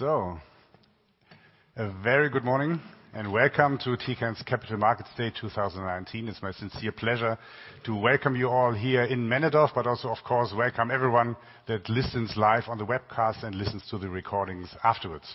A very good morning, and welcome to Tecan's Capital Markets Day 2019. It's my sincere pleasure to welcome you all here in Männedorf, but also, of course, welcome everyone that listens live on the webcast and listens to the recordings afterwards.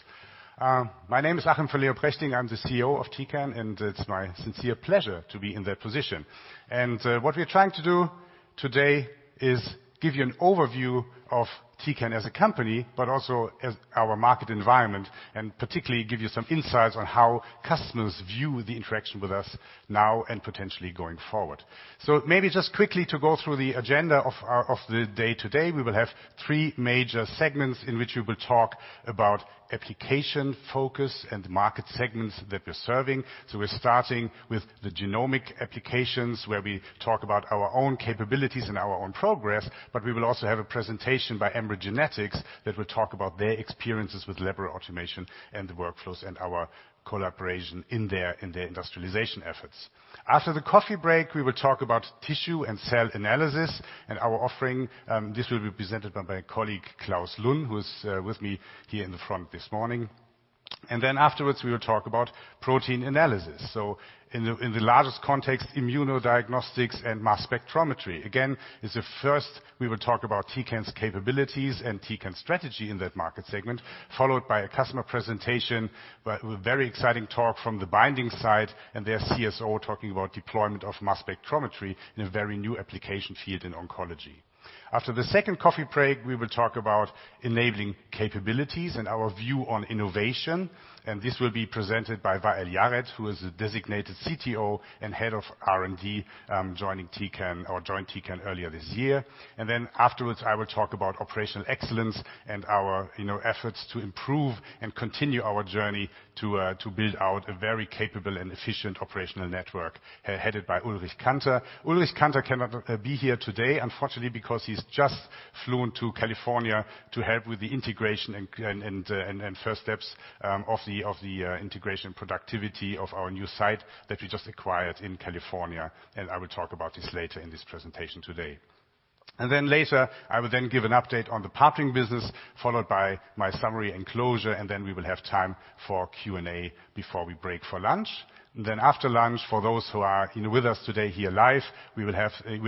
My name is Achim von Leoprechting. I'm the CEO of Tecan, and it's my sincere pleasure to be in that position. What we're trying to do today is give you an overview of Tecan as a company, but also as our market environment, and particularly give you some insights on how customers view the interaction with us now and potentially going forward. Maybe just quickly to go through the agenda of the day today, we will have three major segments in which we will talk about application focus and market segments that we're serving. We're starting with the genomic applications, where we talk about our own capabilities and our own progress, but we will also have a presentation by Ambry Genetics that will talk about their experiences with laboratory automation and the workflows and our collaboration in their industrialization efforts. After the coffee break, we will talk about tissue and cell analysis and our offering. This will be presented by my colleague, Klaus Lun, who is with me here in the front this morning. Afterwards, we will talk about protein analysis. In the largest context, immunodiagnostics and mass spectrometry. Again, it's a first, we will talk about Tecan's capabilities and Tecan's strategy in that market segment, followed by a customer presentation, with a very exciting talk from The Binding Site and their CSO talking about deployment of mass spectrometry in a very new application field in oncology. After the second coffee break, we will talk about enabling capabilities and our view on innovation, and this will be presented by Wael Yared, who is the designated CTO and Head of R&D, joined Tecan earlier this year. Afterwards, I will talk about operational excellence and our efforts to improve and continue our journey to build out a very capable and efficient operational network headed by Ulrich Kanter. Ulrich Kanter cannot be here today, unfortunately, because he's just flown to California to help with the integration and first steps of the integration productivity of our new site that we just acquired in California, and I will talk about this later in this presentation today. Later, I will then give an update on the partnering business, followed by my summary and closure, and then we will have time for Q&A before we break for lunch. After lunch, for those who are with us today here live, we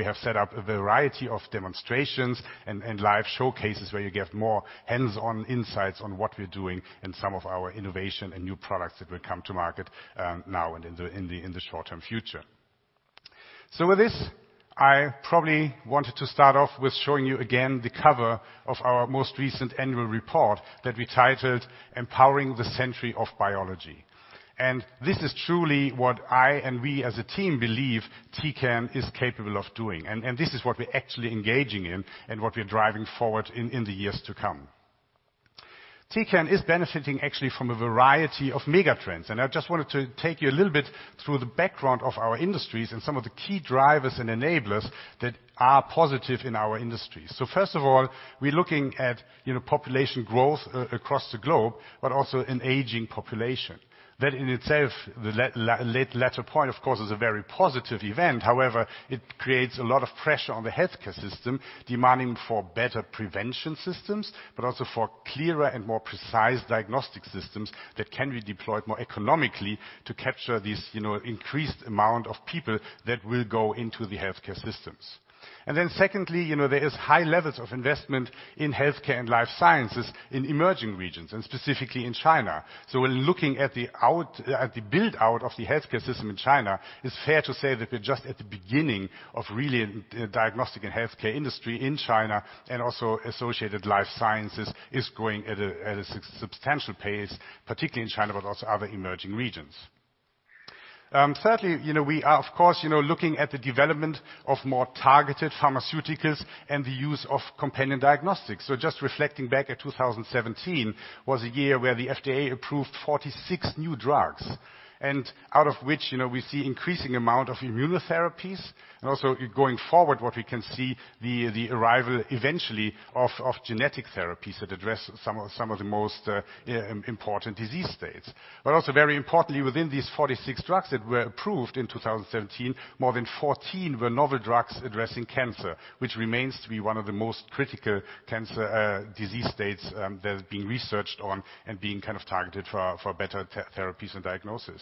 have set up a variety of demonstrations and live showcases where you get more hands-on insights on what we're doing and some of our innovation and new products that will come to market now and in the short-term future. With this, I probably wanted to start off with showing you again the cover of our most recent annual report that we titled, "Empowering the Century of Biology." This is truly what I and we as a team believe Tecan is capable of doing. This is what we're actually engaging in, and what we're driving forward in the years to come. Tecan is benefiting actually from a variety of mega trends. I just wanted to take you a little bit through the background of our industries and some of the key drivers and enablers that are positive in our industry. First of all, we're looking at population growth across the globe, but also an aging population. That in itself, the latter point, of course, is a very positive event. However, it creates a lot of pressure on the healthcare system, demanding for better prevention systems, but also for clearer and more precise diagnostic systems that can be deployed more economically to capture this increased amount of people that will go into the healthcare systems. Secondly, there is high levels of investment in healthcare and life sciences in emerging regions and specifically in China. When looking at the build-out of the healthcare system in China, it's fair to say that we're just at the beginning of really diagnostic and healthcare industry in China and also associated life sciences is growing at a substantial pace, particularly in China, but also other emerging regions. Thirdly, we are, of course, looking at the development of more targeted pharmaceuticals and the use of companion diagnostics. Just reflecting back at 2017, was a year where the FDA approved 46 new drugs. Out of which, we see increasing amount of immunotherapies, also going forward, what we can see the arrival eventually of genetic therapies that address some of the most important disease states. Also very importantly, within these 46 drugs that were approved in 2017, more than 14 were novel drugs addressing cancer, which remains to be one of the most critical disease states that is being researched on and being kind of targeted for better therapies and diagnosis.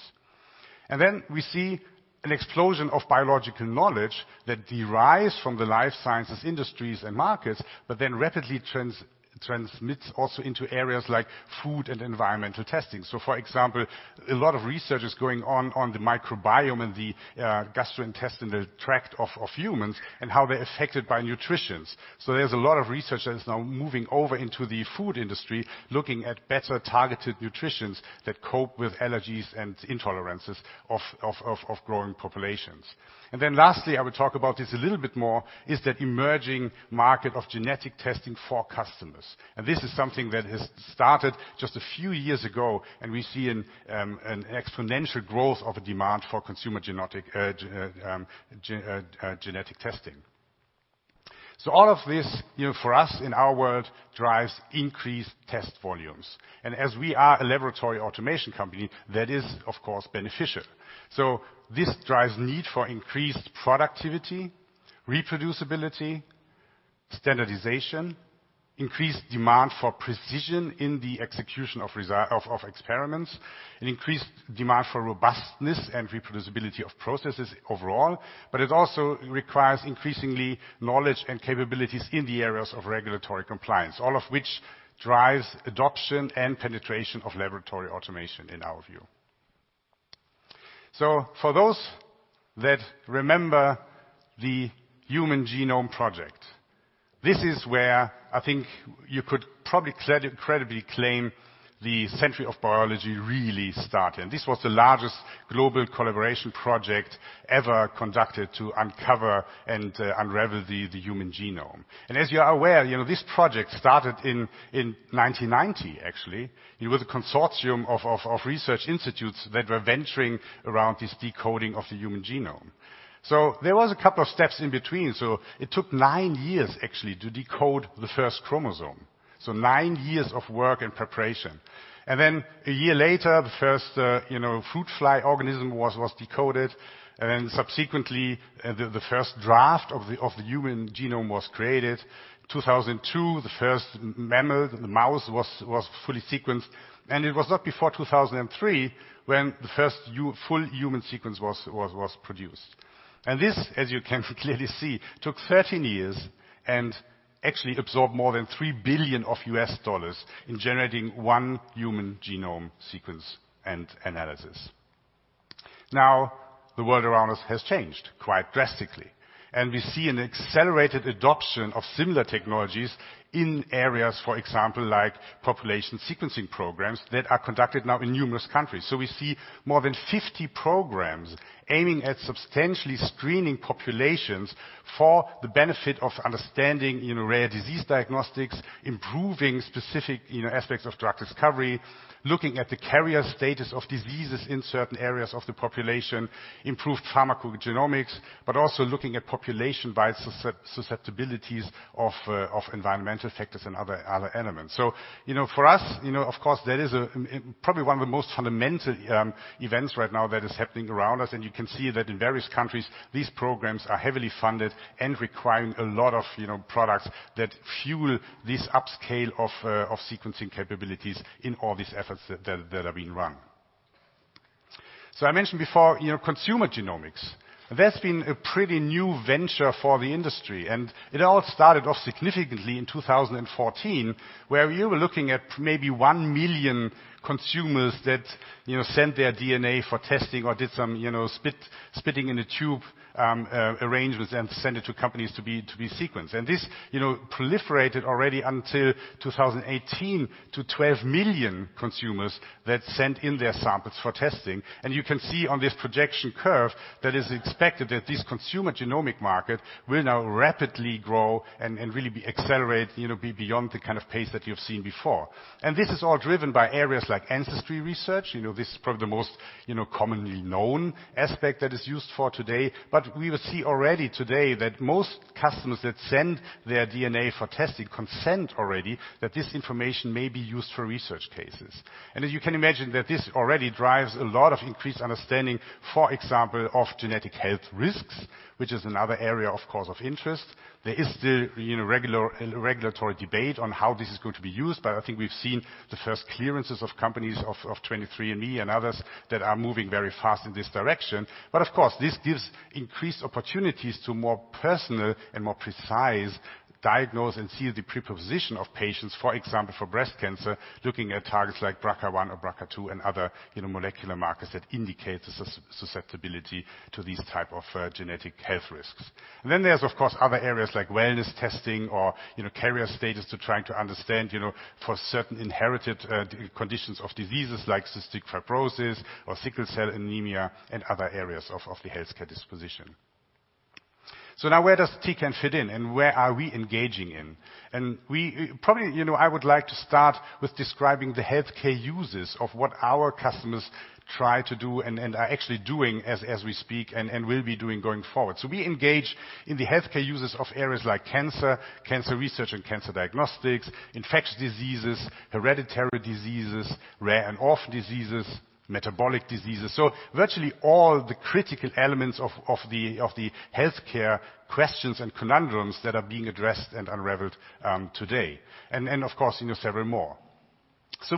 We see an explosion of biological knowledge that derives from the life sciences industries and markets, but then rapidly transmits also into areas like food and environmental testing. For example, a lot of research is going on the microbiome and the gastrointestinal tract of humans and how they're affected by nutritions. There's a lot of research that is now moving over into the food industry, looking at better targeted nutritions that cope with allergies and intolerances of growing populations. Lastly, I will talk about this a little bit more, is that emerging market of genetic testing for customers. This is something that has started just a few years ago. We see an exponential growth of a demand for consumer genetic testing. All of this, for us in our world, drives increased test volumes. As we are a laboratory automation company, that is, of course, beneficial. This drives need for increased productivity, reproducibility, Standardization, increased demand for precision in the execution of experiments, an increased demand for robustness and reproducibility of processes overall, but it also requires increasingly knowledge and capabilities in the areas of regulatory compliance, all of which drives adoption and penetration of laboratory automation in our view. For those that remember the Human Genome Project, this is where I think you could probably credibly claim the century of biology really started. This was the largest global collaboration project ever conducted to uncover and unravel the human genome. As you are aware, this project started in 1990, actually. It was a consortium of research institutes that were venturing around this decoding of the human genome. There was a couple of steps in between. It took nine years actually to decode the first chromosome. Nine years of work and preparation. Then a year later, the first fruit fly organism was decoded, and subsequently, the first draft of the human genome was created. 2002, the first mammal, the mouse, was fully sequenced. It was not before 2003 when the first full human sequence was produced. This, as you can clearly see, took 13 years and actually absorbed more than $3 billion in generating one human genome sequence and analysis. Now, the world around us has changed quite drastically, we see an accelerated adoption of similar technologies in areas, for example, like population sequencing programs that are conducted now in numerous countries. We see more than 50 programs aiming at substantially screening populations for the benefit of understanding rare disease diagnostics, improving specific aspects of drug discovery, looking at the carrier status of diseases in certain areas of the population, improved pharmacogenomics, also looking at population-wide susceptibilities of environmental factors and other elements. For us, of course, that is probably one of the most fundamental events right now that is happening around us, you can see that in various countries, these programs are heavily funded and requiring a lot of products that fuel this upscale of sequencing capabilities in all these efforts that are being run. I mentioned before consumer genomics. That's been a pretty new venture for the industry, it all started off significantly in 2014, where you were looking at maybe 1 million consumers that sent their DNA for testing or did some spitting in a tube arrangements and sent it to companies to be sequenced. This proliferated already until 2018 to 12 million consumers that sent in their samples for testing. You can see on this projection curve that is expected that this consumer genomic market will now rapidly grow and really accelerate beyond the kind of pace that you've seen before. This is all driven by areas like ancestry research. This is probably the most commonly known aspect that is used for today. We will see already today that most customers that send their DNA for testing consent already that this information may be used for research cases. As you can imagine, that this already drives a lot of increased understanding, for example, of genetic health risks, which is another area, of course, of interest. There is still regulatory debate on how this is going to be used, I think we've seen the first clearances of companies of 23andMe and others that are moving very fast in this direction. Of course, this gives increased opportunities to more personal and more precise diagnose and see the predisposition of patients, for example, for breast cancer, looking at targets like BRCA1 or BRCA2 and other molecular markers that indicate susceptibility to these type of genetic health risks. Then there's, of course, other areas like wellness testing or carrier status to try to understand for certain inherited conditions of diseases like cystic fibrosis or sickle cell anemia and other areas of the healthcare disposition. Now where does Tecan fit in and where are we engaging in? Probably, I would like to start with describing the healthcare uses of what our customers try to do and are actually doing as we speak and will be doing going forward. We engage in the healthcare uses of areas like cancer research and cancer diagnostics, infectious diseases, hereditary diseases, rare and orphan diseases, metabolic diseases. Virtually all the critical elements of the healthcare questions and conundrums that are being addressed and unraveled today, and of course, several more.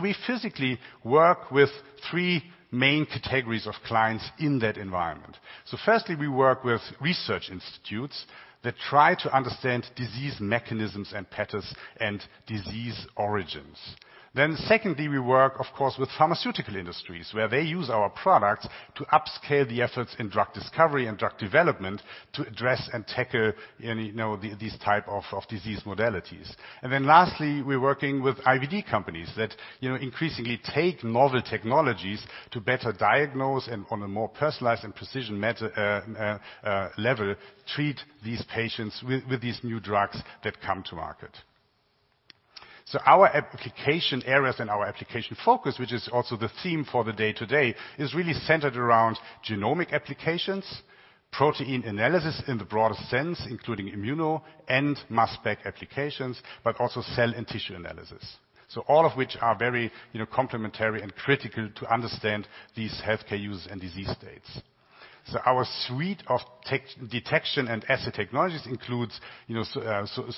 We physically work with 3 main categories of clients in that environment. Firstly, we work with research institutes that try to understand disease mechanisms and patterns and disease origins. Secondly, we work of course with pharmaceutical industries where they use our products to upscale the efforts in drug discovery and drug development to address and tackle these type of disease modalities. Lastly, we're working with IVD companies that increasingly take novel technologies to better diagnose and on a more personalized and precision level, treat these patients with these new drugs that come to market. Our application areas and our application focus, which is also the theme for the day today, is really centered around genomic applications, protein analysis in the broadest sense, including immuno and mass spec applications, but also cell and tissue analysis. All of which are very complementary and critical to understand these healthcare uses and disease states. Our suite of detection and assay technologies includes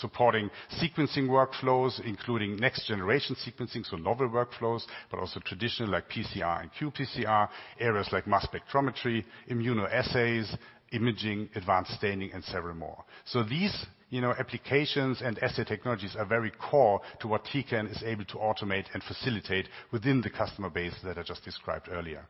supporting sequencing workflows, including next-generation sequencing, novel workflows, but also traditional like PCR and qPCR, areas like mass spectrometry, immunoassays, imaging, advanced staining, and several more. These applications and assay technologies are very core to what Tecan is able to automate and facilitate within the customer base that I just described earlier.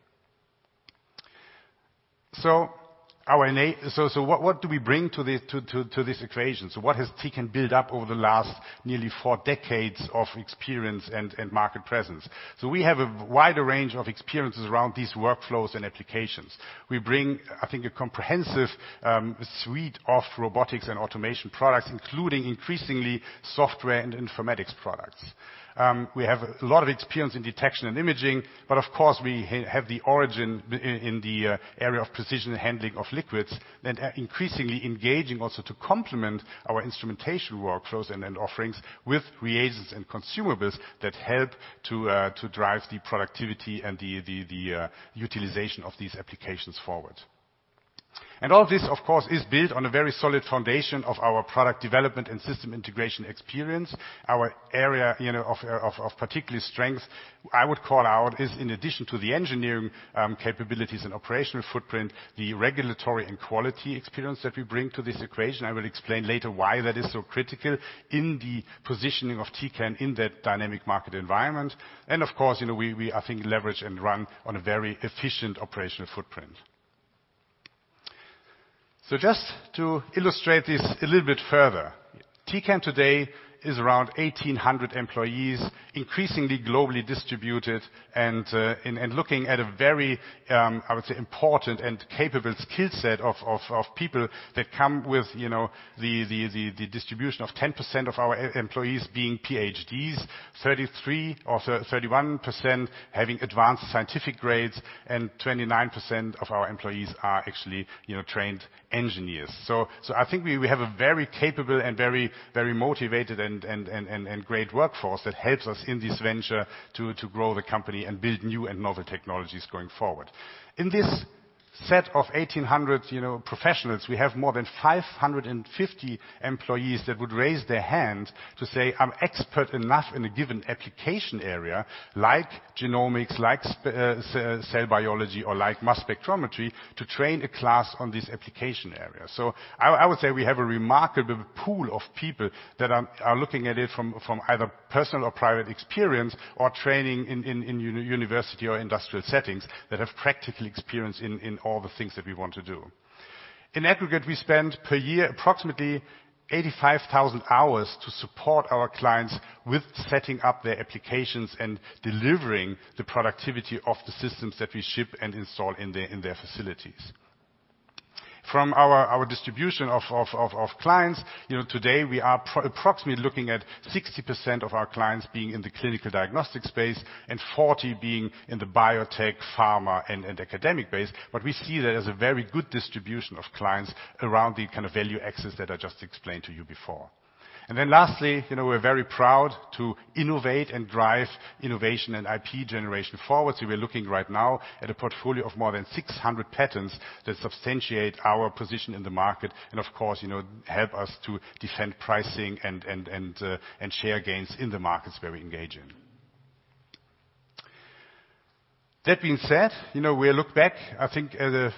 What do we bring to this equation? What has Tecan built up over the last nearly four decades of experience and market presence? We have a wider range of experiences around these workflows and applications. We bring, I think, a comprehensive suite of robotics and automation products, including increasingly software and informatics products. We have a lot of experience in detection and imaging, of course, we have the origin in the area of precision handling of liquids and increasingly engaging also to complement our instrumentation workflows and offerings with reagents and consumables that help to drive the productivity and the utilization of these applications forward. All this, of course, is built on a very solid foundation of our product development and system integration experience. Our area of particular strength, I would call out, is in addition to the engineering capabilities and operational footprint, the regulatory and quality experience that we bring to this equation. I will explain later why that is so critical in the positioning of Tecan in that dynamic market environment. Of course, we, I think, leverage and run on a very efficient operational footprint. Just to illustrate this a little bit further, Tecan today is around 1,800 employees, increasingly globally distributed and looking at a very, I would say, important and capable skill set of people that come with the distribution of 10% of our employees being PhDs, 33% or 31% having advanced scientific grades, and 29% of our employees are actually trained engineers. I think we have a very capable and very motivated and great workforce that helps us in this venture to grow the company and build new and novel technologies going forward. In this set of 1,800 professionals, we have more than 550 employees that would raise their hand to say, "I'm expert enough in a given application area like genomics, like cell biology, or like mass spectrometry," to train a class on this application area. I would say we have a remarkable pool of people that are looking at it from either personal or private experience, or training in university or industrial settings that have practical experience in all the things that we want to do. In aggregate, we spend per year approximately 85,000 hours to support our clients with setting up their applications and delivering the productivity of the systems that we ship and install in their facilities. From our distribution of clients, today we are approximately looking at 60% of our clients being in the clinical diagnostics space and 40% being in the biotech, pharma, and academic base. We see that as a very good distribution of clients around the kind of value axis that I just explained to you before. Lastly, we're very proud to innovate and drive innovation and IP generation forward. We're looking right now at a portfolio of more than 600 patents that substantiate our position in the market and of course, help us to defend pricing and share gains in the markets where we engage in. That being said, we look back, I think, at a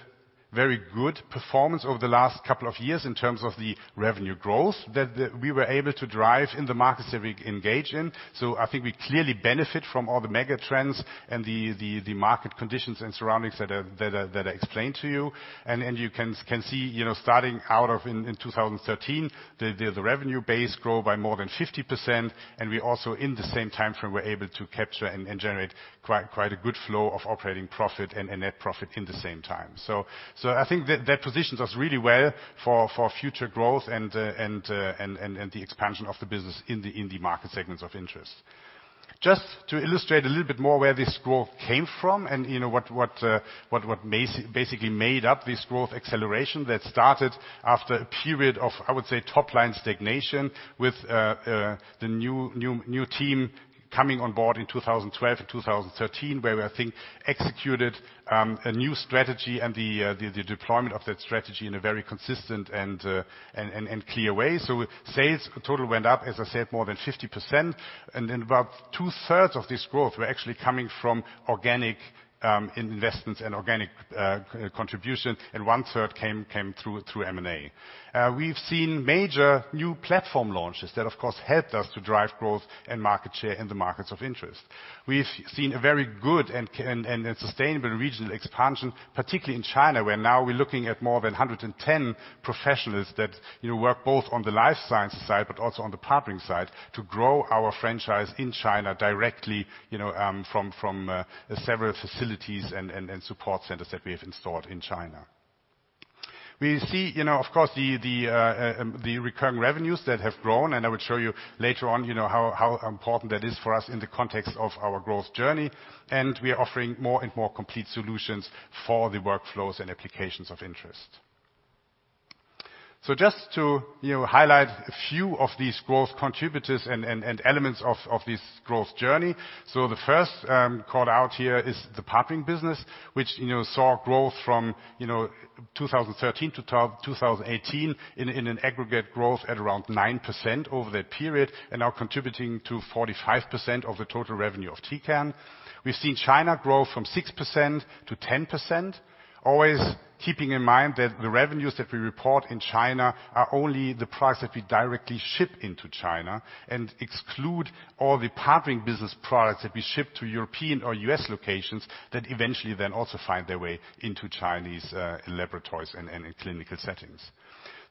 very good performance over the last couple of years in terms of the revenue growth that we were able to drive in the markets that we engage in. I think we clearly benefit from all the megatrends and the market conditions and surroundings that I explained to you. You can see, starting out in 2013, the revenue base grow by more than 50%, and we also, in the same time frame, were able to capture and generate quite a good flow of operating profit and net profit in the same time. I think that positions us really well for future growth and the expansion of the business in the market segments of interest. Just to illustrate a little bit more where this growth came from and what basically made up this growth acceleration that started after a period of, I would say, top-line stagnation with the new team coming on board in 2012 and 2013, where we, I think, executed a new strategy and the deployment of that strategy in a very consistent and clear way. Sales total went up, as I said, more than 50%, and about two-thirds of this growth were actually coming from organic investments and organic contribution, and one-third came through M&A. We've seen major new platform launches that, of course, helped us to drive growth and market share in the markets of interest. We've seen a very good and sustainable regional expansion, particularly in China, where now we're looking at more than 110 professionals that work both on the life science side but also on the partnering side to grow our franchise in China directly from several facilities and support centers that we have installed in China. We see, of course, the recurring revenues that have grown, and I would show you later on how important that is for us in the context of our growth journey, and we are offering more and more complete solutions for the workflows and applications of interest. Just to highlight a few of these growth contributors and elements of this growth journey. The first callout here is the Partnering Business, which saw growth from 2013 to 2018 in an aggregate growth at around 9% over that period, and now contributing to 45% of the total revenue of Tecan. We've seen China grow from 6% to 10%, always keeping in mind that the revenues that we report in China are only the products that we directly ship into China and exclude all the Partnering Business products that we ship to European or U.S. locations that eventually then also find their way into Chinese laboratories and in clinical settings.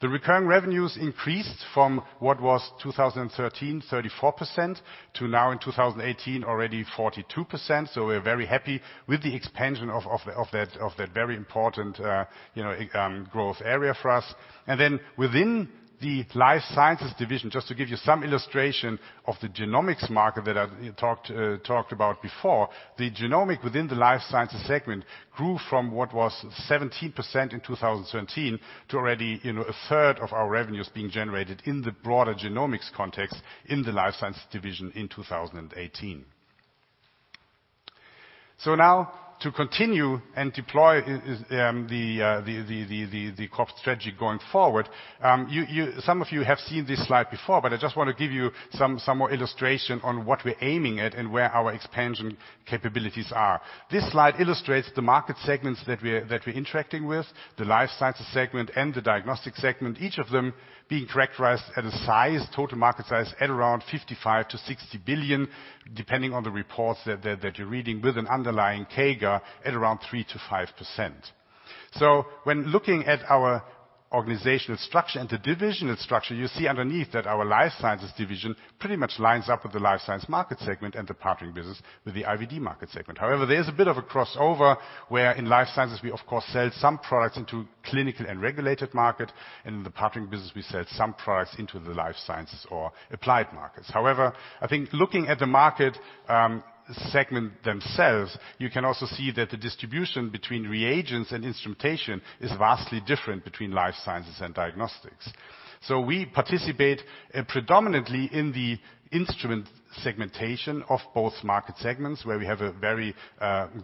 The recurring revenues increased from what was 2013, 34%, to now in 2018, already 42%. We're very happy with the expansion of that very important growth area for us. Within the Life Sciences division, just to give you some illustration of the genomics market that I talked about before, the genomics within the Life Sciences segment grew from what was 17% in 2017 to already a third of our revenues being generated in the broader genomics context in the Life Sciences division in 2018. Now to continue and deploy the corp strategy going forward. Some of you have seen this slide before, but I just want to give you some more illustration on what we're aiming at and where our expansion capabilities are. This slide illustrates the market segments that we're interacting with, the Life Sciences segment and the diagnostic segment, each of them being characterized at a size, total market size, at around 55 billion to 60 billion, depending on the reports that you're reading, with an underlying CAGR at around 3%-5%. When looking at our organizational structure and the divisional structure, you see underneath that our Life Sciences division pretty much lines up with the Life Sciences market segment and the Partnering Business with the IVD market segment. There's a bit of a crossover where in life sciences, we of course sell some products into clinical and regulated market, and in the Partnering Business, we sell some products into the life sciences or applied markets. I think looking at the market segment themselves, you can also see that the distribution between reagents and instrumentation is vastly different between life sciences and diagnostics. We participate predominantly in the instrument segmentation of both market segments, where we have a very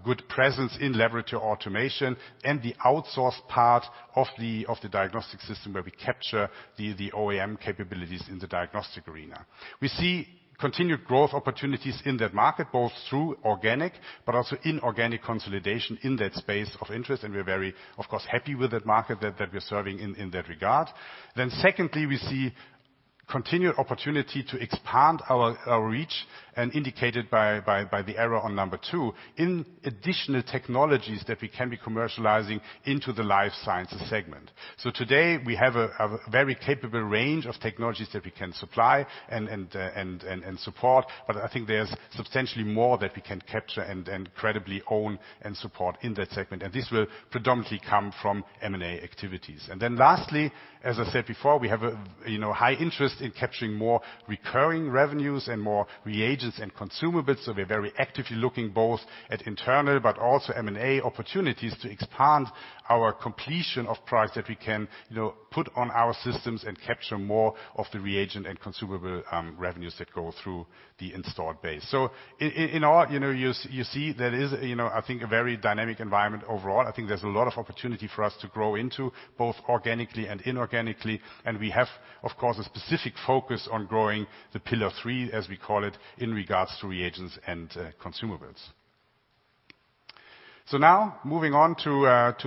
good presence in laboratory automation and the outsourced part of the diagnostic system where we capture the OEM capabilities in the diagnostic arena. We see continued growth opportunities in that market, both through organic but also inorganic consolidation in that space of interest, and we're very, of course, happy with that market that we're serving in that regard. Secondly, we see continued opportunity to expand our reach and indicated by the arrow on number two in additional technologies that we can be commercializing into the life sciences segment. Today, we have a very capable range of technologies that we can supply and support, but I think there's substantially more that we can capture and credibly own and support in that segment, and this will predominantly come from M&A activities. Lastly, as I said before, we have a high interest in capturing more recurring revenues and more reagents and consumable, so we're very actively looking both at internal but also M&A opportunities to expand our completion of products that we can put on our systems and capture more of the reagent and consumable revenues that go through the installed base. In all, you see there is, I think, a very dynamic environment overall. I think there's a lot of opportunity for us to grow into, both organically and inorganically, and we have, of course, a specific focus on growing the pillar 3, as we call it, in regards to reagents and consumables. Now moving on to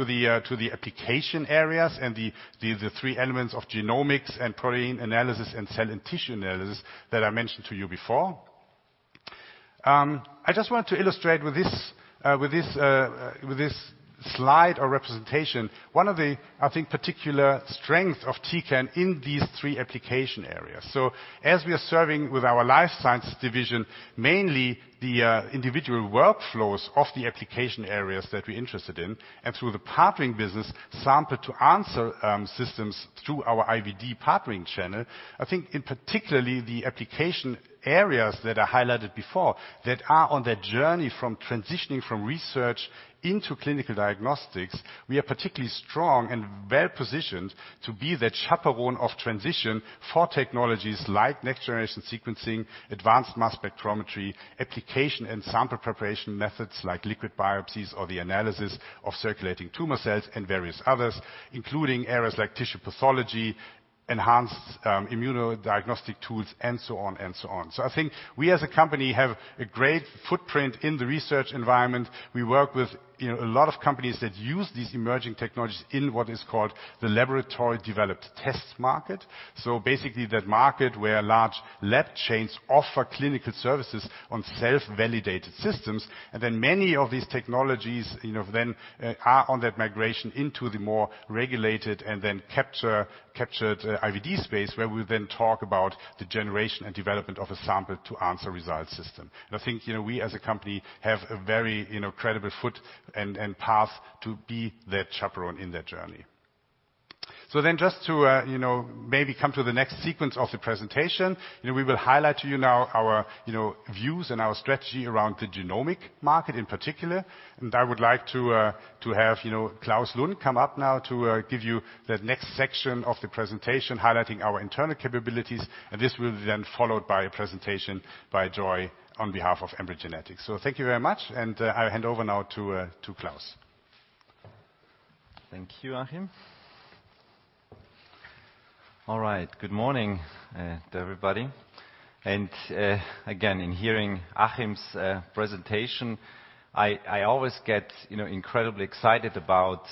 the application areas and the three elements of genomics and protein analysis and cell and tissue analysis that I mentioned to you before. I just want to illustrate with this slide or representation, one of the, I think, particular strength of Tecan in these three application areas. As we are serving with our Life Sciences division, mainly the individual workflows of the application areas that we're interested in, and through the Partnering Business sample-to-answer systems through our IVD partnering channel. I think in particularly the application areas that I highlighted before that are on that journey from transitioning from research into clinical diagnostics, we are particularly strong and well-positioned to be that chaperone of transition for technologies like next-generation sequencing, advanced mass spectrometry, application and sample preparation methods like liquid biopsies or the analysis of circulating tumor cells and various others, including areas like tissue pathology, enhanced immunodiagnostic tools, and so on. I think we as a company have a great footprint in the research environment. We work with a lot of companies that use these emerging technologies in what is called the laboratory developed tests market. Basically that market where large lab chains offer clinical services on self-validated systems, many of these technologies are on that migration into the more regulated and captured IVD space where we talk about the generation and development of a sample to answer result system. I think we as a company have a very credible foot and path to be that chaperone in that journey. Just to maybe come to the next sequence of the presentation, we will highlight to you now our views and our strategy around the genomic market in particular. I would like to have Klaus Lun come up now to give you the next section of the presentation, highlighting our internal capabilities, and this will be followed by a presentation by Joy on behalf of Ambry Genetics. Thank you very much, I'll hand over now to Klaus. Thank you, Achim. All right. Good morning, everybody. Again, in hearing Achim's presentation, I always get incredibly excited about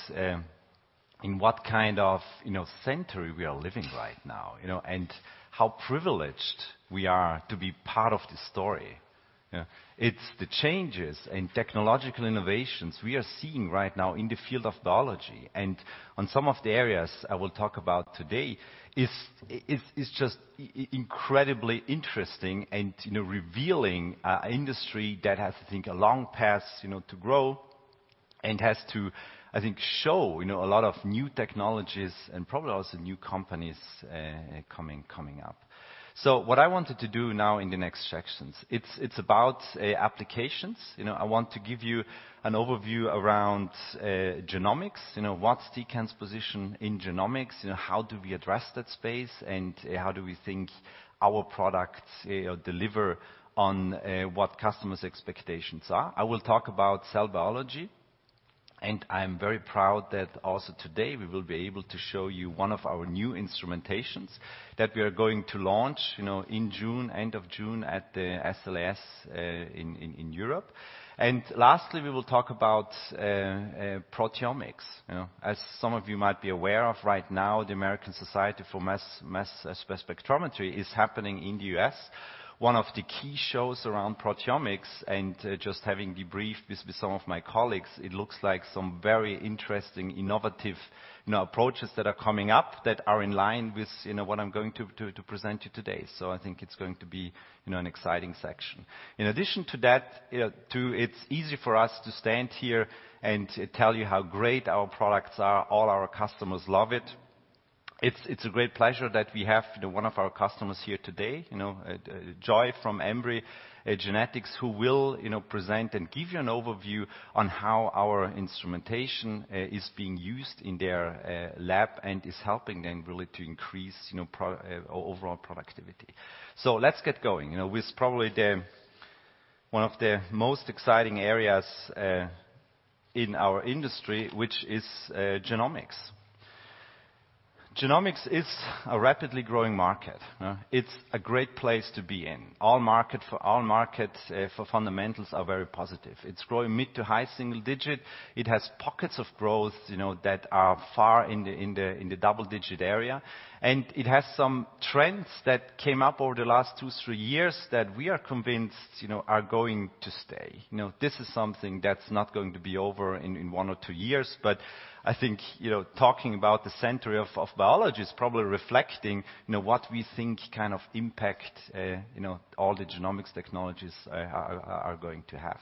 in what kind of century we are living right now, and how privileged we are to be part of this story. It's the changes in technological innovations we are seeing right now in the field of biology, and on some of the areas I will talk about today, is just incredibly interesting and revealing industry that has, I think, a long path to grow, and has to, I think, show a lot of new technologies and probably also new companies coming up. What I wanted to do now in the next sections, it's about applications. I want to give you an overview around genomics, what's Tecan's position in genomics, how do we address that space, and how do we think our products deliver on what customers' expectations are. I will talk about cell biology, I'm very proud that also today we will be able to show you one of our new instrumentations that we are going to launch in June, end of June, at the SLAS in Europe. Lastly, we will talk about proteomics. As some of you might be aware of, right now, the American Society for Mass Spectrometry is happening in the U.S., one of the key shows around proteomics, just having debriefed with some of my colleagues, it looks like some very interesting, innovative approaches that are coming up that are in line with what I'm going to present you today. I think it's going to be an exciting section. In addition to that, too, it's easy for us to stand here and tell you how great our products are. All our customers love it. It's a great pleasure that we have one of our customers here today, Joy from Ambry Genetics, who will present and give you an overview on how our instrumentation is being used in their lab and is helping them really to increase overall productivity. Let's get going. With probably one of the most exciting areas in our industry, which is genomics. Genomics is a rapidly growing market. It's a great place to be in. All markets for fundamentals are very positive. It's growing mid to high single digit. It has pockets of growth that are far in the double digit area. It has some trends that came up over the last two, three years that we are convinced are going to stay. This is something that's not going to be over in one or two years. I think talking about the century of biology is probably reflecting what we think kind of impact all the genomics technologies are going to have.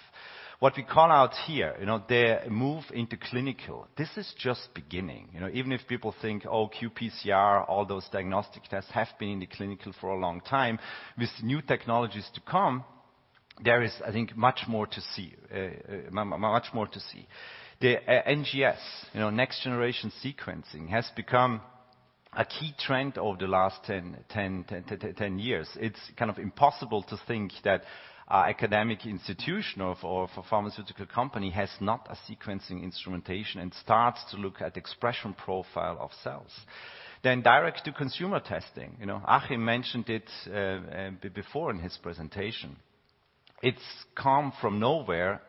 What we call out here, the move into clinical. This is just beginning. Even if people think, oh, qPCR, all those diagnostic tests have been in the clinical for a long time, with new technologies to come, there is, I think, much more to see. The NGS, next generation sequencing, has become a key trend over the last 10 years. It's kind of impossible to think that academic institution or for pharmaceutical company has not a sequencing instrumentation and starts to look at expression profile of cells. Direct to consumer testing. Achim mentioned it before in his presentation. It's come from nowhere.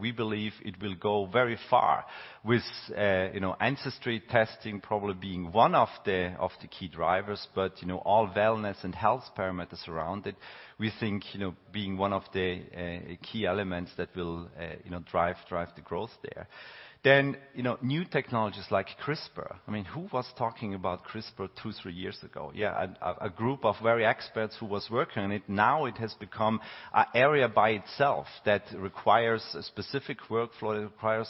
We believe it will go very far with ancestry testing probably being one of the key drivers. All wellness and health parameters around it, we think being one of the key elements that will drive the growth there. New technologies like CRISPR. I mean, who was talking about CRISPR two, three years ago? A group of very experts who was working on it. Now it has become an area by itself that requires a specific workflow, it requires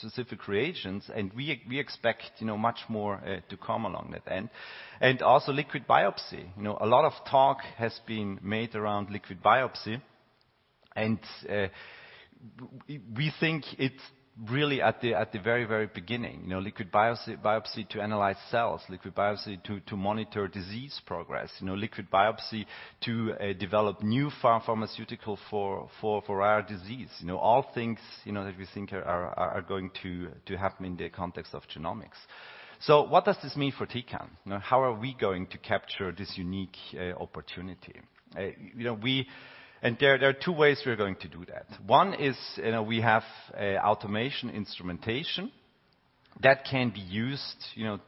specific reagents. We expect much more to come along that. Also liquid biopsy. A lot of talk has been made around liquid biopsy. We think it's really at the very beginning. Liquid biopsy to analyze cells, liquid biopsy to monitor disease progress, liquid biopsy to develop new pharmaceutical for rare disease. All things that we think are going to happen in the context of genomics. What does this mean for Tecan? How are we going to capture this unique opportunity? There are two ways we are going to do that. One is, we have automation instrumentation that can be used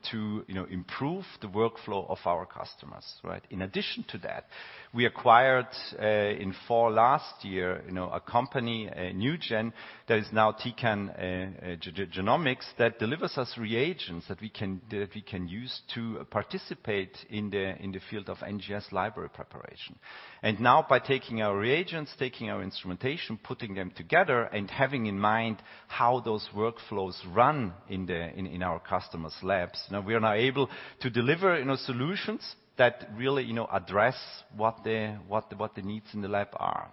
to improve the workflow of our customers. In addition to that, we acquired, in fall last year, a company, NuGen, that is now Tecan Genomics, that delivers us reagents that we can use to participate in the field of NGS library preparation. By taking our reagents, taking our instrumentation, putting them together, and having in mind how those workflows run in our customers' labs, we are now able to deliver solutions that really address what the needs in the lab are.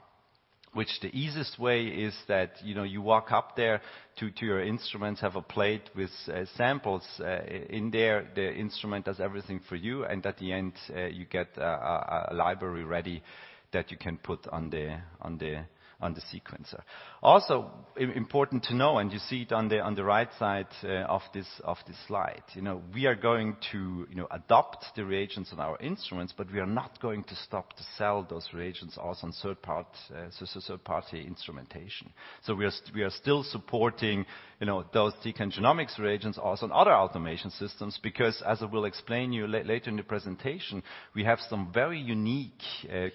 The easiest way is that you walk up there to your instruments, have a plate with samples in there, the instrument does everything for you, and at the end, you get a library ready that you can put on the sequencer. Important to know, and you see it on the right side of this slide. We are going to adopt the reagents on our instruments, but we are not going to stop to sell those reagents also on third-party instrumentation. We are still supporting those Tecan Genomics reagents also on other automation systems because, as I will explain to you later in the presentation, we have some very unique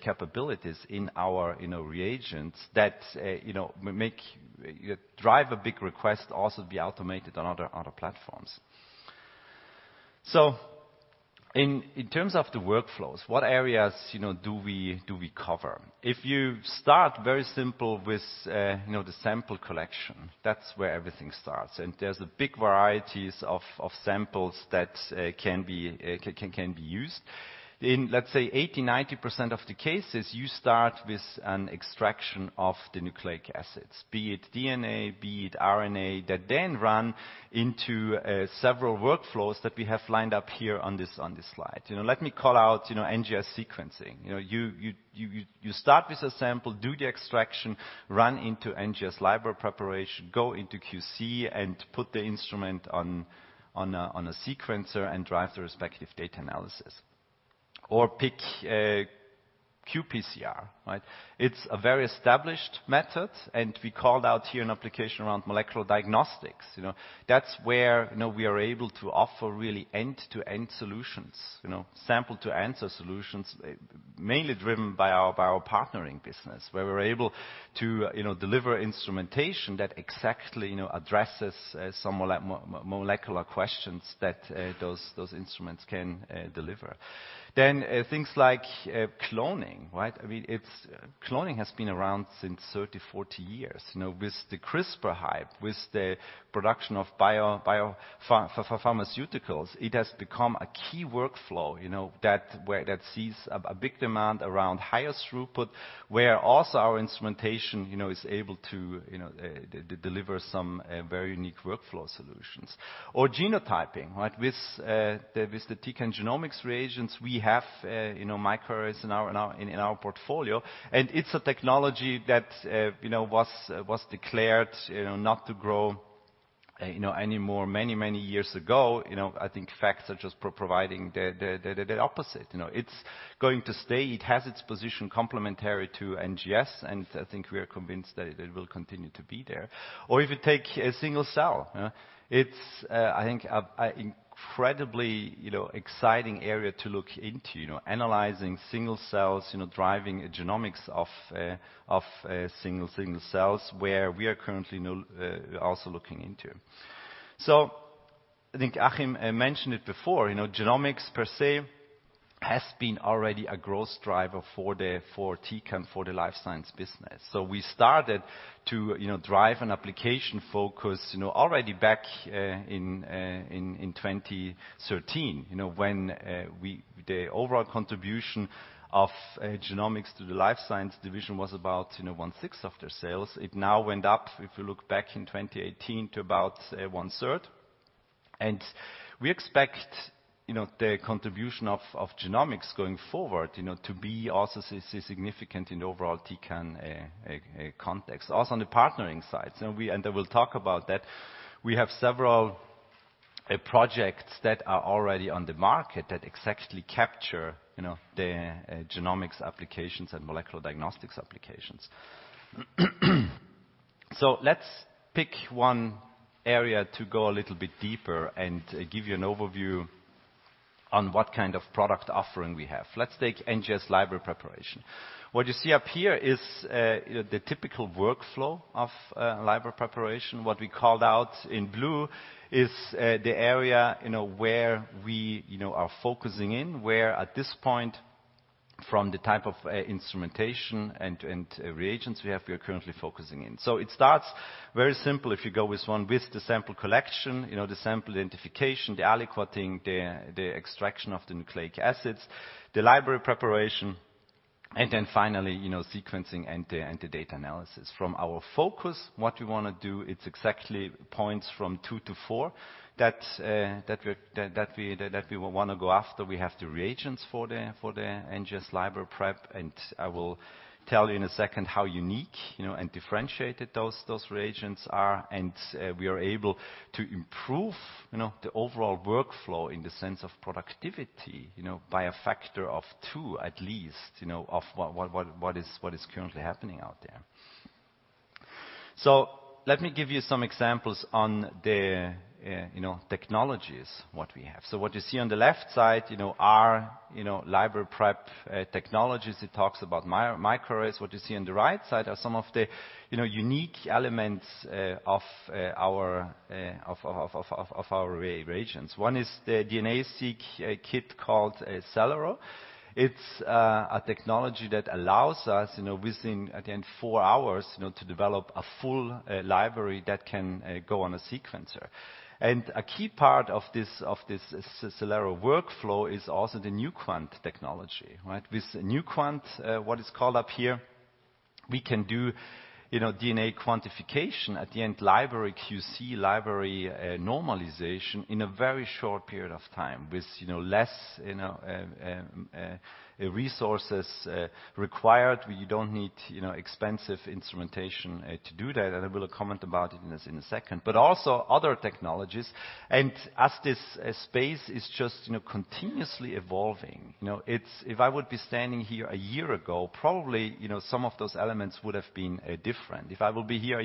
capabilities in our reagents that drive a big request also to be automated on other platforms. In terms of the workflows, what areas do we cover? If you start very simple with the sample collection, that's where everything starts. There's a big varieties of samples that can be used. In, let's say, 80%, 90% of the cases, you start with an extraction of the nucleic acids, be it DNA, be it RNA, that then run into several workflows that we have lined up here on this slide. Let me call out NGS sequencing. You start with a sample, do the extraction, run into NGS library preparation, go into QC, and put the instrument on a sequencer and drive the respective data analysis. Pick qPCR. It's a very established method, and we called out here an application around molecular diagnostics. That's where we are able to offer really end-to-end solutions, sample-to-answer solutions, mainly driven by our partnering business, where we're able to deliver instrumentation that exactly addresses some molecular questions that those instruments can deliver. Things like cloning. Cloning has been around since 30, 40 years. With the CRISPR hype, with the production of biopharmaceuticals, it has become a key workflow that sees a big demand around higher throughput, where also our instrumentation is able to deliver some very unique workflow solutions. Genotyping. With the Tecan Genomics reagents, we have microarrays in our portfolio, and it's a technology that was declared not to grow anymore many, many years ago. I think facts are just providing the opposite. It's going to stay. It has its position complementary to NGS, and I think we are convinced that it will continue to be there. If you take a single cell, it's, I think, incredibly exciting area to look into, analyzing single cells, driving genomics of single cells, where we are currently also looking into. I think Achim mentioned it before. Genomics per se has been already a growth driver for Tecan, for the life science business. We started to drive an application focus already back in 2013, when the overall contribution of genomics to the life science division was about one-sixth of the sales. It now went up, if you look back in 2018, to about one-third. We expect the contribution of genomics going forward to be also significant in the overall Tecan context. On the partnering side, and I will talk about that, we have several projects that are already on the market that exactly capture the genomics applications and molecular diagnostics applications. Let's pick one area to go a little bit deeper and give you an overview on what kind of product offering we have. Let's take NGS library preparation. What you see up here is the typical workflow of library preparation. What we called out in blue is the area where we are focusing in, where at this point, from the type of instrumentation and reagents we have, we are currently focusing in. It starts very simple if you go with the sample collection, the sample identification, the aliquoting, the extraction of the nucleic acids, the library preparation, finally, sequencing and the data analysis. From our focus, what we want to do, it's exactly points from two to four that we want to go after. We have the reagents for the NGS library prep, I will tell you in a second how unique and differentiated those reagents are, and we are able to improve the overall workflow in the sense of productivity by a factor of two at least of what is currently happening out there. Let me give you some examples on the technologies, what we have. What you see on the left side are library prep technologies. It talks about microarrays. What you see on the right side are some of the unique elements of our reagents. One is the DNA-seq kit called Celero. It's a technology that allows us within, again, four hours to develop a full library that can go on a sequencer. A key part of this Celero workflow is also the NuQuant technology. With NuQuant, what is called up here, we can do DNA quantification at the end, library QC, library normalization in a very short period of time with less resources required. You don't need expensive instrumentation to do that, I will comment about it in a second, but also other technologies. As this space is just continuously evolving. If I would be standing here a year ago, probably some of those elements would have been different. If I will be here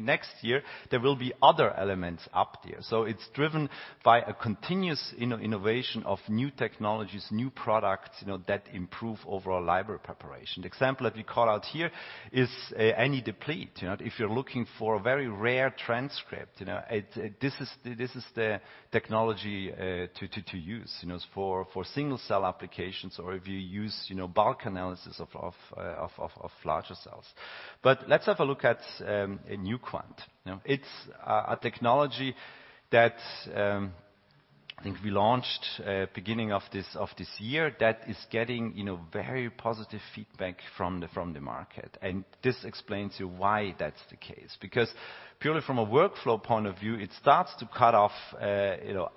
next year, there will be other elements up there. It's driven by a continuous innovation of new technologies, new products, that improve overall library preparation. The example that we call out here is AnyDeplete. If you're looking for a very rare transcript, this is the technology to use, for single-cell applications or if you use bulk analysis of larger cells. Let's have a look at NuQuant. It's a technology that, I think, we launched beginning of this year that is getting very positive feedback from the market, this explains why that's the case. Purely from a workflow point of view, it starts to cut off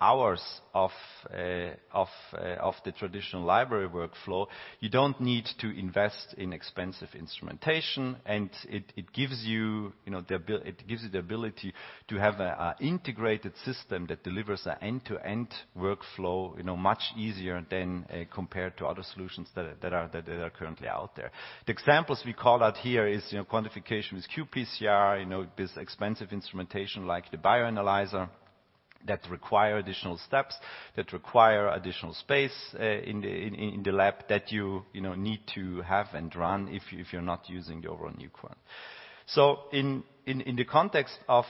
hours of the traditional library workflow. You don't need to invest in expensive instrumentation, it gives you the ability to have an integrated system that delivers an end-to-end workflow much easier than compared to other solutions that are currently out there. The examples we call out here is quantification with qPCR, this expensive instrumentation like the Bioanalyzer that require additional steps, that require additional space in the lab that you need to have and run if you're not using the overall NuQuant. In the context of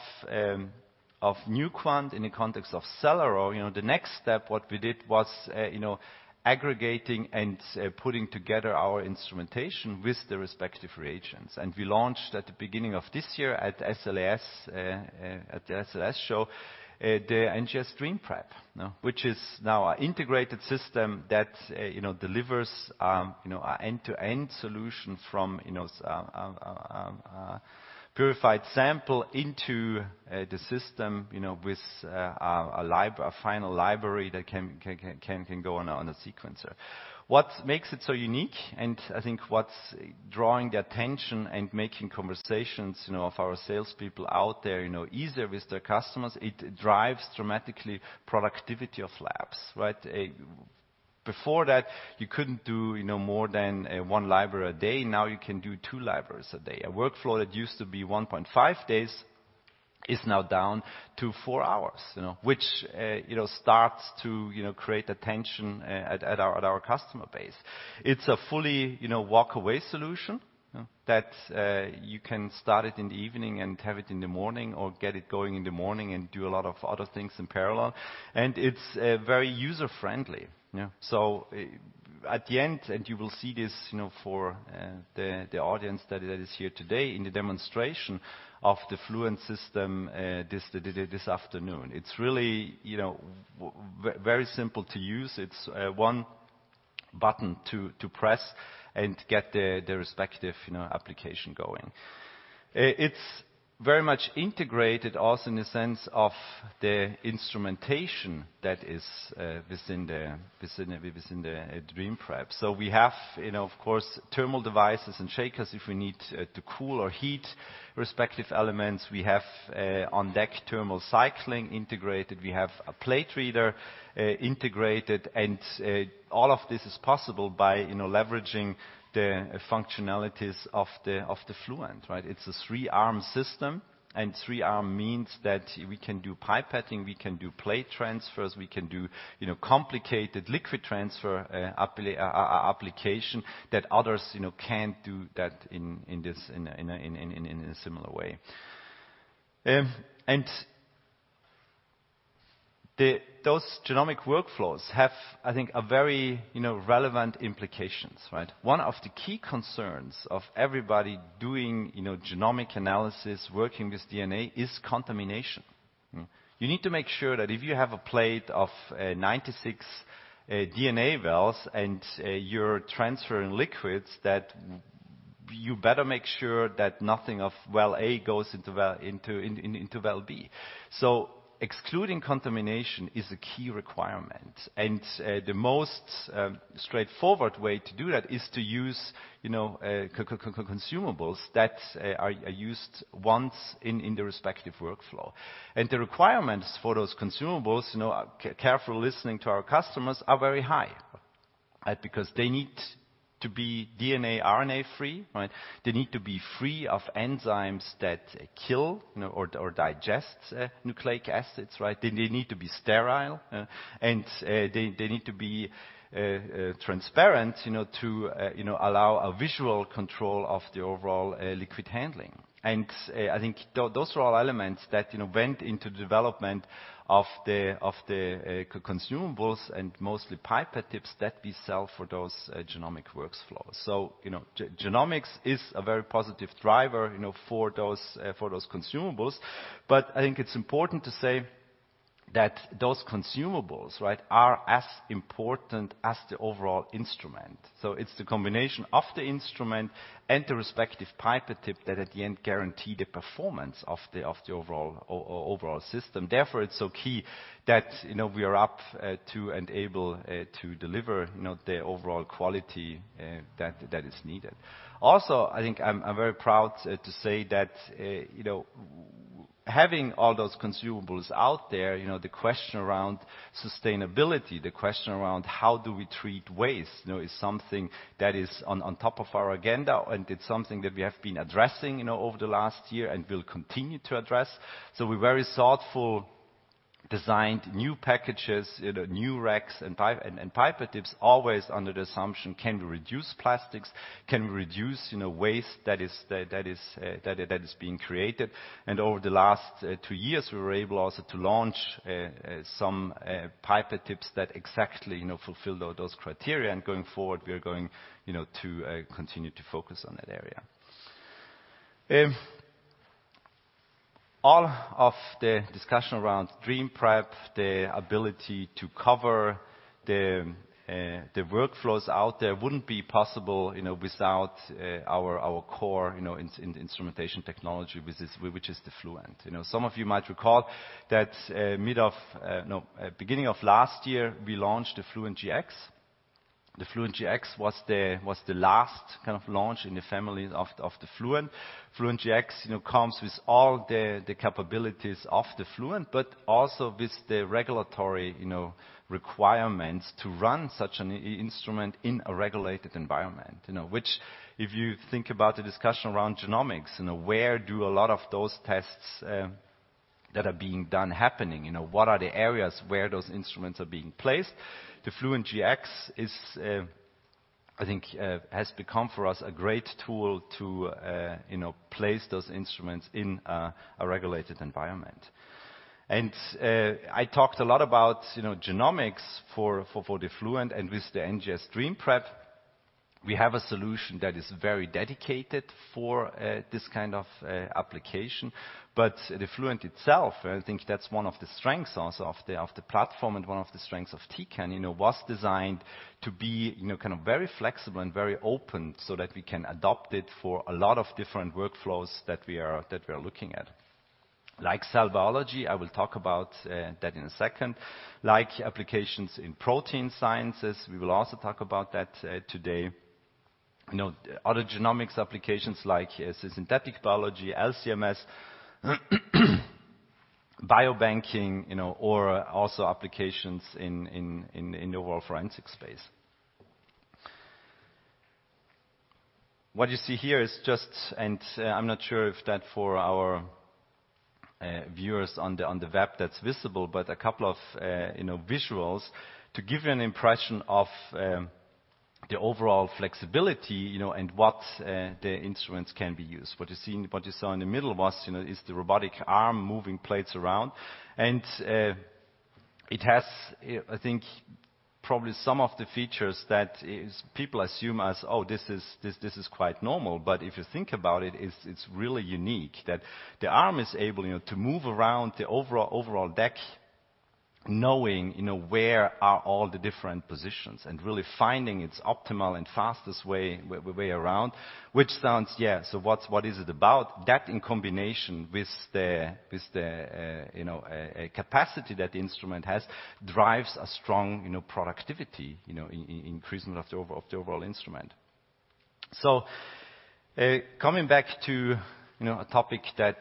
NuQuant, in the context of Celero, the next step, what we did was aggregating and putting together our instrumentation with the respective reagents. We launched at the beginning of this year at the SLAS show, the NGS DreamPrep, which is now an integrated system that delivers end-to-end solution from purified sample into the system with a final library that can go on a sequencer. What makes it so unique, and I think what's drawing the attention and making conversations of our salespeople out there easier with their customers, it drives dramatically productivity of labs. Right. Before that, you couldn't do more than one library a day. Now you can do two libraries a day. A workflow that used to be 1.5 days is now down to four hours, which starts to create attention at our customer base. It's a fully walk-away solution that you can start it in the evening and have it in the morning, or get it going in the morning and do a lot of other things in parallel, and it's very user-friendly. At the end, and you will see this for the audience that is here today in the demonstration of the Fluent system this afternoon. It's really very simple to use. It's one button to press and get the respective application going. It's very much integrated also in the sense of the instrumentation that is within the DreamPrep. We have, of course, thermal devices and shakers if we need to cool or heat respective elements. We have on-deck thermal cycling integrated. We have a plate reader integrated, and all of this is possible by leveraging the functionalities of the Fluent, right. It's a three-arm system, and three-arm means that we can do pipetting, we can do plate transfers, we can do complicated liquid transfer application that others can't do that in a similar way. Those genomic workflows have, I think, a very relevant implications, right. One of the key concerns of everybody doing genomic analysis, working with DNA, is contamination. You need to make sure that if you have a plate of 96 DNA wells and you're transferring liquids, that you better make sure that nothing of well A goes into well B. Excluding contamination is a key requirement. The most straightforward way to do that is to use consumables that are used once in the respective workflow. The requirements for those consumables, careful listening to our customers, are very high because they need to be DNA, RNA-free, right. They need to be free of enzymes that kill or digests nucleic acids, right. They need to be sterile, and they need to be transparent to allow a visual control of the overall liquid handling. I think those are all elements that went into the development of the consumables and mostly pipette tips that we sell for those genomic workflows. I think it's important to say that those consumables are as important as the overall instrument. It's the combination of the instrument and the respective pipette tip that at the end guarantee the performance of the overall system. It's so key that we are up to and able to deliver the overall quality that is needed. I think I'm very proud to say that having all those consumables out there, the question around sustainability, the question around how do we treat waste, is something that is on top of our agenda, and it's something that we have been addressing over the last year and will continue to address. We very thoughtfully designed new packages, new racks and pipette tips, always under the assumption, can we reduce plastics? Can we reduce waste that is being created? Over the last two years, we were able also to launch some pipette tips that exactly fulfill those criteria. Going forward, we are going to continue to focus on that area. All of the discussion around DreamPrep, the ability to cover the workflows out there wouldn't be possible without our core instrumentation technology, which is the Fluent. Some of you might recall that beginning of last year, we launched the Fluent Gx. The Fluent Gx was the last kind of launch in the family of the Fluent. Fluent Gx comes with all the capabilities of the Fluent, but also with the regulatory requirements to run such an instrument in a regulated environment. Which if you think about the discussion around genomics, where do a lot of those tests that are being done happening? What are the areas where those instruments are being placed? The Fluent Gx, I think, has become for us a great tool to place those instruments in a regulated environment. I talked a lot about genomics for the Fluent and with the NGS DreamPrep, we have a solution that is very dedicated for this kind of application. The Fluent itself, I think that's one of the strengths also of the platform and one of the strengths of Tecan, was designed to be very flexible and very open so that we can adopt it for a lot of different workflows that we are looking at. Like cell biology, I will talk about that in a second. Like applications in protein sciences, we will also talk about that today. Other genomics applications like synthetic biology, LC-MS, biobanking or also applications in the overall forensic space. What you see here is just, and I'm not sure if that for our viewers on the web that's visible, but a couple of visuals to give you an impression of the overall flexibility and what the instruments can be used. What you saw in the middle is the robotic arm moving plates around, and it has, I think, probably some of the features that people assume as, oh, this is quite normal. If you think about it's really unique that the arm is able to move around the overall deck knowing where are all the different positions and really finding its optimal and fastest way around, which sounds, yeah, what is it about? That in combination with the capacity that the instrument has, drives a strong productivity in increasing of the overall instrument. Coming back to a topic that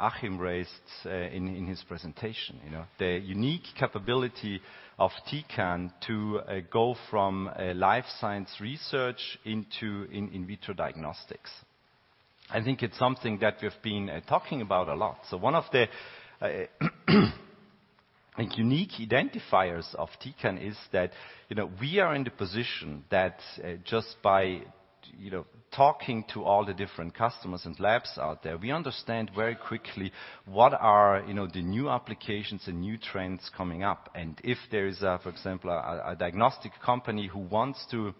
Achim raised in his presentation. The unique capability of Tecan to go from life science research into in vitro diagnostics. I think it's something that we've been talking about a lot. One of the unique identifiers of Tecan is that we are in the position that just by talking to all the different customers and labs out there, we understand very quickly what are the new applications and new trends coming up. If there is, for example, a diagnostic company who wants to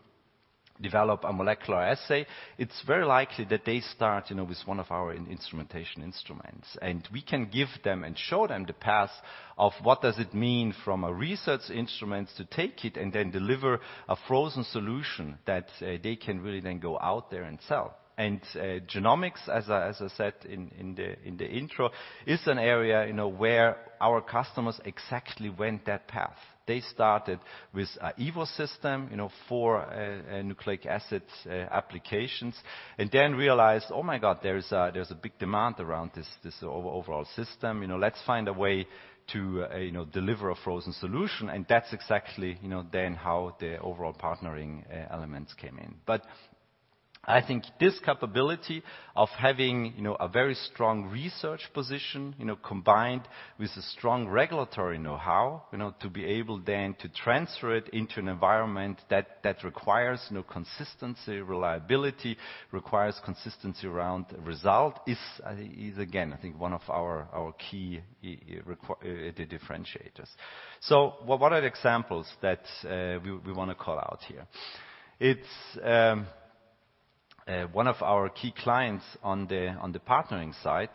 develop a molecular assay, it's very likely that they start with one of our instrumentation instruments. We can give them and show them the path of what does it mean from a research instrument to take it and then deliver a frozen solution that they can really then go out there and sell. Genomics, as I said in the intro, is an area where our customers exactly went that path. They started with an EVO system for nucleic acids applications and then realized, oh my God, there's a big demand around this overall system. Let's find a way to deliver a frozen solution, That's exactly then how the overall partnering elements came in. I think this capability of having a very strong research position, combined with a strong regulatory knowhow, to be able then to transfer it into an environment that requires consistency, reliability, requires consistency around result is again, I think one of our key differentiators. What are the examples that we want to call out here? One of our key clients on the partnering side,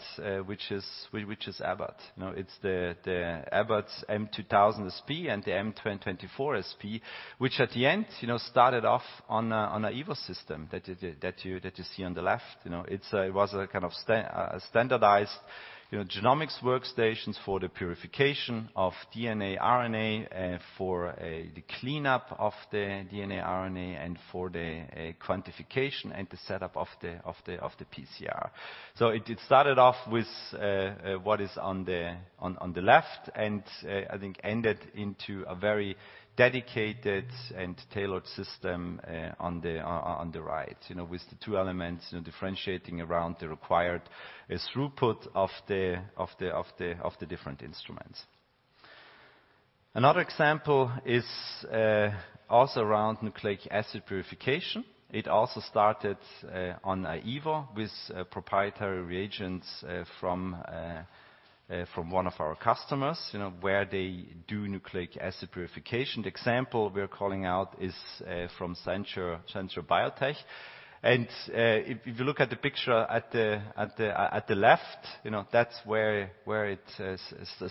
which is Abbott. It's the Abbott's m2000sp and the m24sp, which at the end, started off on an EVO system that you see on the left. It was a kind of standardized genomics workstations for the purification of DNA, RNA, for the cleanup of the DNA, RNA, and for the quantification and the setup of the PCR. It started off with what is on the left and I think ended into a very dedicated and tailored system on the right with the two elements differentiating around the required throughput of the different instruments. Another example is also around nucleic acid purification. It also started on EVO with proprietary reagents from one of our customers, where they do nucleic acid purification. The example we are calling out is from CenTaur Biotech. If you look at the picture at the left, that's where it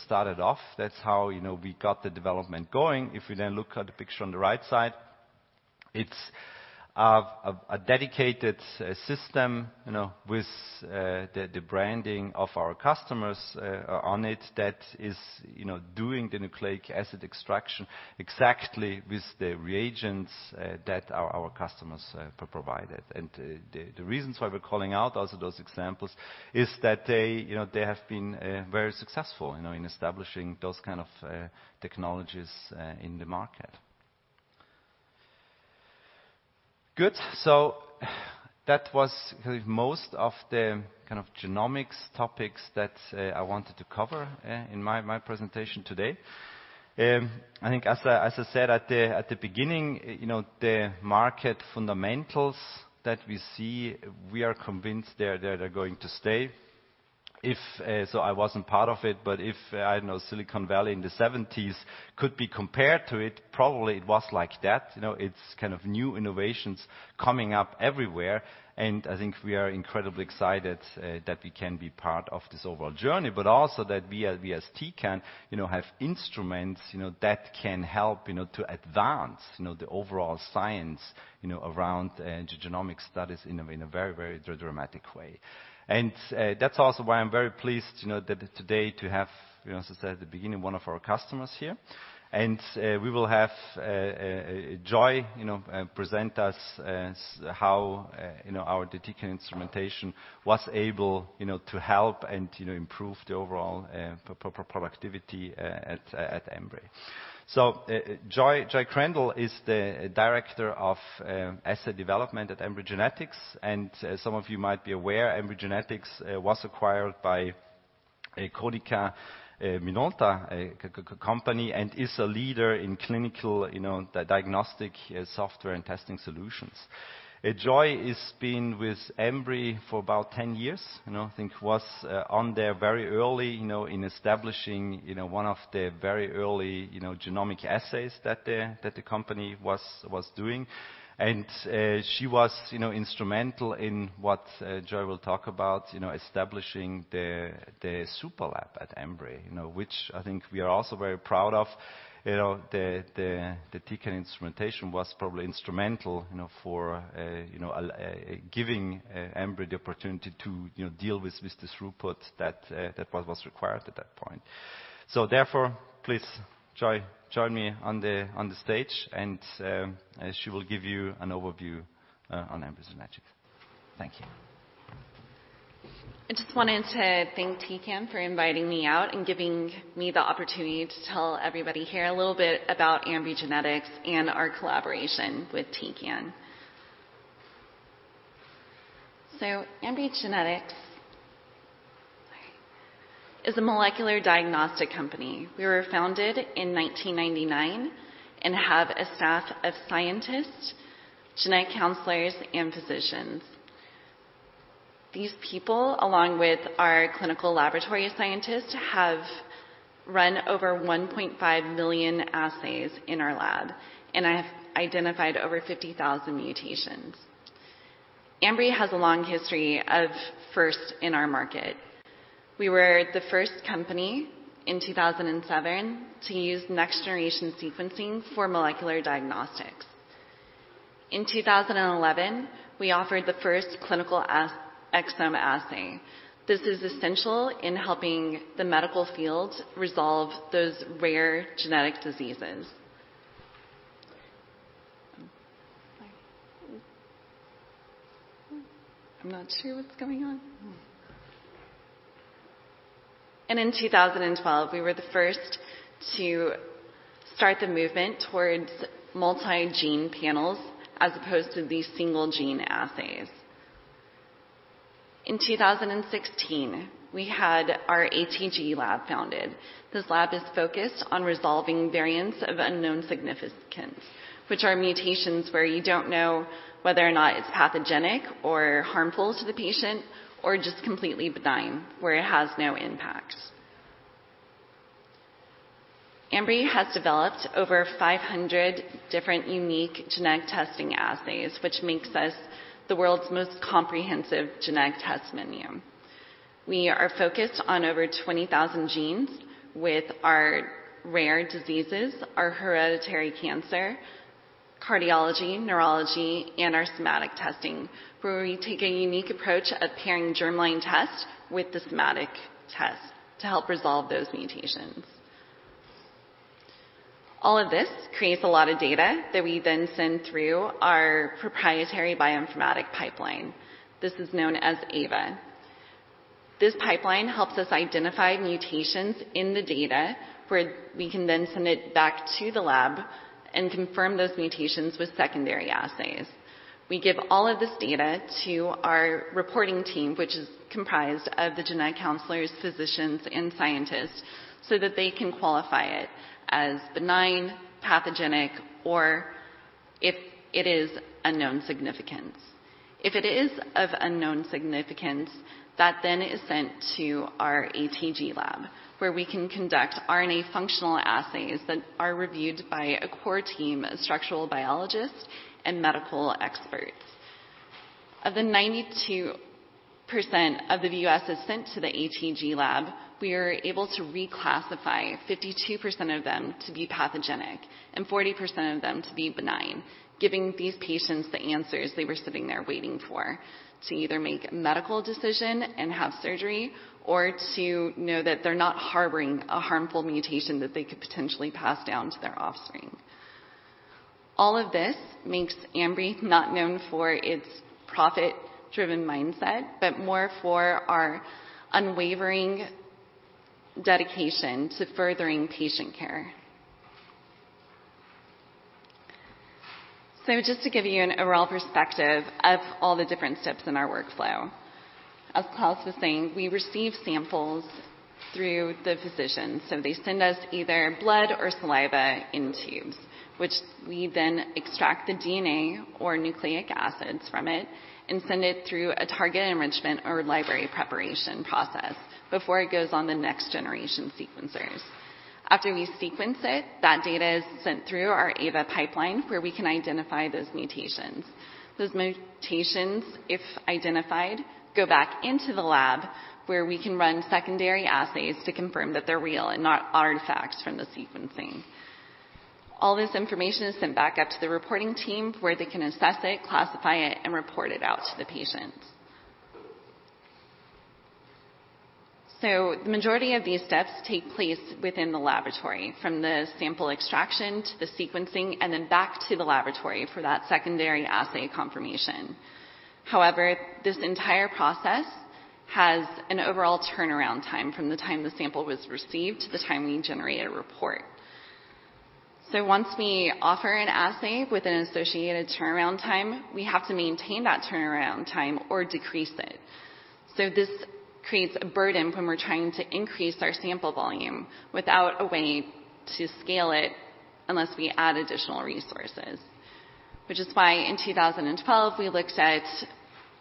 started off. That's how we got the development going. If we then look at the picture on the right side, it's a dedicated system with the branding of our customers on it that is doing the nucleic acid extraction exactly with the reagents that our customers provided. The reasons why we're calling out also those examples is that they have been very successful in establishing those kind of technologies in the market. Good. That was most of the kind of genomics topics that I wanted to cover in my presentation today. I think as I said at the beginning, the market fundamentals that we see, we are convinced they're going to stay. I wasn't part of it, but if, I don't know, Silicon Valley in the '70s could be compared to it, probably it was like that. It's kind of new innovations coming up everywhere. I think we are incredibly excited that we can be part of this overall journey, but also that we at Tecan can have instruments that can help to advance the overall science around genomic studies in a very dramatic way. That's also why I am very pleased today to have, as I said at the beginning, one of our customers here. We will have Joy present us how our Tecan instrumentation was able to help and improve the overall productivity at Ambry. Joy Crandall is the Director of Asset Development at Ambry Genetics. Some of you might be aware, Ambry Genetics was acquired by Konica Minolta and is a leader in clinical diagnostic software and testing solutions. Joy has been with Ambry for about 10 years. I think was on there very early in establishing one of the very early genomic assays that the company was doing. She was instrumental in what Joy will talk about, establishing the Superlab at Ambry, which I think we are also very proud of. The Tecan instrumentation was probably instrumental for giving Ambry the opportunity to deal with this throughput that was required at that point. Therefore, please join me on the stage. She will give you an overview on Ambry Genetics. Thank you. I just wanted to thank Tecan for inviting me out and giving me the opportunity to tell everybody here a little bit about Ambry Genetics and our collaboration with Tecan. Ambry Genetics is a molecular diagnostic company. We were founded in 1999 and have a staff of scientists, genetic counselors, and physicians. These people, along with our clinical laboratory scientists, have run over 1.5 million assays in our lab and have identified over 50,000 mutations. Ambry has a long history of first in our market. We were the first company in 2007 to use next-generation sequencing for molecular diagnostics. In 2011, we offered the first clinical exome assay. This is essential in helping the medical field resolve those rare genetic diseases. Sorry. I'm not sure what's going on. In 2012, we were the first to start the movement towards multi-gene panels as opposed to these single gene assays. In 2016, we had our ATG lab founded. This lab is focused on resolving variants of unknown significance, which are mutations where you don't know whether or not it's pathogenic or harmful to the patient or just completely benign, where it has no impact. Ambry has developed over 500 different unique genetic testing assays, which makes us the world's most comprehensive genetic test menu. We are focused on over 20,000 genes with our rare diseases, our hereditary cancer, cardiology, neurology, and our somatic testing, where we take a unique approach of pairing germline test with the somatic test to help resolve those mutations. All of this creates a lot of data that we then send through our proprietary bioinformatic pipeline. This is known as Ava. This pipeline helps us identify mutations in the data where we can then send it back to the lab and confirm those mutations with secondary assays. We give all of this data to our reporting team, which is comprised of the genetic counselors, physicians, and scientists, so that they can qualify it as benign, pathogenic, or if it is unknown significance. If it is of unknown significance, that then is sent to our ATG lab, where we can conduct RNA functional assays that are reviewed by a core team of structural biologists and medical experts. Of the 92% of the VUS sent to the ATG lab, we are able to reclassify 52% of them to be pathogenic and 40% of them to be benign, giving these patients the answers they were sitting there waiting for to either make a medical decision and have surgery or to know that they're not harboring a harmful mutation that they could potentially pass down to their offspring. All of this makes Ambry not known for its profit-driven mindset, but more for our unwavering dedication to furthering patient care. Just to give you an overall perspective of all the different steps in our workflow. As Klaus was saying, we receive samples through the physician. They send us either blood or saliva in tubes, which we then extract the DNA or nucleic acids from it and send it through a target enrichment or library preparation process before it goes on the next-generation sequencers. After we sequence it, that data is sent through our Ava pipeline, where we can identify those mutations. Those mutations, if identified, go back into the lab where we can run secondary assays to confirm that they're real and not artifacts from the sequencing. All this information is sent back up to the reporting team where they can assess it, classify it, and report it out to the patient. The majority of these steps take place within the laboratory, from the sample extraction to the sequencing and then back to the laboratory for that secondary assay confirmation. However, this entire process has an overall turnaround time from the time the sample was received to the time we generate a report. Once we offer an assay with an associated turnaround time, we have to maintain that turnaround time or decrease it. This creates a burden when we're trying to increase our sample volume without a way to scale it unless we add additional resources. Which is why in 2012, we looked at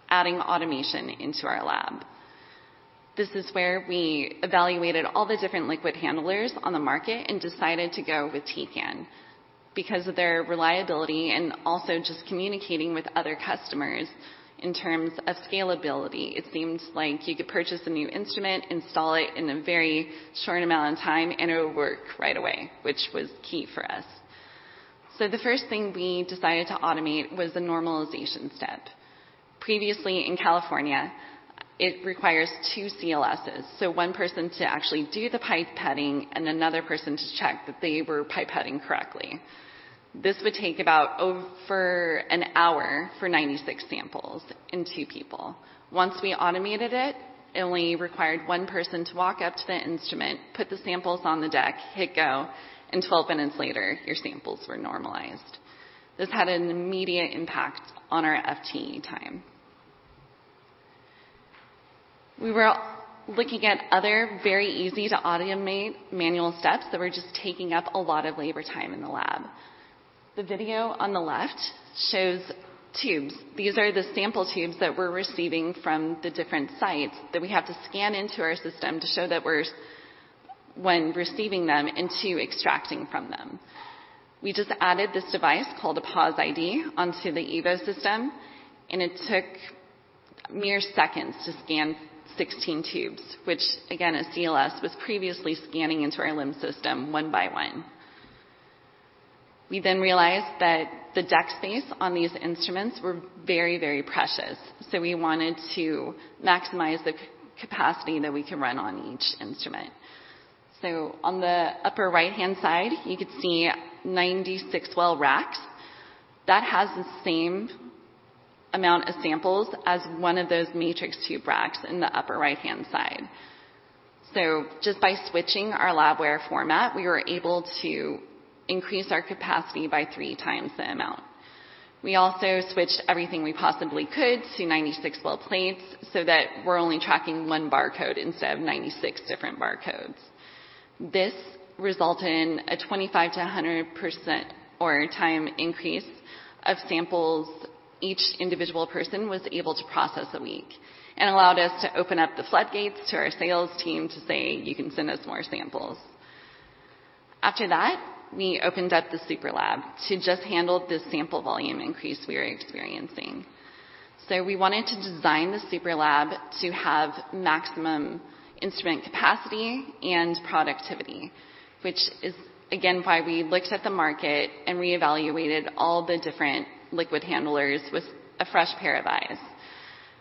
adding automation into our lab. This is where we evaluated all the different liquid handlers on the market and decided to go with Tecan because of their reliability and also just communicating with other customers in terms of scalability. It seems like you could purchase a new instrument, install it in a very short amount of time, and it would work right away, which was key for us. The first thing we decided to automate was the normalization step. Previously in California, it requires two CLSs. One person to actually do the pipetting and another person to check that they were pipetting correctly. This would take about over an hour for 96 samples and two people. Once we automated it only required one person to walk up to the instrument, put the samples on the deck, hit go, and 12 minutes later, your samples were normalized. This had an immediate impact on our TAT time. We were looking at other very easy to automate manual steps that were just taking up a lot of labor time in the lab. The video on the left shows tubes. These are the sample tubes that we're receiving from the different sites that we have to scan into our system to show that we're when receiving them and to extracting from them. We just added this device called a PosID onto the EVO system, and it took mere seconds to scan 16 tubes, which again, a CLS was previously scanning into our LIMS system one by one. We realized that the deck space on these instruments were very, very precious, so we wanted to maximize the capacity that we could run on each instrument. On the upper right-hand side, you could see 96-well racks. That has the same amount of samples as one of those matrix tube racks in the upper right-hand side. Just by switching our labware format, we were able to increase our capacity by three times the amount. We also switched everything we possibly could to 96-well plates so that we're only tracking one barcode instead of 96 different barcodes. This resulted in a 25%-100% TAT time increase of samples each individual person was able to process a week and allowed us to open up the floodgates to our sales team to say, "You can send us more samples." After that, we opened up the Superlab to just handle the sample volume increase we were experiencing. We wanted to design the Superlab to have maximum instrument capacity and productivity, which is again, why we looked at the market and reevaluated all the different liquid handlers with a fresh pair of eyes.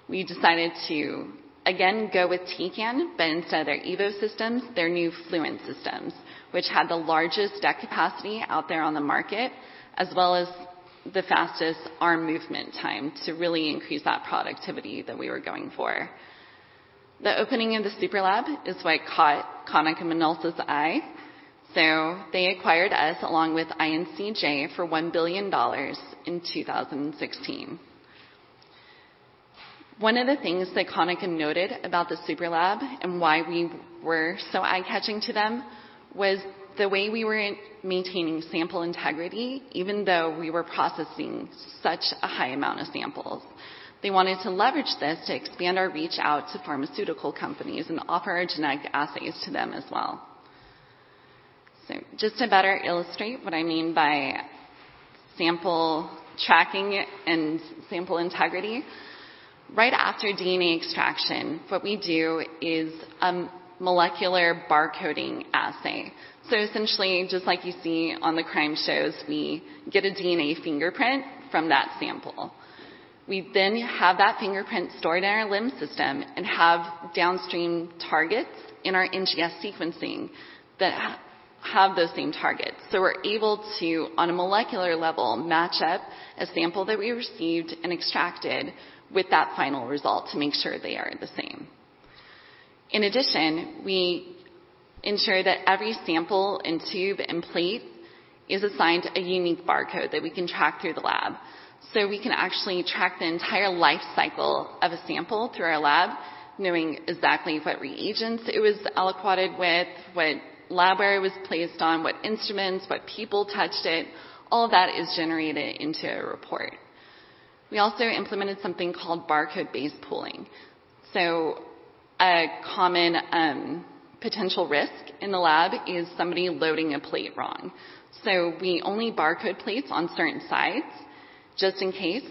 We decided to, again, go with Tecan, but instead of their EVO systems, their new Fluent systems, which had the largest deck capacity out there on the market, as well as the fastest arm movement time to really increase that productivity that we were going for. The opening of the Superlab is what caught Konica Minolta's eye. They acquired us along with INCJ for CHF 1 billion in 2016. One of the things that Konica noted about the Superlab and why we were so eye-catching to them was the way we were maintaining sample integrity, even though we were processing such a high amount of samples. They wanted to leverage this to expand our reach out to pharmaceutical companies and offer our genetic assays to them as well. Just to better illustrate what I mean by sample tracking and sample integrity, right after DNA extraction, what we do is a molecular barcoding assay. Essentially, just like you see on the crime shows, we get a DNA fingerprint from that sample. We have that fingerprint stored in our LIMS system and have downstream targets in our NGS sequencing that have those same targets. We're able to, on a molecular level, match up a sample that we received and extracted with that final result to make sure they are the same. In addition, we ensure that every sample and tube and plate is assigned a unique barcode that we can track through the lab. We can actually track the entire life cycle of a sample through our lab, knowing exactly what reagents it was aliquoted with, what labware it was placed on, what instruments, what people touched it. All that is generated into a report. We also implemented something called barcode-based pooling. A common potential risk in the lab is somebody loading a plate wrong. We only barcode plates on certain sides just in case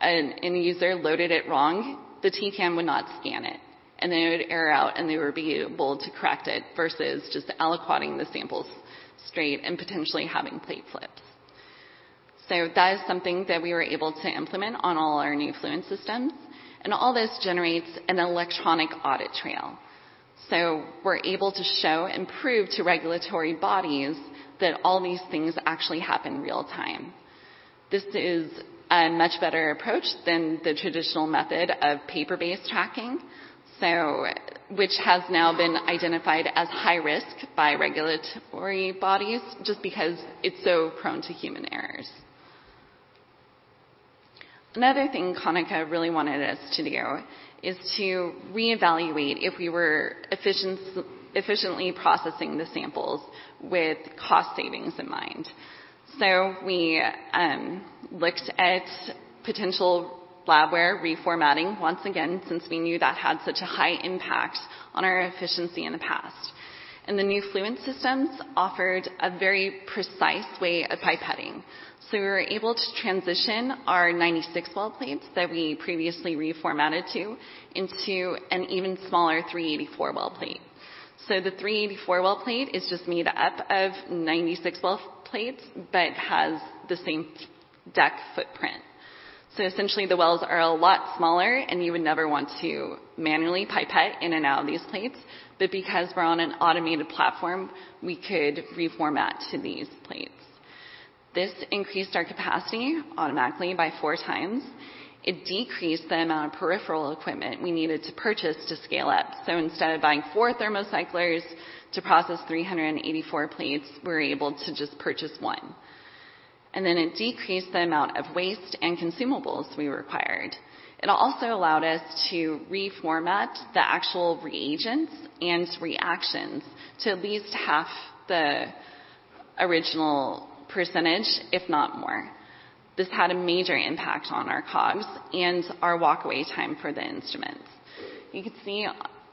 any user loaded it wrong, the Tecan would not scan it, and it would error out, and they would be able to correct it versus just aliquoting the samples straight and potentially having plate flips. That is something that we were able to implement on all our new Fluent systems. All this generates an electronic audit trail. We're able to show and prove to regulatory bodies that all these things actually happen real-time. This is a much better approach than the traditional method of paper-based tracking, which has now been identified as high risk by regulatory bodies just because it's so prone to human errors. Another thing Konica really wanted us to do is to reevaluate if we were efficiently processing the samples with cost savings in mind. We looked at potential labware reformatting once again, since we knew that had such a high impact on our efficiency in the past. The new Fluent systems offered a very precise way of pipetting. We were able to transition our 96 well plates that we previously reformatted to into an even smaller 384 well plate. The 384 well plate is just made up of 96 well plates but has the same deck footprint. Essentially, the wells are a lot smaller, and you would never want to manually pipette in and out of these plates. Because we're on an automated platform, we could reformat to these plates. This increased our capacity automatically by four times. It decreased the amount of peripheral equipment we needed to purchase to scale up. Instead of buying four thermocyclers to process 384 plates, we were able to just purchase one. It decreased the amount of waste and consumables we required. It also allowed us to reformat the actual reagents and reactions to at least half the original percentage, if not more. This had a major impact on our COGS and our walkaway time for the instruments. You can see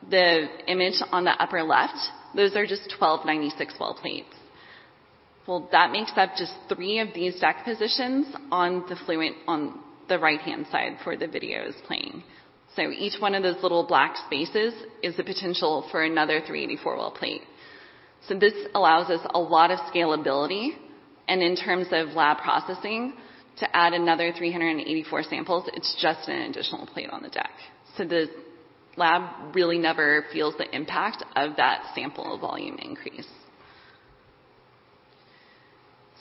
the image on the upper left, those are just 12 96 well plates. That makes up just three of these deck positions on the Fluent on the right-hand side for the videos playing. Each one of those little black spaces is the potential for another 384 well plate. This allows us a lot of scalability and in terms of lab processing to add another 384 samples, it's just an additional plate on the deck. The lab really never feels the impact of that sample volume increase.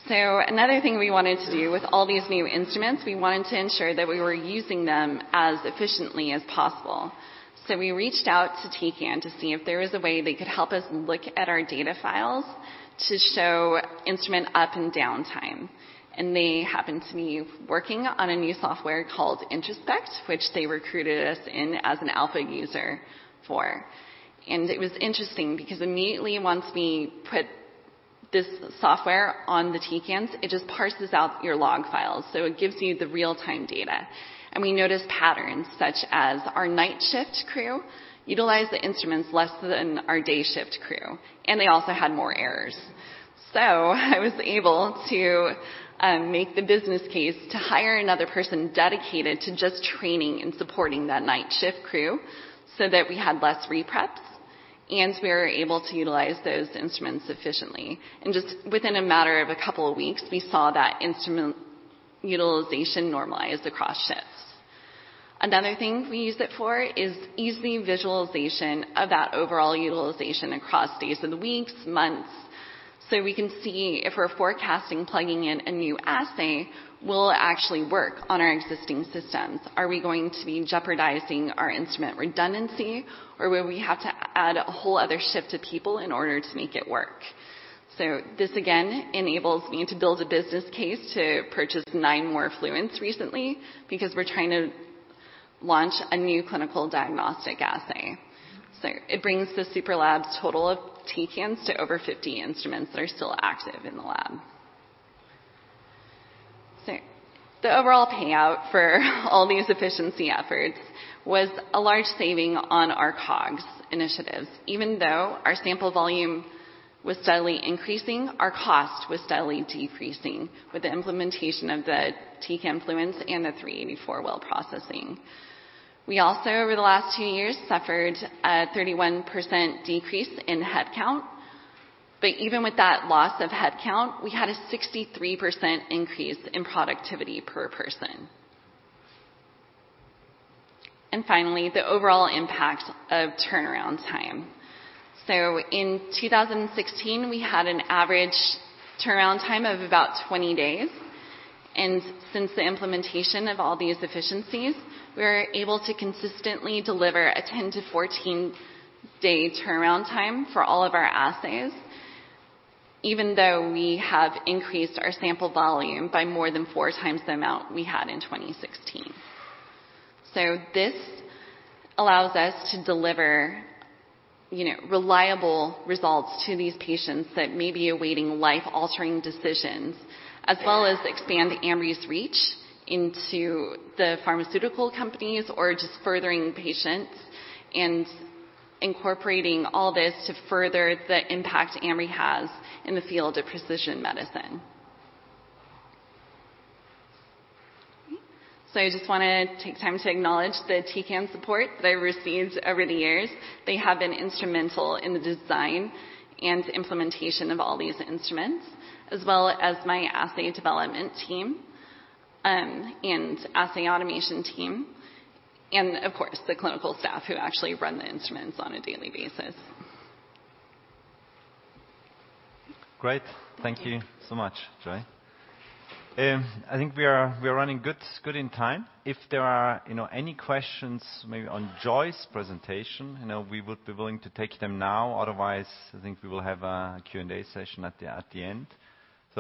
Another thing we wanted to do with all these new instruments, we wanted to ensure that we were using them as efficiently as possible. We reached out to Tecan to see if there was a way they could help us look at our data files to show instrument up and down time. They happened to be working on a new software called Introspect, which they recruited us in as an alpha user for. It was interesting because immediately once we put this software on the Tecans, it just parses out your log files. It gives you the real-time data. We noticed patterns such as our night shift crew utilize the instruments less than our day shift crew, and they also had more errors. I was able to make the business case to hire another person dedicated to just training and supporting that night shift crew so that we had less preps and we were able to utilize those instruments efficiently. Just within a matter of a couple of weeks, we saw that instrument utilization normalize across shifts. Another thing we used it for is easy visualization of that overall utilization across days of the weeks, months, so we can see if we're forecasting plugging in a new assay will actually work on our existing systems. Are we going to be jeopardizing our instrument redundancy or will we have to add a whole other shift of people in order to make it work? This, again, enables me to build a business case to purchase nine more Fluents recently because we're trying to launch a new clinical diagnostic assay. It brings the Superlab's total of Tecans to over 50 instruments that are still active in the lab. The overall payout for all these efficiency efforts was a large saving on our COGS initiatives. Even though our sample volume was steadily increasing, our cost was steadily decreasing with the implementation of the Tecan Fluent and the 384-well processing. We also, over the last two years, suffered a 31% decrease in headcount, but even with that loss of headcount, we had a 63% increase in productivity per person. Finally, the overall impact of Turnaround Time. In 2016, we had an average Turnaround Time of about 20 days, and since the implementation of all these efficiencies, we were able to consistently deliver a 10-14 day Turnaround Time for all of our assays, even though we have increased our sample volume by more than four times the amount we had in 2016. This allows us to deliver reliable results to these patients that may be awaiting life-altering decisions, as well as expand Ambry's reach into the pharmaceutical companies or just furthering patients and incorporating all this to further the impact Ambry has in the field of precision medicine. I just want to take time to acknowledge the Tecan support that I received over the years. They have been instrumental in the design and implementation of all these instruments, as well as my assay development team, and assay automation team, and of course, the clinical staff who actually run the instruments on a daily basis. Great. Thank you so much, Joy. I think we are running good in time. If there are any questions maybe on Joy's presentation, we would be willing to take them now. Otherwise, I think we will have a Q&A session at the end.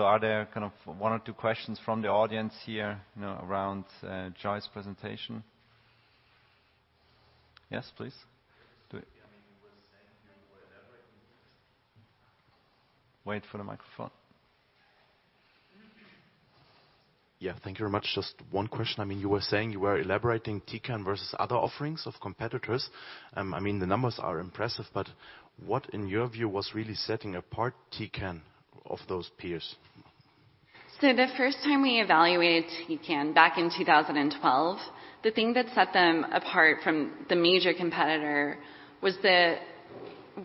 Are there one or two questions from the audience here around Joy's presentation? Yes, please. Do it. I mean, you were saying you were elaborating. Wait for the microphone. Yeah. Thank you very much. Just one question. You were saying you were elaborating Tecan versus other offerings of competitors. I mean, the numbers are impressive, what, in your view, was really setting apart Tecan of those peers? The first time we evaluated Tecan back in 2012, the thing that set them apart from the major competitor was the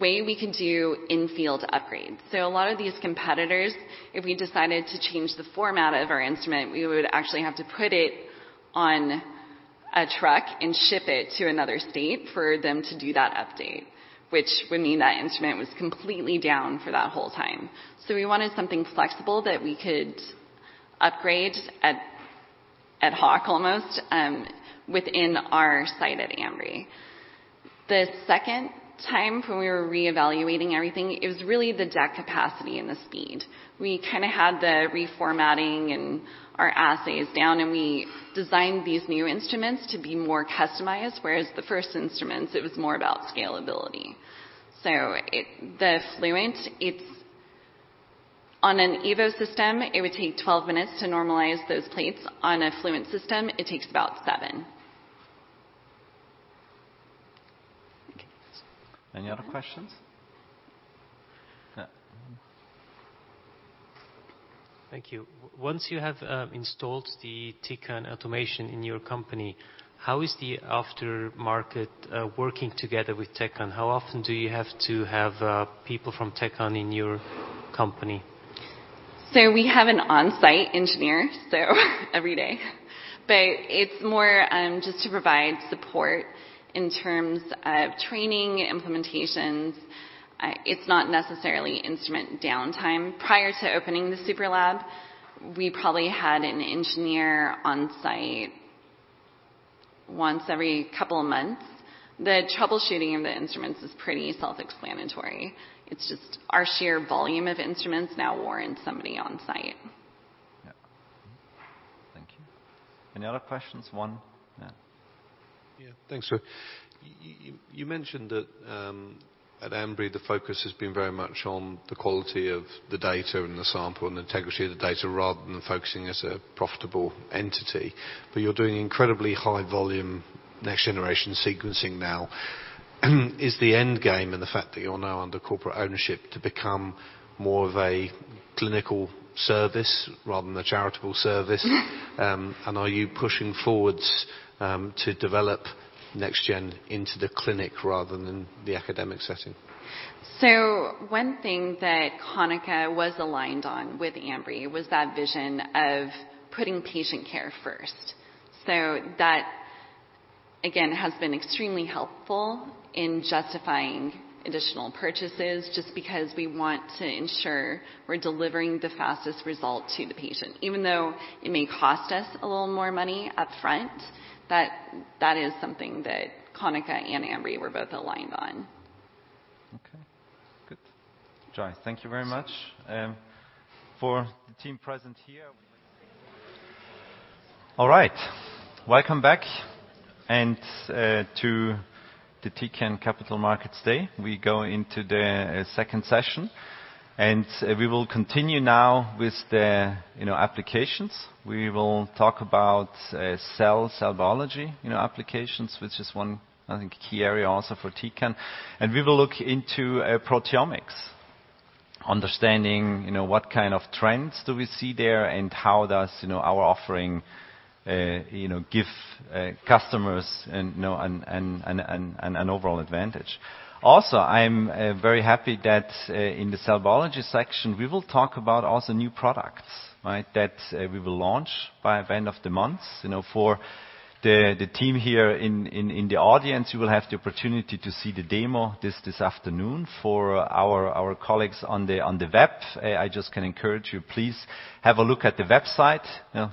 way we could do in-field upgrades. A lot of these competitors, if we decided to change the format of our instrument, we would actually have to put it on a truck and ship it to another state for them to do that update, which would mean that instrument was completely down for that whole time. We wanted something flexible that we could upgrade ad hoc almost, within our site at Ambry. The second time when we were re-evaluating everything, it was really the deck capacity and the speed. We kind of had the reformatting and our assays down, and we designed these new instruments to be more customized, whereas the first instruments, it was more about scalability. The Fluent, on an Evo system, it would take 12 minutes to normalize those plates. On a Fluent system, it takes about seven. Any other questions? Yeah. Thank you. Once you have installed the Tecan automation in your company, how is the aftermarket working together with Tecan? How often do you have to have people from Tecan in your company? We have an on-site engineer every day. It's more just to provide support in terms of training implementations. It's not necessarily instrument downtime. Prior to opening the Superlab, we probably had an engineer on site once every couple of months. The troubleshooting of the instruments is pretty self-explanatory. It's just our sheer volume of instruments now warrants somebody on site. Thank you. Any other questions? One. Thanks, Joy. You mentioned that at Ambry, the focus has been very much on the quality of the data and the sample and the integrity of the data rather than focusing as a profitable entity. You're doing incredibly high volume next generation sequencing now? Is the end game and the fact that you're now under corporate ownership to become more of a clinical service rather than a charitable service? Are you pushing forwards to develop next-gen into the clinic rather than the academic setting? One thing that Konica was aligned on with Ambry was that vision of putting patient care first. That, again, has been extremely helpful in justifying additional purchases just because we want to ensure we're delivering the fastest result to the patient. Even though it may cost us a little more money up front, that is something that Konica and Ambry were both aligned on. Okay, good. Joy, thank you very much. All right. Welcome back and to the Tecan Capital Markets Day. We go into the second session. We will continue now with the applications. We will talk about cell biology applications, which is one, I think, key area also for Tecan. We will look into proteomics, understanding what kind of trends do we see there and how does our offering give customers an overall advantage. Also, I'm very happy that in the cell biology section, we will talk about also new products, right? That we will launch by the end of the month. For the team here in the audience, you will have the opportunity to see the demo this afternoon. For our colleagues on the web, I just can encourage you, please have a look at the website.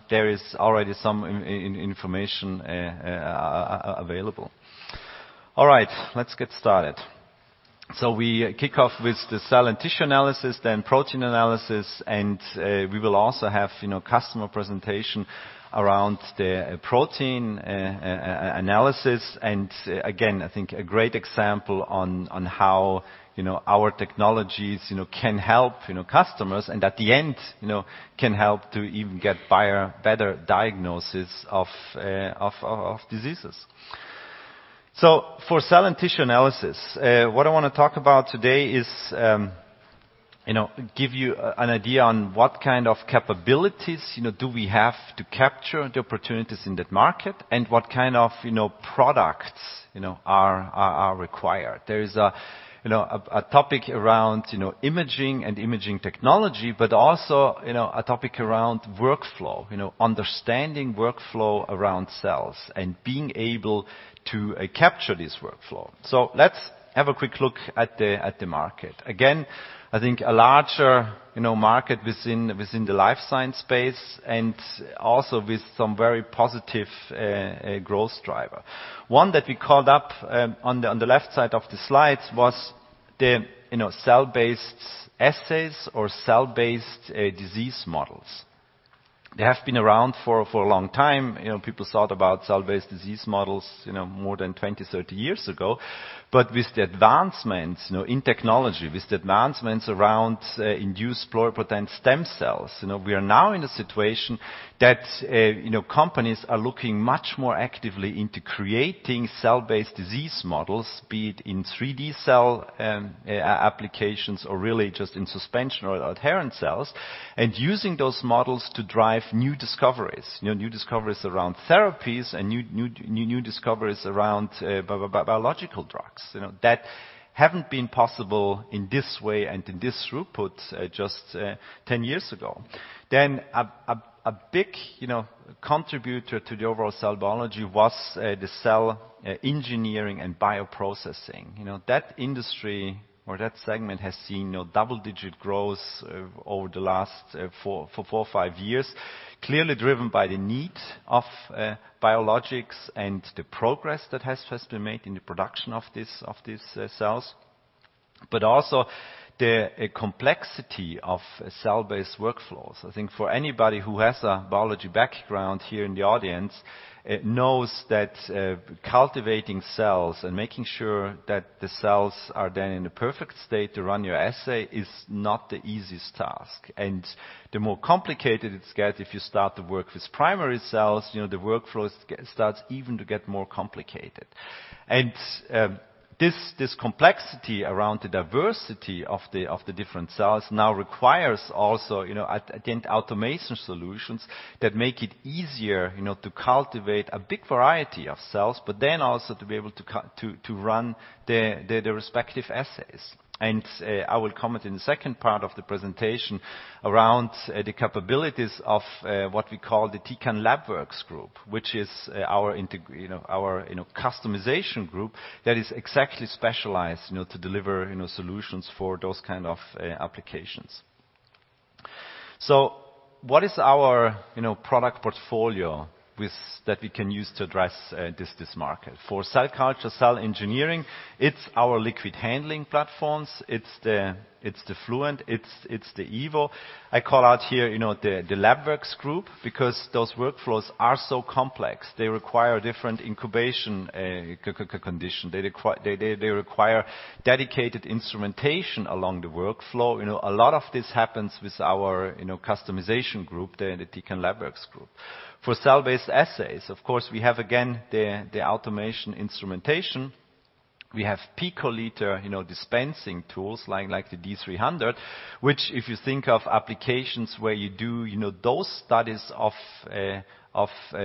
There is already some information available. All right. Let's get started. We kick off with the cell and tissue analysis. Protein analysis. We will also have customer presentation around the protein analysis. Again, I think a great example on how our technologies can help customers and at the end can help to even get better diagnosis of diseases. For cell and tissue analysis, what I want to talk about today is give you an idea on what kind of capabilities do we have to capture the opportunities in that market and what kind of products are required. There is a topic around imaging and imaging technology. Also a topic around workflow, understanding workflow around cells and being able to capture this workflow. Let's have a quick look at the market. Again, I think a larger market within the life science space. Also with some very positive growth driver. One that we called up on the left side of the slides was the cell-based assays or cell-based disease models. They have been around for a long time. People thought about cell-based disease models more than 20, 30 years ago. With the advancements in technology, with the advancements around induced pluripotent stem cells, we are now in a situation that companies are looking much more actively into creating cell-based disease models, be it in 3D cell applications or really just in suspension or adherent cells, and using those models to drive new discoveries, new discoveries around therapies and new discoveries around biological drugs that haven't been possible in this way and in this throughput just 10 years ago. A big contributor to the overall cell biology was the cell engineering and bioprocessing. That industry or that segment has seen double-digit growth over the last four or five years, clearly driven by the need of biologics and the progress that has first been made in the production of these cells, but also the complexity of cell-based workflows. I think for anybody who has a biology background here in the audience knows that cultivating cells and making sure that the cells are then in the perfect state to run your assay is not the easiest task. The more complicated it gets if you start to work with primary cells, the workflows starts even to get more complicated. This complexity around the diversity of the different cells now requires also, again, automation solutions that make it easier to cultivate a big variety of cells. Then also to be able to run their respective assays. I will comment in the second part of the presentation around the capabilities of what we call the Tecan Labwerx Group, which is our customization group that is exactly specialized to deliver solutions for those kind of applications. What is our product portfolio that we can use to address this market? For cell culture, cell engineering, it is our liquid handling platforms. It is the Fluent, it is the Freedom EVO. I call out here the Labwerx Group because those workflows are so complex. They require different incubation condition. They require dedicated instrumentation along the workflow. A lot of this happens with our customization group, the Tecan Labwerx Group. For cell-based assays, of course, we have again the automation instrumentation. We have picoliter dispensing tools like the D300, which if you think of applications where you do those studies of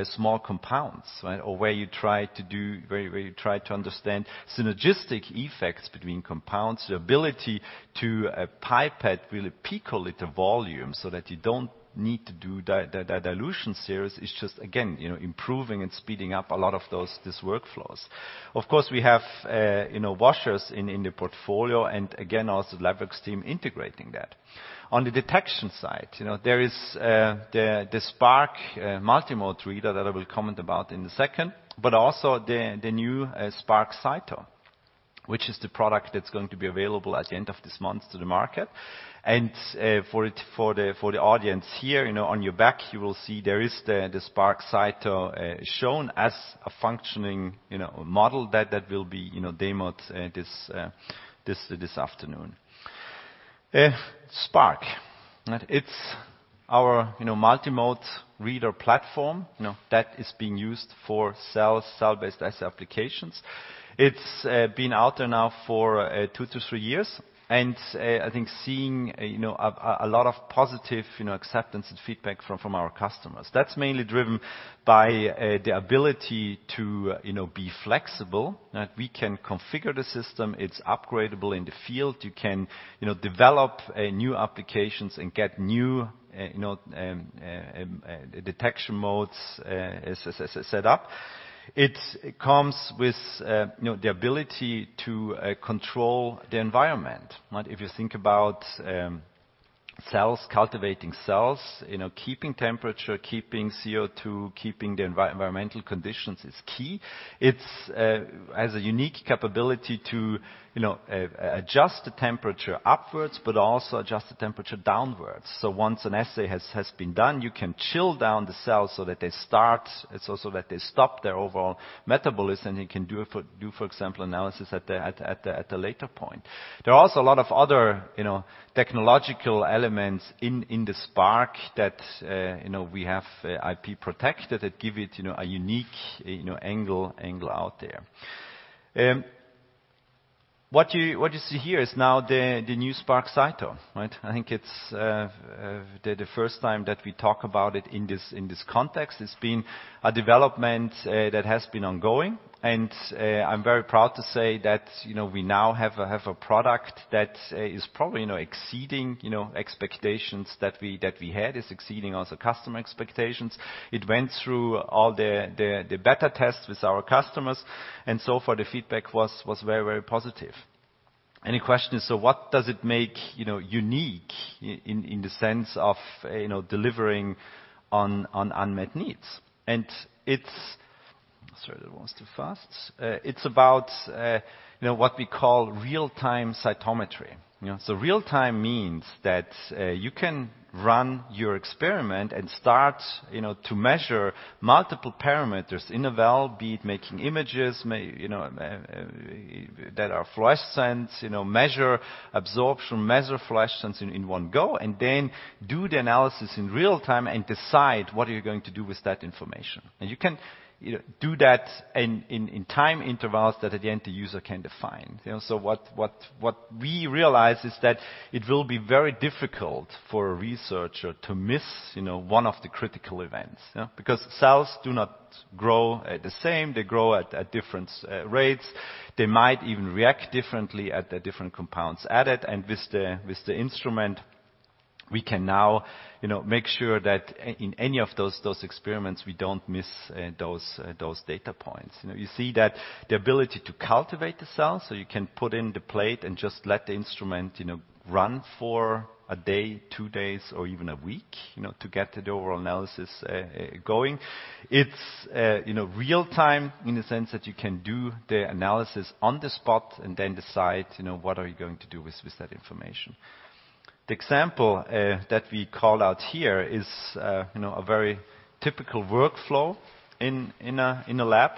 small compounds or where you try to understand synergistic effects between compounds, the ability to pipette with a picoliter volume so that you don't need to do that dilution series is just, again, improving and speeding up a lot of these workflows. Of course, we have washers in the portfolio, and again, also LabX team integrating that. On the detection side, there is the Spark multimode reader that I will comment about in a second, but also the new SparkCyto, which is the product that's going to be available at the end of this month to the market. For the audience here, on your back, you will see there is the SparkCyto shown as a functioning model that will be demoed this afternoon. Spark. It's our multimode reader platform that is being used for cell-based assay applications. It's been out there now for 2 to 3 years, and I think seeing a lot of positive acceptance and feedback from our customers. That's mainly driven by the ability to be flexible, that we can configure the system, it's upgradable in the field. You can develop new applications and get new detection modes set up. It comes with the ability to control the environment. If you think about cultivating cells, keeping temperature, keeping CO2, keeping the environmental conditions is key. It has a unique capability to adjust the temperature upwards, but also adjust the temperature downwards. Once an assay has been done, you can chill down the cells so that they start. It's also that they stop their overall metabolism, and you can do, for example, analysis at a later point. There are also a lot of other technological elements in the Spark that we have IP protected that give it a unique angle out there. What you see here is now the new SparkCyto. I think it's the first time that we talk about it in this context. It's been a development that has been ongoing, and I'm very proud to say that we now have a product that is probably exceeding expectations that we had. It's exceeding also customer expectations. It went through all the beta tests with our customers, and so far the feedback was very, very positive. The question is, what does it make unique in the sense of delivering on unmet needs? It's-- Sorry, that was too fast. It's about what we call real-time cytometry. Real-time means that you can run your experiment and start to measure multiple parameters in a well, be it making images that are fluorescence, measure absorption, measure fluorescence in one go, do the analysis in real time and decide what you're going to do with that information. You can do that in time intervals that at the end the user can define. What we realize is that it will be very difficult for a researcher to miss one of the critical events. Because cells do not grow at the same, they grow at different rates. They might even react differently at the different compounds added. With the instrument, we can now make sure that in any of those experiments, we don't miss those data points. You see that the ability to cultivate the cells, you can put in the plate and just let the instrument run for one day, two days, or even one week to get the overall analysis going. It's real time in the sense that you can do the analysis on the spot, decide what are you going to do with that information. The example that we call out here is a very typical workflow in a lab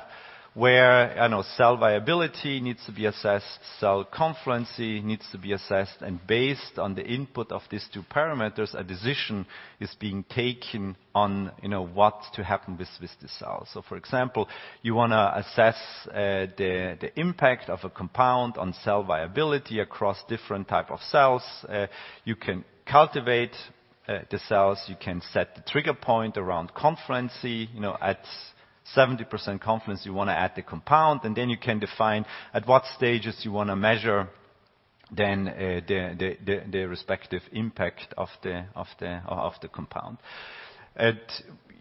where cell viability needs to be assessed, cell confluency needs to be assessed, and based on the input of these two parameters, a decision is being taken on what's to happen with the cells. For example, you want to assess the impact of a compound on cell viability across different type of cells. You can cultivate the cells, you can set the trigger point around confluency. At 70% confluence, you want to add the compound, you can define at what stages you want to measure the respective impact of the compound.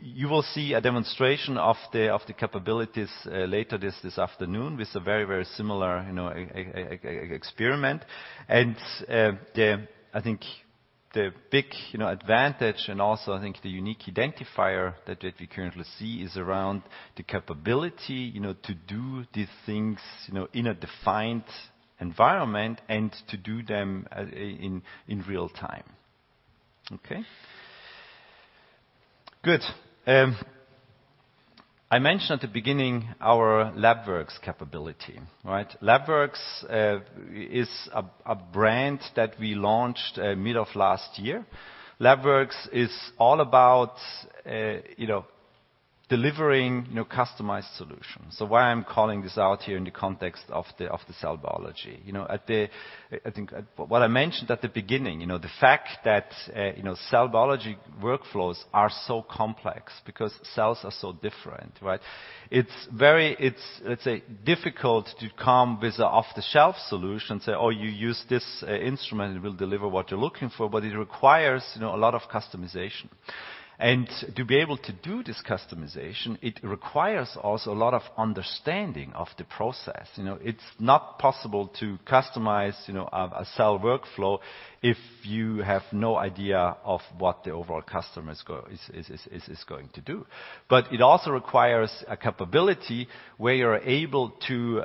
You will see a demonstration of the capabilities later this afternoon with a very, very similar experiment. I think the big advantage and also, I think, the unique identifier that we currently see is around the capability to do these things in a defined environment and to do them in real time. Okay. Good. I mentioned at the beginning our LabX capability. LabX is a brand that we launched mid of last year. LabX is all about delivering customized solutions. Why I'm calling this out here in the context of the cell biology. What I mentioned at the beginning, the fact that cell biology workflows are so complex because cells are so different, right? It's, let's say, difficult to come with an off-the-shelf solution, say, "Oh, you use this instrument, it will deliver what you're looking for," but it requires a lot of customization. To be able to do this customization, it requires also a lot of understanding of the process. It's not possible to customize a cell workflow if you have no idea of what the overall customer is going to do. It also requires a capability where you're able to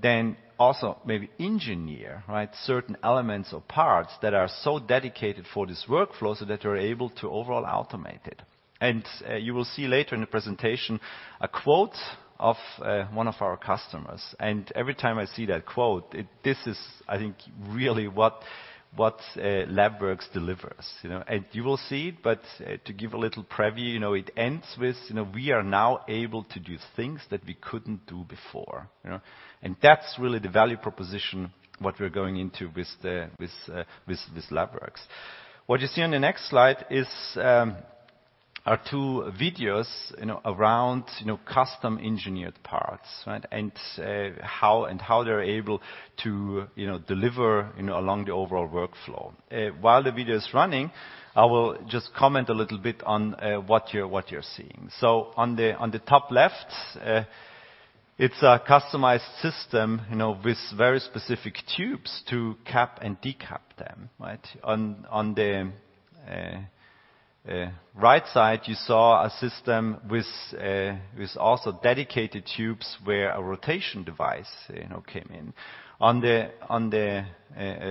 then also maybe engineer certain elements or parts that are so dedicated for this workflow, so that you're able to overall automate it. You will see later in the presentation a quote of one of our customers. Every time I see that quote, this is, I think, really what Labwerx delivers. You will see, but to give a little preview, it ends with, "We are now able to do things that we couldn't do before." That's really the value proposition, what we're going into with this Labwerx. What you see on the next slide are two videos around custom-engineered parts, and how they're able to deliver along the overall workflow. While the video is running, I will just comment a little bit on what you're seeing. On the top left, it's a customized system with very specific tubes to cap and decap them. On the right side, you saw a system with also dedicated tubes where a rotation device came in. On the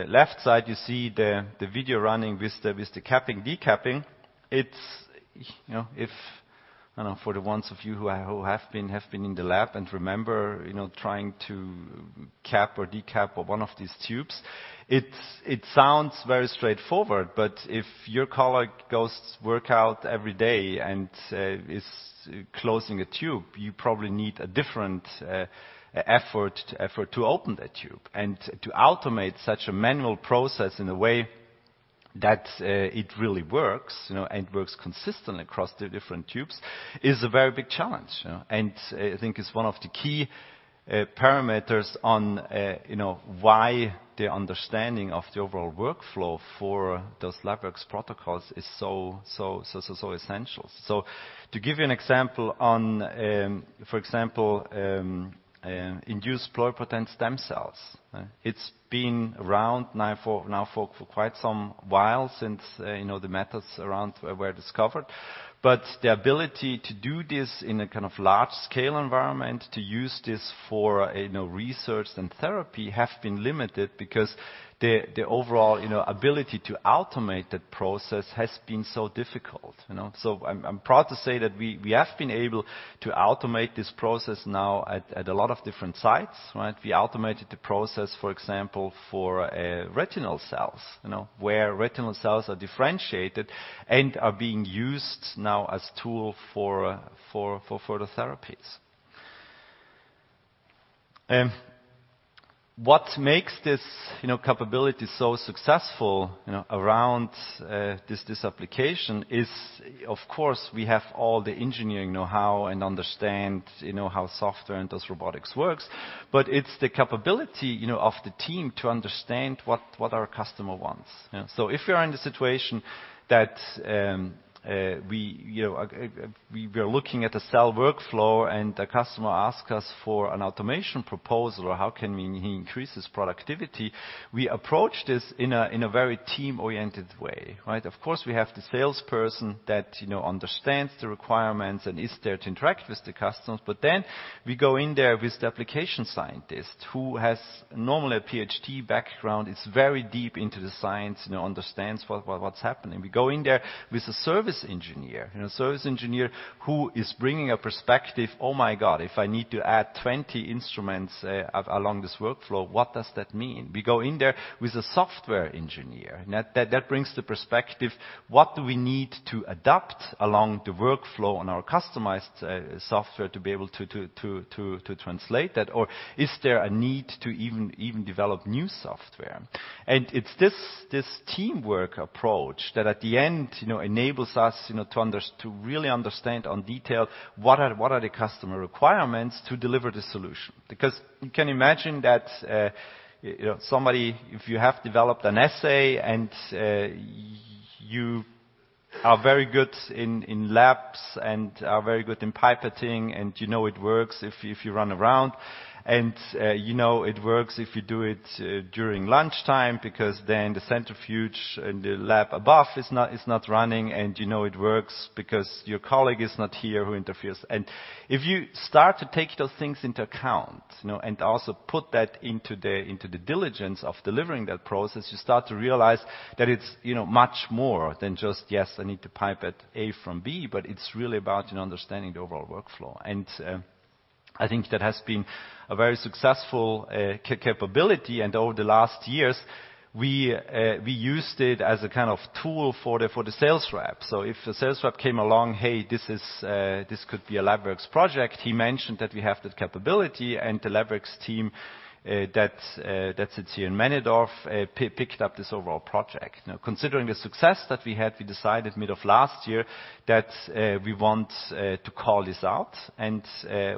left side, you see the video running with the capping decapping. For the ones of you who have been in the lab and remember trying to cap or decap one of these tubes, it sounds very straightforward, but if your colleague goes to work out every day and is closing a tube, you probably need a different effort to open that tube. To automate such a manual process in a way that it really works, and works consistently across the different tubes, is a very big challenge. I think it's one of the key parameters on why the understanding of the overall workflow for those Labwerx protocols is so essential. To give you an example on induced pluripotent stem cells. It's been around now for quite some while since the methods around were discovered. The ability to do this in a kind of large-scale environment, to use this for research and therapy have been limited because the overall ability to automate that process has been so difficult. I'm proud to say that we have been able to automate this process now at a lot of different sites. We automated the process, for example, for retinal cells, where retinal cells are differentiated and are being used now as tool for phototherapies. What makes this capability so successful around this application is, of course, we have all the engineering knowhow and understand how software and those robotics works, but it's the capability of the team to understand what our customer wants. If you're in the situation that we are looking at a cell workflow and a customer asks us for an automation proposal or how can we increase his productivity, we approach this in a very team-oriented way, right? Of course, we have the salesperson that understands the requirements and is there to interact with the customers. We go in there with the application scientist who has normally a PhD background, is very deep into the science, and understands what's happening. We go in there with a service engineer. Service engineer who is bringing a perspective, oh my God, if I need to add 20 instruments along this workflow, what does that mean? We go in there with a software engineer. That brings the perspective, what do we need to adapt along the workflow on our customized software to be able to translate that? Is there a need to even develop new software? It's this teamwork approach that at the end enables us to really understand in detail what are the customer requirements to deliver the solution. Because you can imagine that somebody, if you have developed an assay and you are very good in labs and are very good in pipetting, and you know it works if you run around, and you know it works if you do it during lunchtime because then the centrifuge in the lab above is not running, and you know it works because your colleague is not here who interferes. If you start to take those things into account, and also put that into the diligence of delivering that process, you start to realize that it's much more than just, yes, I need to pipette A from B, but it's really about understanding the overall workflow. I think that has been a very successful capability, and over the last years, we used it as a kind of tool for the sales rep. If a sales rep came along, "Hey, this could be a LabWare project," he mentioned that we have that capability, and the LabWare team that sits here in Männedorf picked up this overall project. Considering the success that we had, we decided mid of last year that we want to call this out and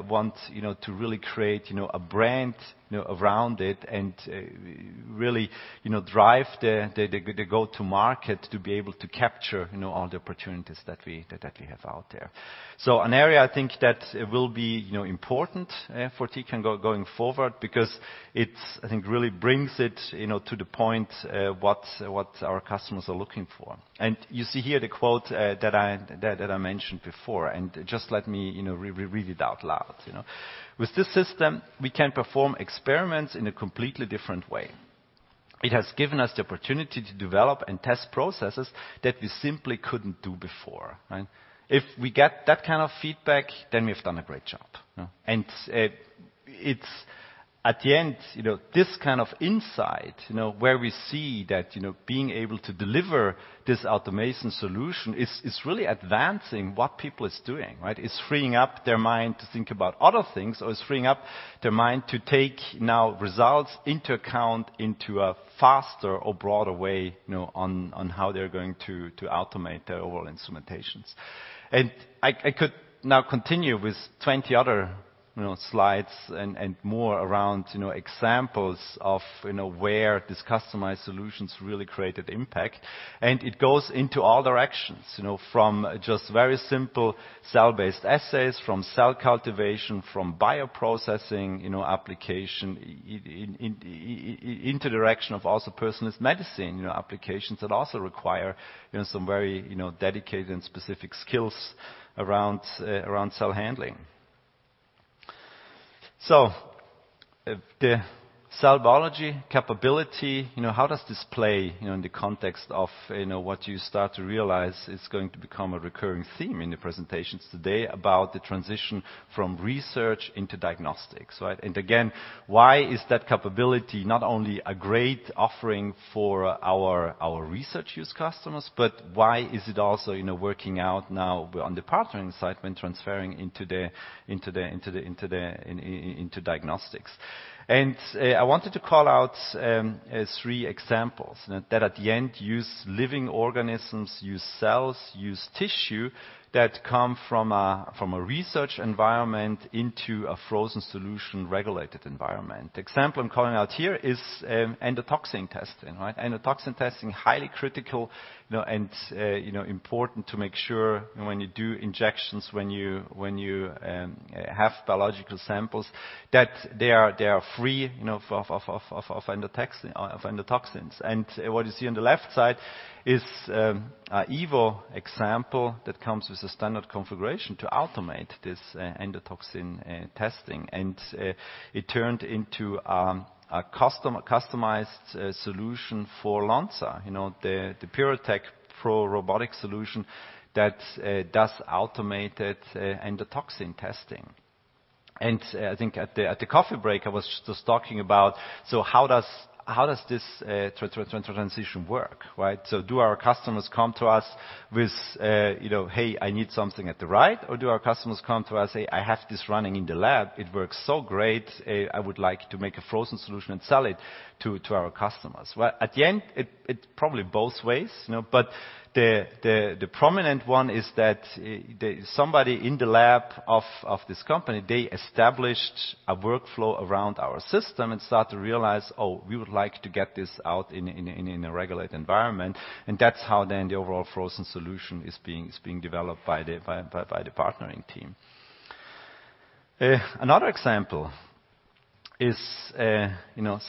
want to really create a brand around it and really drive the go to market to be able to capture all the opportunities that we have out there. An area I think that will be important for Tecan going forward because it, I think, really brings it to the point what our customers are looking for. You see here the quote that I mentioned before, and just let me read it out loud. "With this system, we can perform experiments in a completely different way. It has given us the opportunity to develop and test processes that we simply couldn't do before." If we get that kind of feedback, then we've done a great job. It's at the end, this kind of insight, where we see that being able to deliver this automation solution is really advancing what people is doing. It's freeing up their mind to think about other things, or it's freeing up their mind to take now results into account into a faster or broader way on how they're going to automate their overall instrumentations. I could now continue with 20 other slides and more around examples of where these customized solutions really created impact. It goes into all directions, from just very simple cell-based assays, from cell cultivation, from bioprocessing application, into direction of also personalized medicine applications that also require some very dedicated and specific skills around cell handling. The cell biology capability, how does this play in the context of what you start to realize is going to become a recurring theme in the presentations today about the transition from research into diagnostics? Again, why is that capability not only a great offering for our research use customers, but why is it also working out now on the partnering side when transferring into diagnostics? I wanted to call out three examples that at the end use living organisms, use cells, use tissue that come from a research environment into a frozen solution regulated environment. Example I am calling out here is endotoxin testing. Endotoxin testing, highly critical and important to make sure when you do injections, when you have biological samples, that they are free of endotoxins. What you see on the left side is an Evo example that comes with a standard configuration to automate this endotoxin testing. It turned into a customized solution for Lonza, the PyroTec PRO robotic solution that does automated endotoxin testing. I think at the coffee break, I was just talking about, how does this transition work, right? Do our customers come to us with, "Hey, I need something at the right," or do our customers come to us say, "I have this running in the lab. It works so great. I would like to make a frozen solution and sell it to our customers." Well, at the end, it probably both ways. The prominent one is that somebody in the lab of this company, they established a workflow around our system and start to realize, oh, we would like to get this out in a regulated environment. That's how the overall frozen solution is being developed by the partnering team. Another example is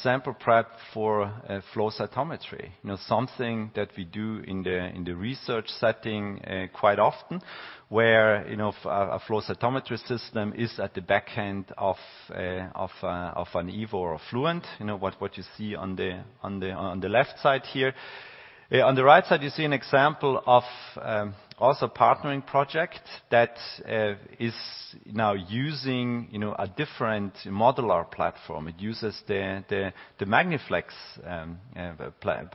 sample prep for flow cytometry. Something that we do in the research setting quite often, where a flow cytometry system is at the back end of an Evo or a Fluent. What you see on the left side here. On the right side, you see an example of also partnering project that is now using a different modular platform. It uses the Cavro Magni Flex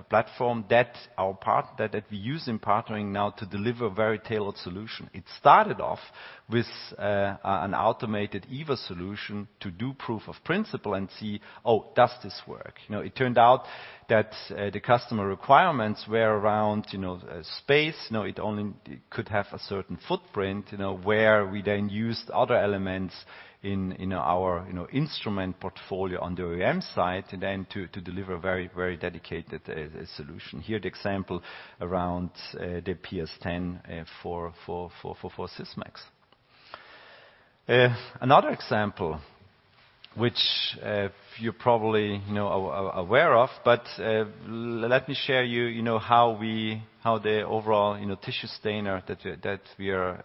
platform that we use in partnering now to deliver very tailored solution. It started off with an automated Evo solution to do proof of principle and see, oh, does this work? It turned out that the customer requirements were around space. It only could have a certain footprint, where we used other elements in our instrument portfolio on the OEM side to deliver very dedicated solution. Here, the example around the PS-10 for Sysmex. Another example, which you are probably aware of, but let me share with you how the overall tissue stainer that we are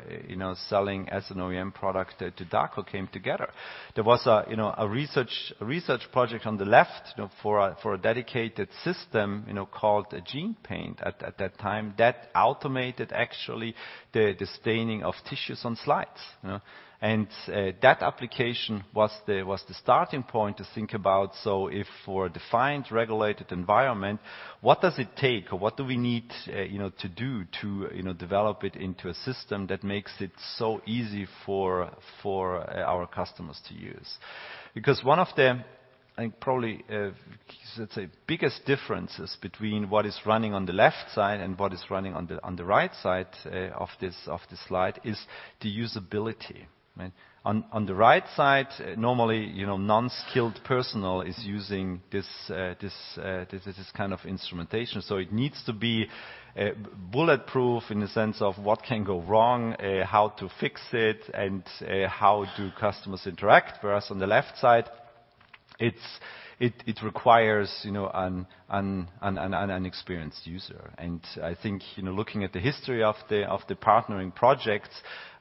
selling as an OEM product to Dako came together. There was a research project on the left for a dedicated system, called GenePaint at that time, that automated actually the staining of tissues on slides. That application was the starting point to think about, if for a defined, regulated environment, what does it take or what do we need to do to develop it into a system that makes it so easy for our customers to use? Because one of the, I think probably, let's say biggest differences between what is running on the left side and what is running on the right side of the slide is the usability. On the right side, normally non-skilled personnel is using this kind of instrumentation. It needs to be bulletproof in the sense of what can go wrong, how to fix it, and how do customers interact. Whereas on the left side, it requires an unexperienced user. I think, looking at the history of the partnering projects,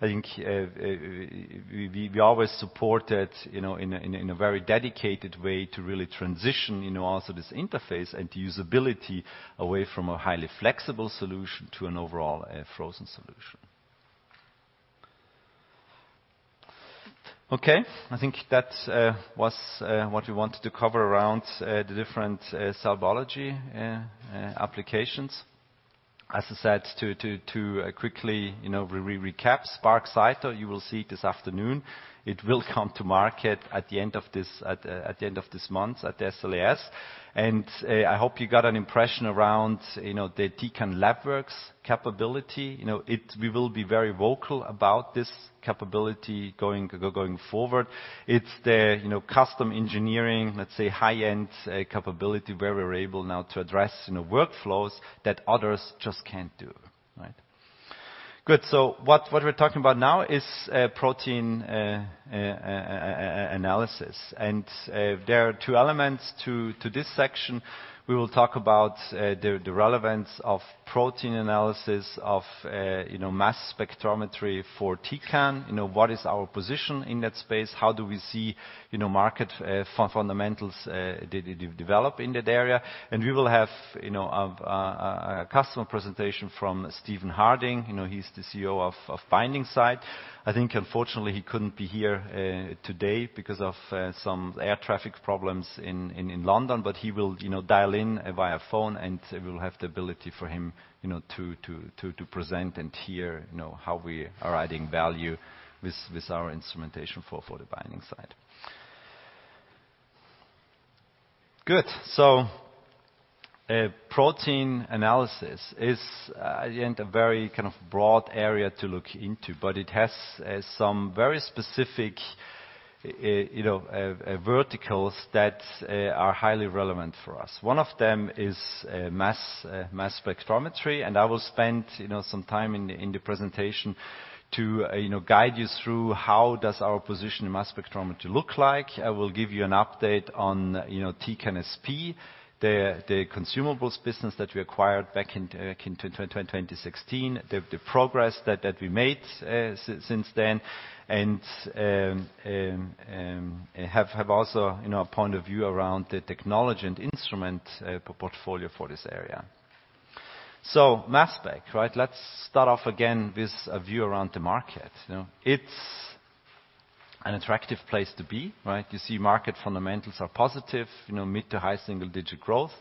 I think we always supported in a very dedicated way to really transition also this interface and usability away from a highly flexible solution to an overall frozen solution. Okay. I think that was what we wanted to cover around the different cell biology applications. As I said, to quickly recap, SparkCyto, you will see it this afternoon. It will come to market at the end of this month at the SLAS. And I hope you got an impression around the Tecan Labwerx capability. We will be very vocal about this capability going forward. It's the custom engineering, let's say, high-end capability where we're able now to address workflows that others just can't do. Good. What we're talking about now is protein analysis. And there are two elements to this section. We will talk about the relevance of protein analysis of mass spectrometry for Tecan. What is our position in that space? How do we see market fundamentals develop in that area? And we will have a customer presentation from Stephen Harding. He's the CEO of Binding Site. I think unfortunately, he couldn't be here today because of some air traffic problems in London, but he will dial in via phone, and we'll have the ability for him to present and hear how we are adding value with our instrumentation for the Binding Site. Good. So protein analysis is a very kind of broad area to look into, but it has some very specific verticals that are highly relevant for us. One of them is mass spectrometry, and I will spend some time in the presentation to guide you through how does our position in mass spectrometry look like. I will give you an update on Tecan SPE, the consumables business that we acquired back in 2016, the progress that we made since then, and have also a point of view around the technology and instrument portfolio for this area. So mass spec, right? Let's start off again with a view around the market. It's an attractive place to be, right? You see market fundamentals are positive, mid to high single-digit growth.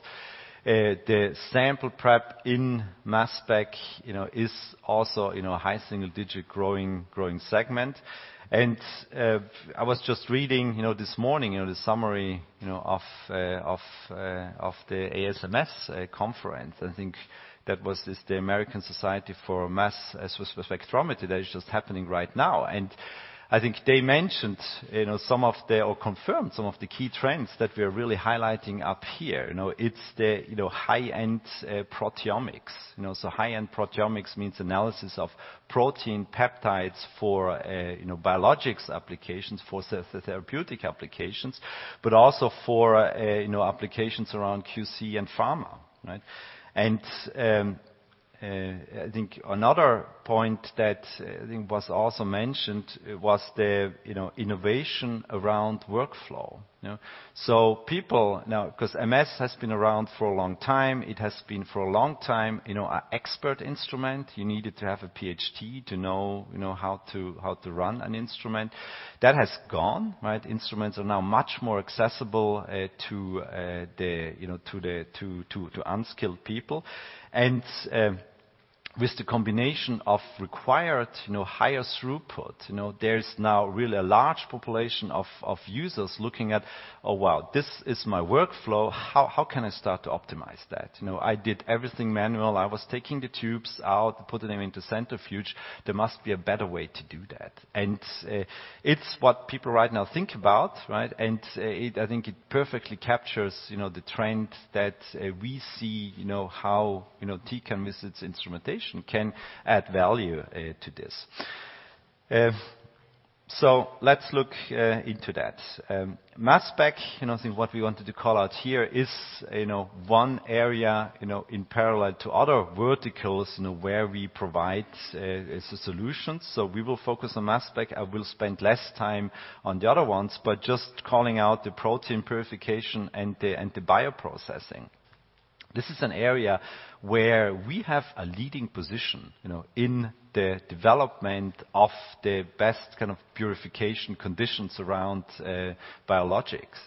The sample prep in mass spec is also high single-digit growing segment. And I was just reading this morning the summary of the ASMS conference, I think that was the American Society for Mass Spectrometry that is just happening right now. And I think they mentioned or confirmed some of the key trends that we're really highlighting up here. It's the high-end proteomics. So high-end proteomics means analysis of protein peptides for biologics applications, for therapeutic applications, but also for applications around QC and pharma, right? And I think another point that I think was also mentioned was the innovation around workflow. Because MS has been around for a long time, it has been for a long time an expert instrument. You needed to have a PhD to know how to run an instrument. That has gone, right? Instruments are now much more accessible to unskilled people. With the combination of required higher throughput, there is now really a large population of users looking at, "Oh, wow, this is my workflow. How can I start to optimize that? I did everything manual. I was taking the tubes out, putting them into centrifuge. There must be a better way to do that." It's what people right now think about, right? I think it perfectly captures the trend that we see, how Tecan, with its instrumentation, can add value to this. Let's look into that. Mass spec, what we wanted to call out here is one area in parallel to other verticals where we provide solutions. We will focus on mass spec. I will spend less time on the other ones, but just calling out the protein purification and the bioprocessing. This is an area where we have a leading position in the development of the best kind of purification conditions around biologics.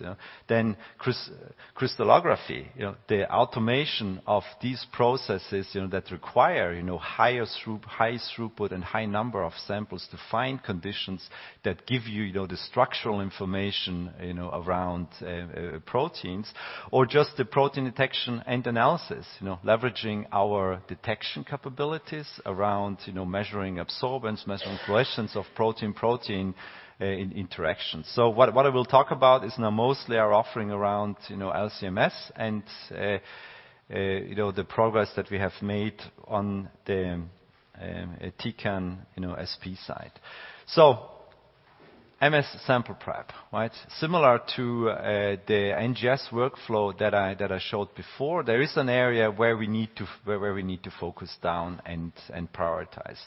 Crystallography, the automation of these processes that require high throughput and high number of samples to find conditions that give you the structural information around proteins or just the protein detection and analysis, leveraging our detection capabilities around measuring absorbance, measuring fluorescence of protein-protein interactions. What I will talk about is mostly our offering around LC-MS and the progress that we have made on the Tecan SP side. MS sample prep, right? Similar to the NGS workflow that I showed before, there is an area where we need to focus down and prioritize.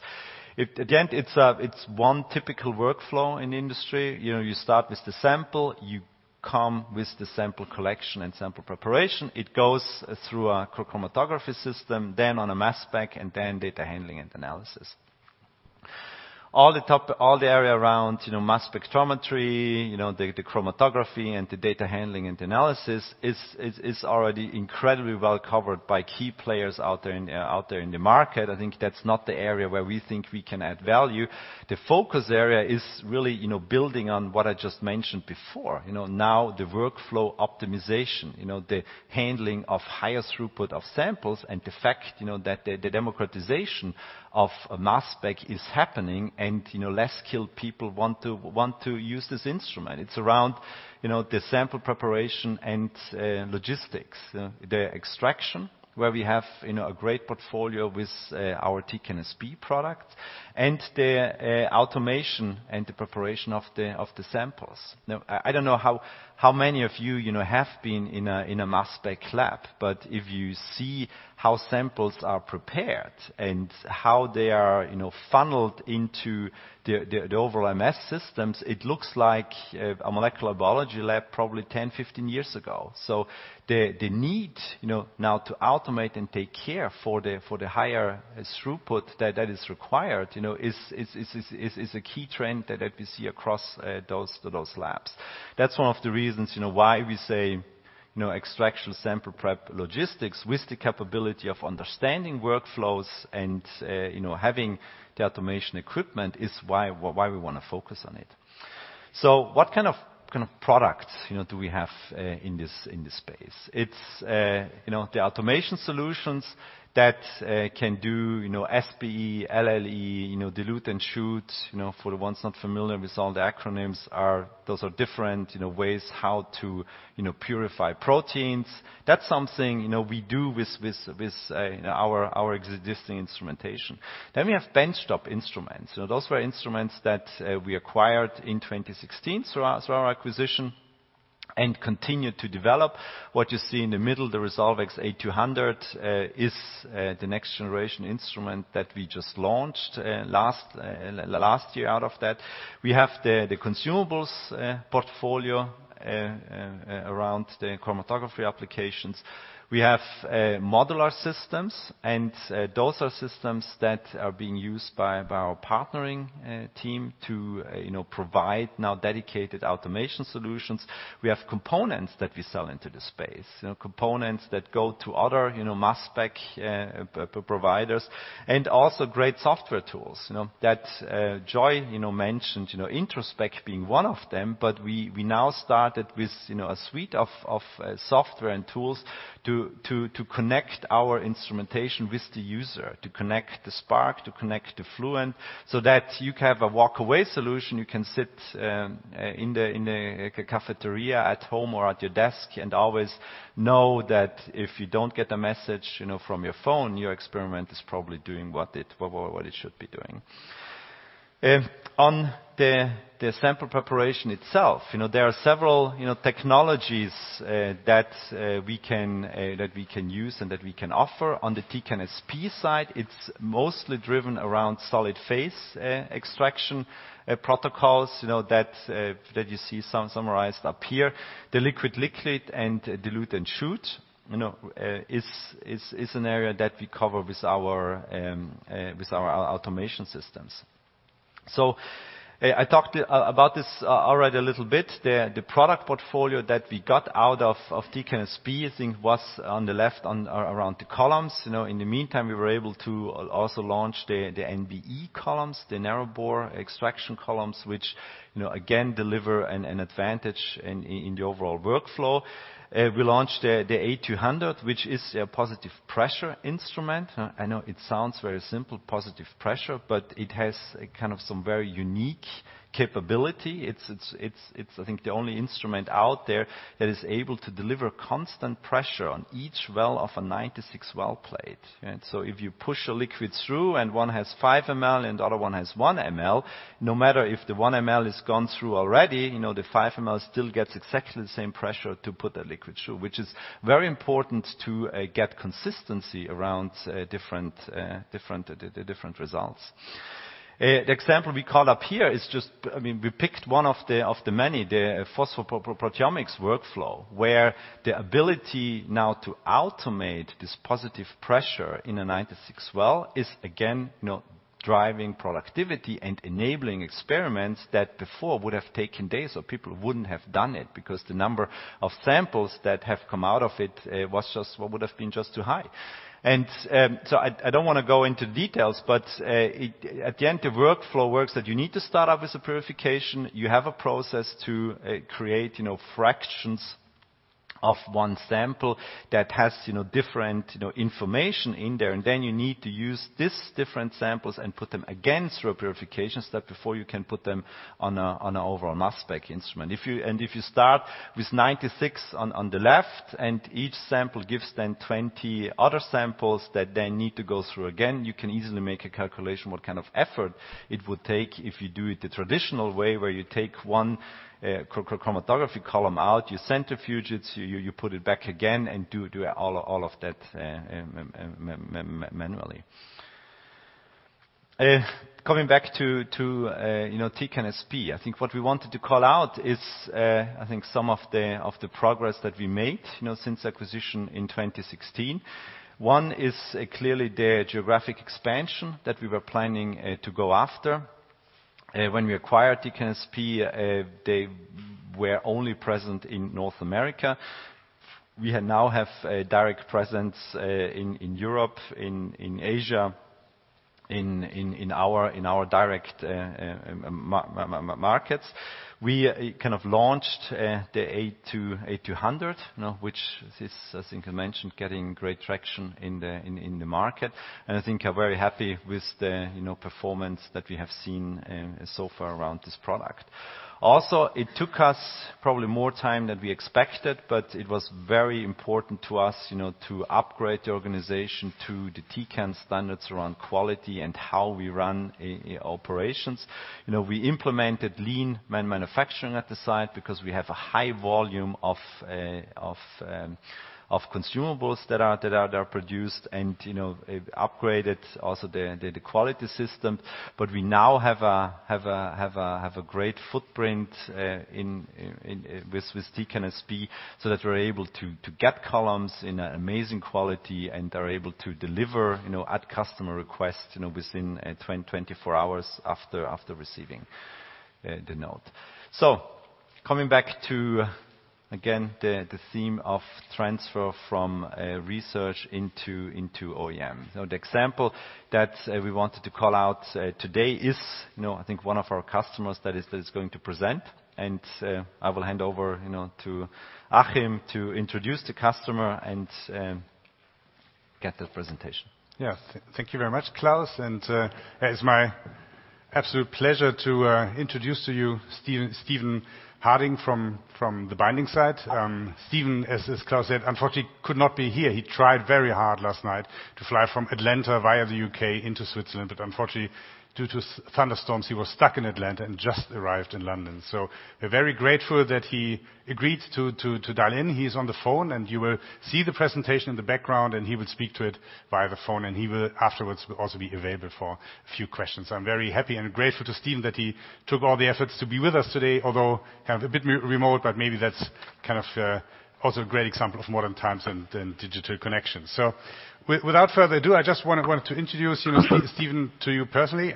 It's one typical workflow in the industry. You start with the sample, you come with the sample collection and sample preparation. It goes through a chromatography system, then on a mass spec, and then data handling and analysis. All the area around mass spectrometry, the chromatography, and the data handling and analysis is already incredibly well-covered by key players out there in the market. I think that's not the area where we think we can add value. The focus area is really building on what I just mentioned before. Now the workflow optimization, the handling of higher throughput of samples, and the fact that the democratization of mass spec is happening and less skilled people want to use this instrument. It's around the sample preparation and logistics, the extraction, where we have a great portfolio with our Tecan SP product, and the automation and the preparation of the samples. I don't know how many of you have been in a mass spec lab, but if you see how samples are prepared and how they are funneled into the overall MS systems, it looks like a molecular biology lab probably 10, 15 years ago. The need now to automate and take care for the higher throughput that is required is a key trend that we see across those labs. That's one of the reasons why we say extraction sample prep logistics with the capability of understanding workflows and having the automation equipment is why we want to focus on it. What kind of products do we have in this space? It's the automation solutions that can do SPE, LLE, dilute-and-shoot. For the ones not familiar with all the acronyms, those are different ways how to purify proteins. That's something we do with our existing instrumentation. We have benchtop instruments. Those were instruments that we acquired in 2016 through our acquisition and continue to develop. What you see in the middle, the Resolvex A200, is the next generation instrument that we just launched last year out of that. We have the consumables portfolio around the chromatography applications. We have modular systems, and those are systems that are being used by our partnering team to provide now dedicated automation solutions. We have components that we sell into the space, components that go to other mass spec providers, and also great software tools that Joy mentioned, Introspect being one of them. We now started with a suite of software and tools to connect our instrumentation with the user, to connect the Spark, to connect the Fluent, so that you can have a walk-away solution. You can sit in a cafeteria, at home, or at your desk and always know that if you don't get a message from your phone, your experiment is probably doing what it should be doing. On the Tecan SP side, it is mostly driven around solid phase extraction protocols that you see summarized up here. The liquid-liquid and dilute and shoot is an area that we cover with our automation systems. I talked about this already a little bit. The product portfolio that we got out of Tecan SP, I think, was on the left around the columns. In the meantime, we were able to also launch the NBE columns, the Narrow Bore Extraction columns, which again deliver an advantage in the overall workflow. We launched the A200, which is a positive pressure instrument. I know it sounds very simple, positive pressure, but it has some very unique capability. It is the only instrument out there that is able to deliver constant pressure on each well of a 96-well plate. If you push a liquid through and one has 5 mL and the other one has 1 mL, no matter if the 1 mL has gone through already, the 5 mL still gets exactly the same pressure to put that liquid through, which is very important to get consistency around different results. The example we call up here, we picked one of the many, the phosphoproteomics workflow, where the ability now to automate this positive pressure in a 96-well is, again, driving productivity and enabling experiments that before would have taken days or people wouldn't have done it, because the number of samples that have come out of it would have been just too high. I don't want to go into details, but at the end, the workflow works that you need to start off with a purification. You have a process to create fractions of one sample that has different information in there. Then you need to use these different samples and put them again through a purification step before you can put them on an overall mass spec instrument. If you start with 96 on the left and each sample gives then 20 other samples that then need to go through again, you can easily make a calculation what kind of effort it would take if you do it the traditional way, where you take one chromatography column out, you centrifuge it, you put it back again, and do all of that manually. Coming back to Tecan SP, I think what we wanted to call out is, I think some of the progress that we made since acquisition in 2016. Clearly the geographic expansion that we were planning to go after. When we acquired Tecan SP, they were only present in North America. We now have a direct presence in Europe, Asia, in our direct markets. We kind of launched the A200, which is, as Inka mentioned, getting great traction in the market. I think are very happy with the performance that we have seen so far around this product. It took us probably more time than we expected, but it was very important to us to upgrade the organization to the Tecan standards around quality and how we run operations. We implemented lean manufacturing at the site because we have a high volume of consumables that are produced and upgraded also the quality system. We now have a great footprint with Tecan SP, so that we're able to get columns in amazing quality and are able to deliver at customer request within 24 hours after receiving the note. Coming back to, again, the theme of transfer from research into OEM. The example that we wanted to call out today is I think one of our customers that is going to present, I will hand over to Achim to introduce the customer and get the presentation. Yes. Thank you very much, Klaus. It's my absolute pleasure to introduce to you Stephen Harding from The Binding Site. Stephen, as Klaus said, unfortunately could not be here. He tried very hard last night to fly from Atlanta via the U.K. into Switzerland, but unfortunately, due to thunderstorms, he was stuck in Atlanta and just arrived in London. We're very grateful that he agreed to dial in. He's on the phone, you will see the presentation in the background, he will speak to it via the phone, he will afterwards also be available for a few questions. I'm very happy and grateful to Stephen that he took all the efforts to be with us today, although kind of a bit remote, maybe that's kind of also a great example of modern times and digital connections. Without further ado, I just want to introduce Stephen to you personally.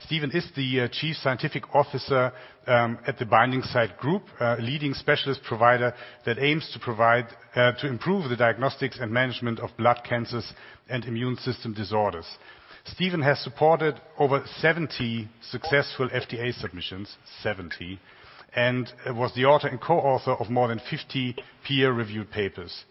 Stephen is the Chief Scientific Officer at The Binding Site Group, a leading specialist provider that aims to improve the diagnostics and management of blood cancers and immune system disorders. Stephen has supported over 70 successful FDA submissions, 70, and was the author and co-author of more than 50 peer-reviewed papers.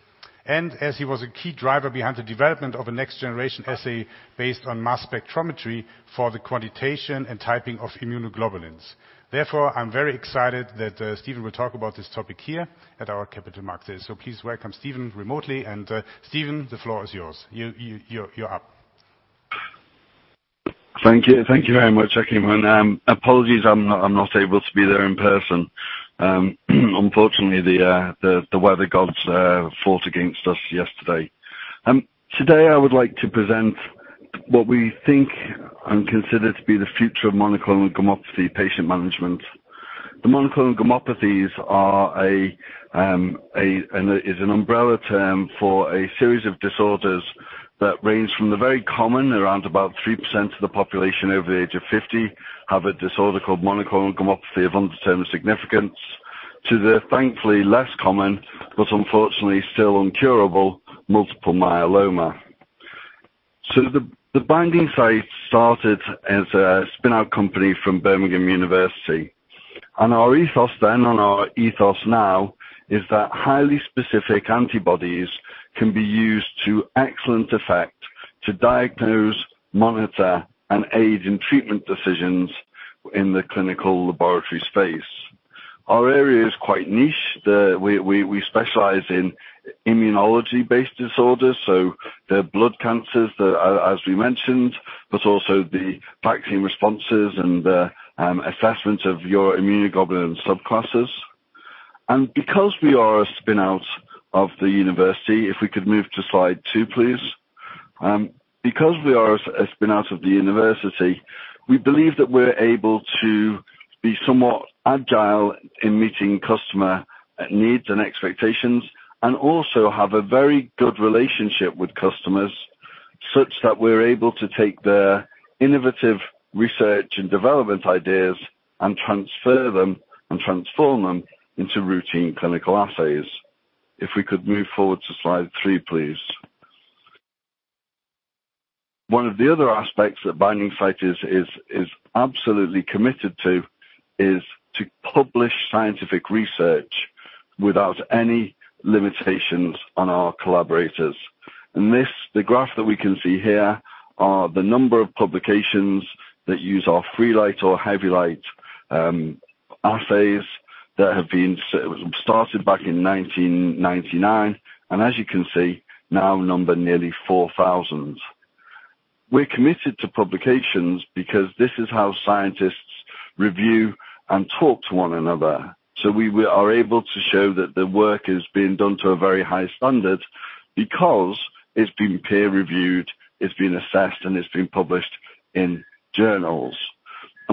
As he was a key driver behind the development of a next-generation assay based on mass spectrometry for the quantitation and typing of immunoglobulins. I'm very excited that Stephen will talk about this topic here at our Capital Markets Day. Please welcome Stephen remotely, and Stephen, the floor is yours. You're up. Thank you. Thank you very much, Achim, and apologies I'm not able to be there in person. Unfortunately, the weather gods fought against us yesterday. Today, I would like to present what we think and consider to be the future of monoclonal gammopathy patient management. The monoclonal gammopathies is an umbrella term for a series of disorders that range from the very common, around about 3% of the population over the age of 50 have a disorder called monoclonal gammopathy of undetermined significance, to the thankfully less common, but unfortunately still uncurable, multiple myeloma. The Binding Site started as a spin-out company from the University of Birmingham. Our ethos then and our ethos now is that highly specific antibodies can be used to excellent effect to diagnose, monitor, and aid in treatment decisions in the clinical laboratory space. Our area is quite niche. We specialize in immunology-based disorders, the blood cancers, as we mentioned, but also the vaccine responses and assessments of your immunoglobulin subclasses. Because we are a spin-out of the university, if we could move to slide two, please. Because we are a spin-out of the university, we believe that we're able to be somewhat agile in meeting customer needs and expectations, and also have a very good relationship with customers, such that we're able to take their innovative research and development ideas and transfer them and transform them into routine clinical assays. If we could move forward to slide three, please. One of the other aspects that The Binding Site is absolutely committed to is to publish scientific research without any limitations on our collaborators. This, the graph that we can see here, are the number of publications that use our Freelite or Hevylite assays that have been started back in 1999, and as you can see, now number nearly 4,000. We're committed to publications because this is how scientists review and talk to one another. We are able to show that the work is being done to a very high standard because it's been peer-reviewed, it's been assessed, and it's been published in journals.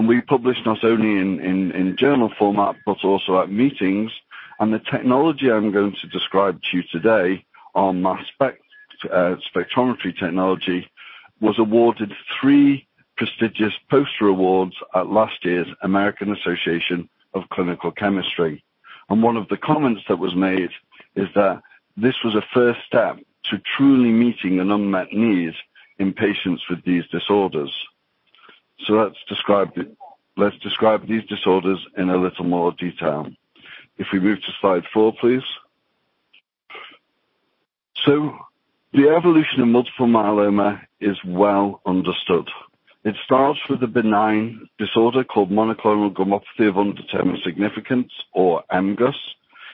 We publish not only in journal format, but also at meetings. The technology I'm going to describe to you today on mass spectrometry technology, was awarded three prestigious poster awards at last year's American Association for Clinical Chemistry. One of the comments that was made is that this was a first step to truly meeting an unmet need in patients with these disorders. Let's describe these disorders in a little more detail. If we move to slide four, please. The evolution of multiple myeloma is well understood. It starts with a benign disorder called monoclonal gammopathy of undetermined significance, or MGUS.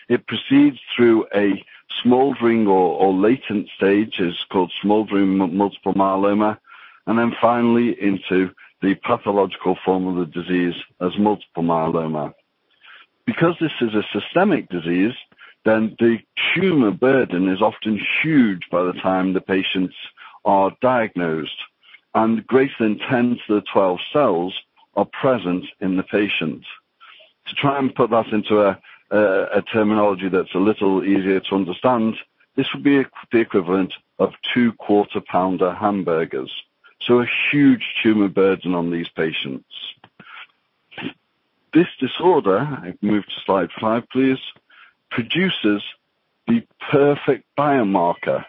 It proceeds through a smoldering or latent stages called smoldering multiple myeloma, and finally into the pathological form of the disease as multiple myeloma. Because this is a systemic disease, the tumor burden is often huge by the time the patients are diagnosed, and greater than 10 to the 12 cells are present in the patient. To try and put that into a terminology that's a little easier to understand, this would be the equivalent of two Quarter Pounder hamburgers. A huge tumor burden on these patients. This disorder, if we move to slide five, please, produces the perfect biomarker,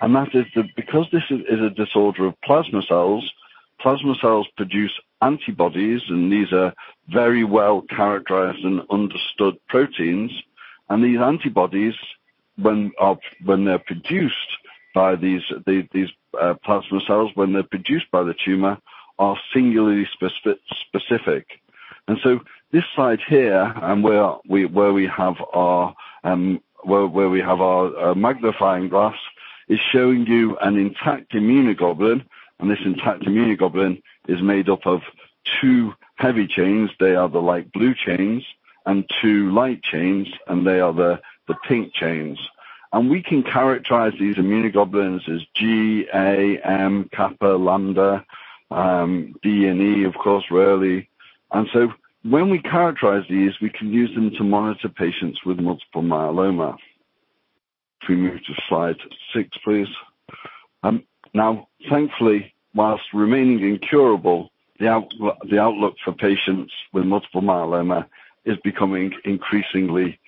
that is that because this is a disorder of plasma cells, plasma cells produce antibodies, and these are very well characterized and understood proteins. These antibodies, when they're produced by these plasma cells, when they're produced by the tumor, are singularly specific. This slide here, where we have our magnifying glass, is showing you an intact immunoglobulin. This intact immunoglobulin is made up of two heavy chains, they are the light blue chains, and two light chains, and they are the pink chains. We can characterize these immunoglobulins as G, A, M, kappa, lambda, D and E, of course, rarely. When we characterize these, we can use them to monitor patients with multiple myeloma. If we move to slide six, please. Thankfully, whilst remaining incurable, the outlook for patients with multiple myeloma is becoming increasingly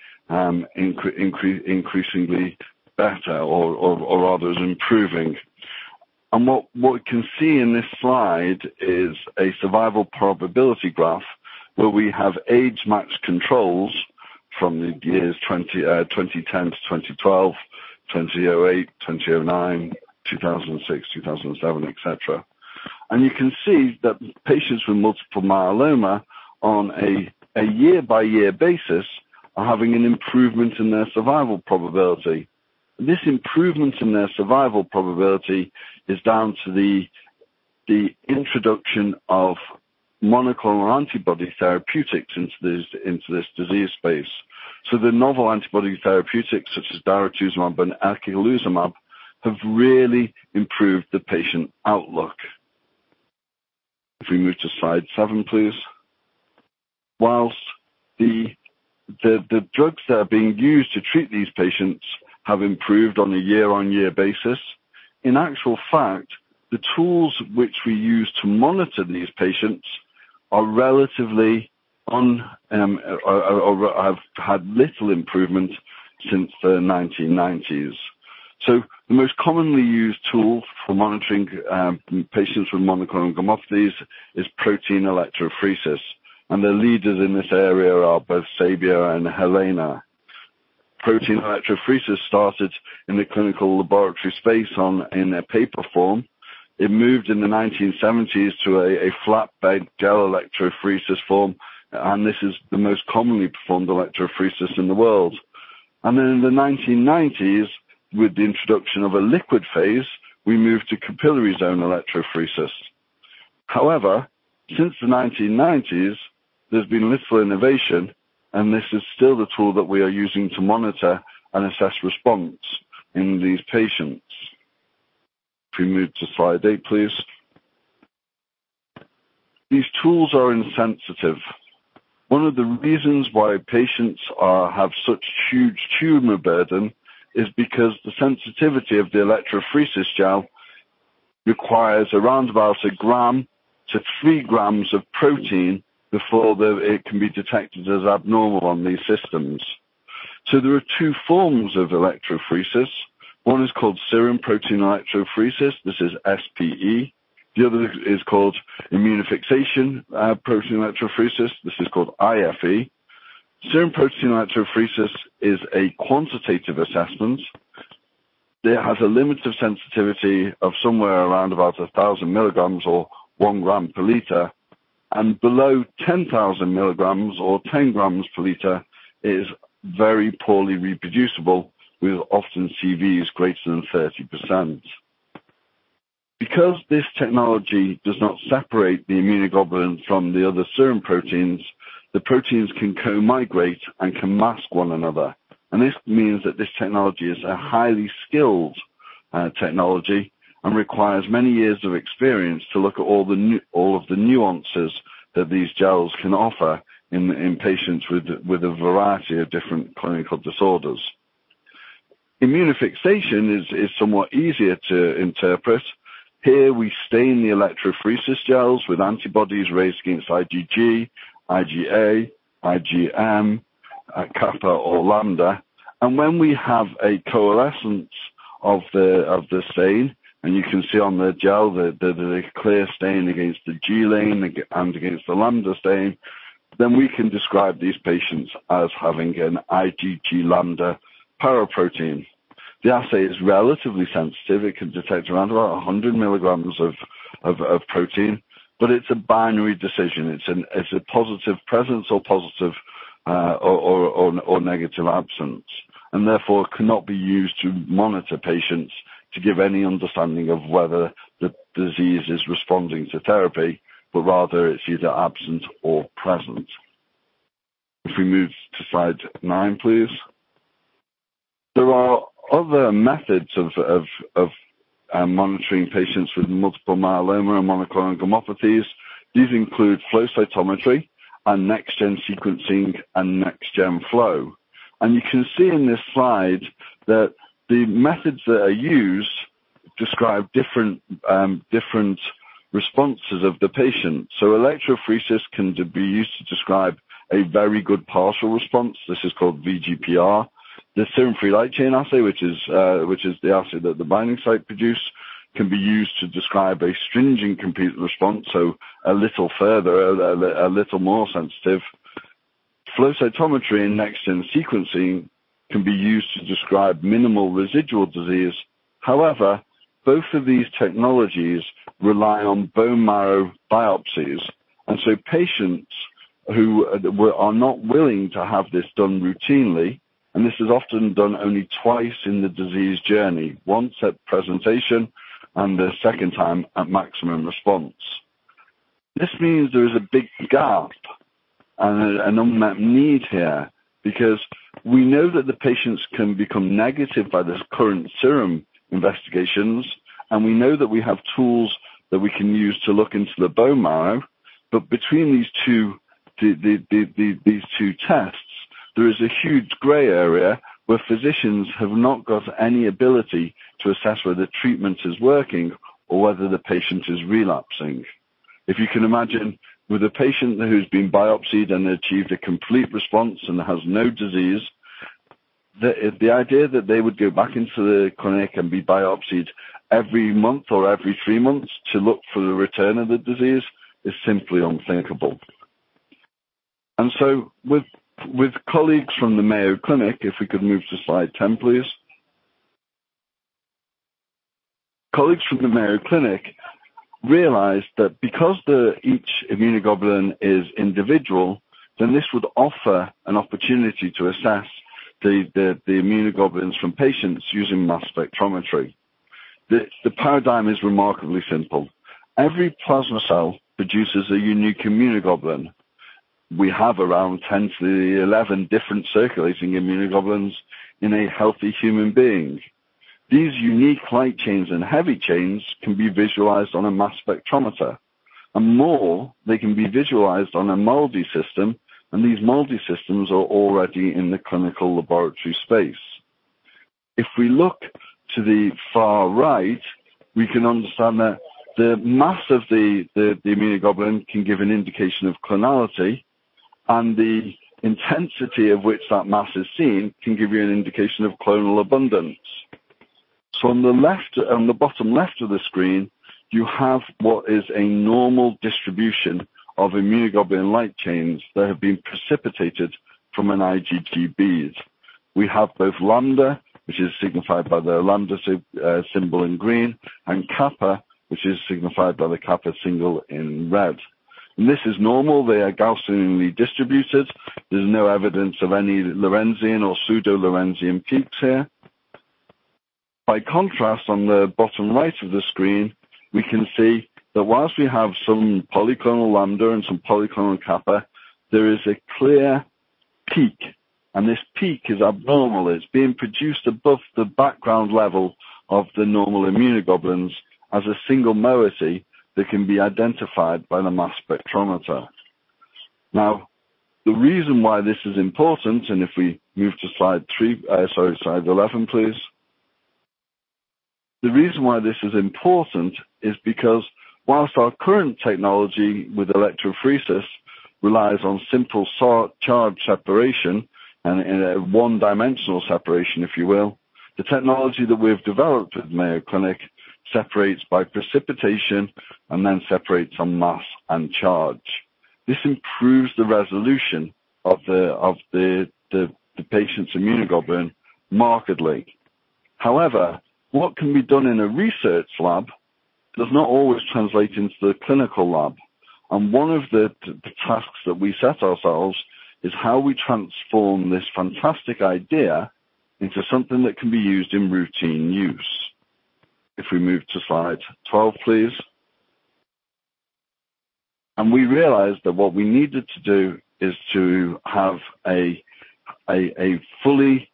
better, or rather, is improving. What we can see in this slide is a survival probability graph where we have age-matched controls from the years 2010-2012, 2008, 2009, 2006, 2007, et cetera. You can see that patients with multiple myeloma on a year-by-year basis are having an improvement in their survival probability. This improvement in their survival probability is down to the introduction of monoclonal antibody therapeutics into this disease space. The novel antibody therapeutics such as daratumumab and elotuzumab have really improved the patient outlook. If we move to slide seven, please. Whilst the drugs that are being used to treat these patients have improved on a year-on-year basis, in actual fact, the tools which we use to monitor these patients have had little improvement since the 1990s. The most commonly used tool for monitoring patients with monoclonal gammopathies is protein electrophoresis, the leaders in this area are both Sebia and Helena. Protein electrophoresis started in the clinical laboratory space in a paper form. It moved in the 1970s to a flat bed gel electrophoresis form, this is the most commonly performed electrophoresis in the world. In the 1990s, with the introduction of a liquid phase, we moved to capillary zone electrophoresis. However, since the 1990s, there's been little innovation, this is still the tool that we are using to monitor and assess response in these patients. If we move to slide eight, please. These tools are insensitive. One of the reasons why patients have such huge tumor burden is because the sensitivity of the electrophoresis gel requires around about a gram to three grams of protein before it can be detected as abnormal on these systems. There are two forms of electrophoresis. One is called serum protein electrophoresis. This is SPE. The other is called immunofixation protein electrophoresis. This is called IFE. Serum protein electrophoresis is a quantitative assessment that has a limited sensitivity of somewhere around about 1,000 milligrams or one gram per liter, and below 10,000 milligrams or 10 grams per liter is very poorly reproducible with often CVs greater than 30%. Because this technology does not separate the immunoglobulin from the other serum proteins, the proteins can co-migrate and can mask one another. This means that this technology is a highly skilled technology and requires many years of experience to look at all of the nuances that these gels can offer in patients with a variety of different clinical disorders. Immunofixation is somewhat easier to interpret. Here, we stain the electrophoresis gels with antibodies raised against IgG, IgA, IgM, kappa or lambda. When we have a coalescence of the stain, and you can see on the gel the clear stain against the G lane and against the lambda stain, then we can describe these patients as having an IgG lambda paraprotein. The assay is relatively sensitive. It can detect around about 100 milligrams of protein, but it's a binary decision. It's a positive presence or negative absence, therefore cannot be used to monitor patients to give any understanding of whether the disease is responding to therapy, but rather it's either absent or present. If we move to slide nine, please. There are other methods of monitoring patients with multiple myeloma and monoclonal gammopathies. These include flow cytometry and next-gen sequencing and next-gen flow. You can see in this slide that the methods that are used describe different responses of the patient. Electrophoresis can be used to describe a very good partial response. This is called VGPR. The serum free light chain assay, which is the assay that The Binding Site produce, can be used to describe a stringent complete response, so a little further, a little more sensitive. Flow cytometry and next-gen sequencing can be used to describe minimal residual disease. However, both of these technologies rely on bone marrow biopsies, patients who are not willing to have this done routinely, this is often done only twice in the disease journey, once at presentation and the second time at maximum response. This means there is a big gap and an unmet need here, because we know that the patients can become negative by these current serum investigations, we know that we have tools that we can use to look into the bone marrow. Between these two tests, there is a huge gray area where physicians have not got any ability to assess whether treatment is working or whether the patient is relapsing. If you can imagine with a patient who's been biopsied and achieved a complete response and has no disease, the idea that they would go back into the clinic and be biopsied every month or every three months to look for the return of the disease is simply unthinkable. With colleagues from the Mayo Clinic, if we could move to slide 10, please. Colleagues from the Mayo Clinic realized that because each immunoglobulin is individual, this would offer an opportunity to assess the immunoglobulins from patients using mass spectrometry. The paradigm is remarkably simple. Every plasma cell produces a unique immunoglobulin. We have around 10 to the 11 different circulating immunoglobulins in a healthy human being. These unique light chains and heavy chains can be visualized on a mass spectrometer, more, they can be visualized on a MALDI system, and these MALDI systems are already in the clinical laboratory space. If we look to the far right, we can understand that the mass of the immunoglobulin can give an indication of clonality, the intensity of which that mass is seen can give you an indication of clonal abundance. On the bottom left of the screen, you have what is a normal distribution of immunoglobulin light chains that have been precipitated from an IgG bead. We have both lambda, which is signified by the lambda symbol in green, and kappa, which is signified by the kappa symbol in red. This is normal. They are Gaussianly distributed. There's no evidence of any Lorentzian or pseudo-Lorentzian peaks here. By contrast, on the bottom right of the screen, we can see that whilst we have some polyclonal lambda and some polyclonal kappa, there is a clear peak, and this peak is abnormal. It's being produced above the background level of the normal immunoglobulins as a single moiety that can be identified by the mass spectrometer. The reason why this is important, if we move to slide 11, please. The reason why this is important is because whilst our current technology with electrophoresis relies on simple sort charge separation and in a one-dimensional separation, if you will, the technology that we've developed with Mayo Clinic separates by precipitation and then separates on mass and charge. This improves the resolution of the patient's immunoglobulin markedly. However, what can be done in a research lab does not always translate into the clinical lab. One of the tasks that we set ourselves is how we transform this fantastic idea into something that can be used in routine use. If we move to slide 12, please. We realized that what we needed to do is to have a fully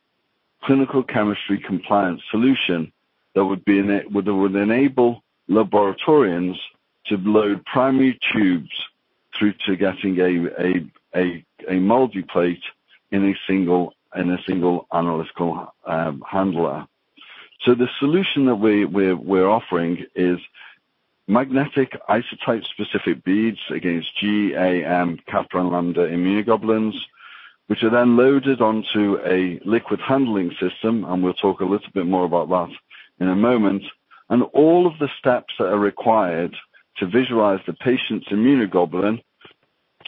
clinical chemistry compliant solution that would enable laboratorians to load primary tubes through to getting a multiplate in a single analytical handler. The solution that we're offering is magnetic isotype-specific beads against G, A, M, kappa, and lambda immunoglobulins, which are then loaded onto a liquid handling system, and we'll talk a little bit more about that in a moment. All of the steps that are required to visualize the patient's immunoglobulin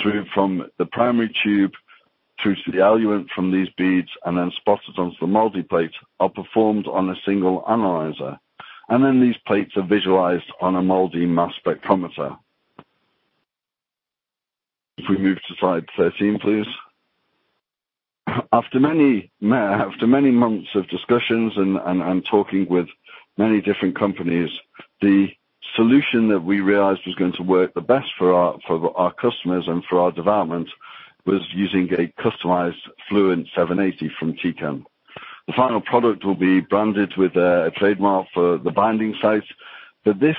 through from the primary tube through to the eluent from these beads and then spotted onto the multiplate are performed on a single analyzer. Then these plates are visualized on a MALDI mass spectrometer. If we move to slide 13, please. After many months of discussions and talking with many different companies, the solution that we realized was going to work the best for our customers and for our development was using a customized Fluent 780 from Tecan. The final product will be branded with a trademark for The Binding Site, but this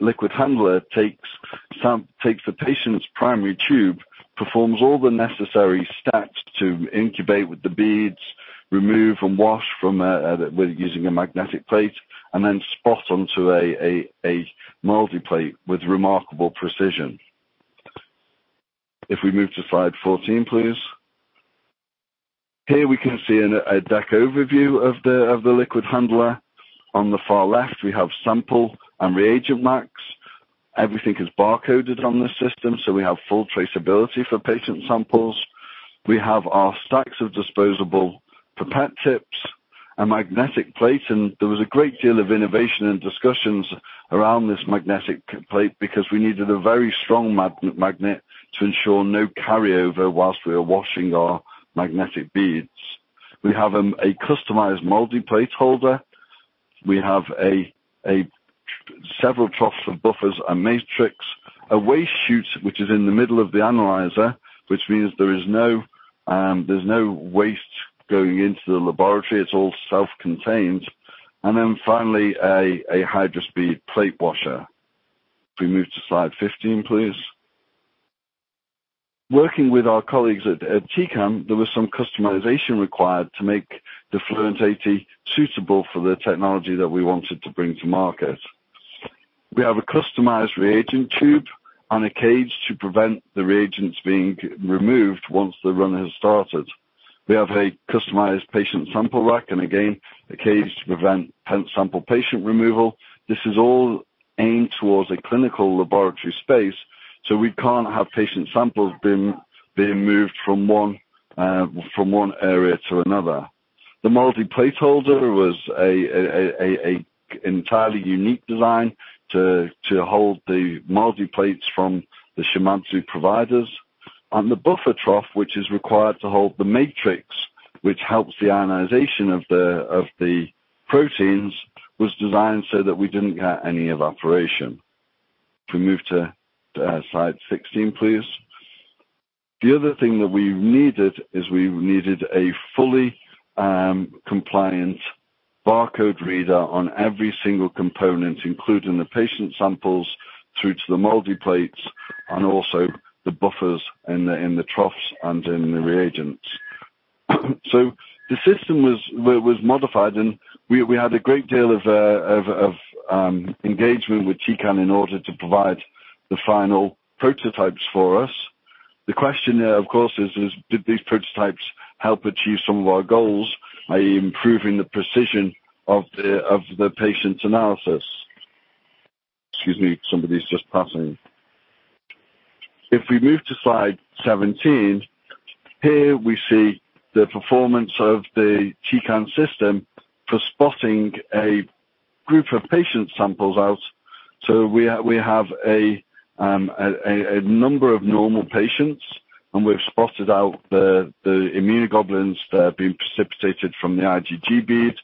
liquid handler takes the patient's primary tube, performs all the necessary steps to incubate with the beads, remove and wash using a magnetic plate, and then spot onto a multiplate with remarkable precision. If we move to slide 14, please. Here we can see a deck overview of the liquid handler. On the far left, we have sample and reagent racks. Everything is bar-coded on this system, so we have full traceability for patient samples. We have our stacks of disposable pipette tips and magnetic plate, and there was a great deal of innovation and discussions around this magnetic plate because we needed a very strong magnet to ensure no carryover whilst we are washing our magnetic beads. We have a customized multiplate holder. We have several troughs of buffers and matrix. A waste chute, which is in the middle of the analyzer, which means there's no waste going into the laboratory. It's all self-contained. Finally, a HydroSpeed plate washer. If we move to slide 15, please. Working with our colleagues at Tecan, there was some customization required to make the Fluent 780 suitable for the technology that we wanted to bring to market. We have a customized reagent tube and a cage to prevent the reagents being removed once the run has started. We have a customized patient sample rack and, again, a cage to prevent sample patient removal. This is all aimed towards a clinical laboratory space, so we can't have patient samples being moved from one area to another. The multiplate holder was an entirely unique design to hold the multiplates from the Shimadzu providers. The buffer trough, which is required to hold the matrix, which helps the ionization of the proteins, was designed so that we didn't get any evaporation. If we move to slide 16, please. The other thing that we needed is we needed a fully compliant barcode reader on every single component, including the patient samples through to the multiplates and also the buffers in the troughs and in the reagents. The system was modified, and we had a great deal of engagement with Tecan in order to provide the final prototypes for us. The question now, of course, is did these prototypes help achieve some of our goals, i.e., improving the precision of the patient's analysis? Excuse me, somebody's just passing. If we move to slide 17, here we see the performance of the Tecan system for spotting a group of patient samples out. We have a number of normal patients, and we've spotted out the immunoglobulins that have been precipitated from the IgG bead.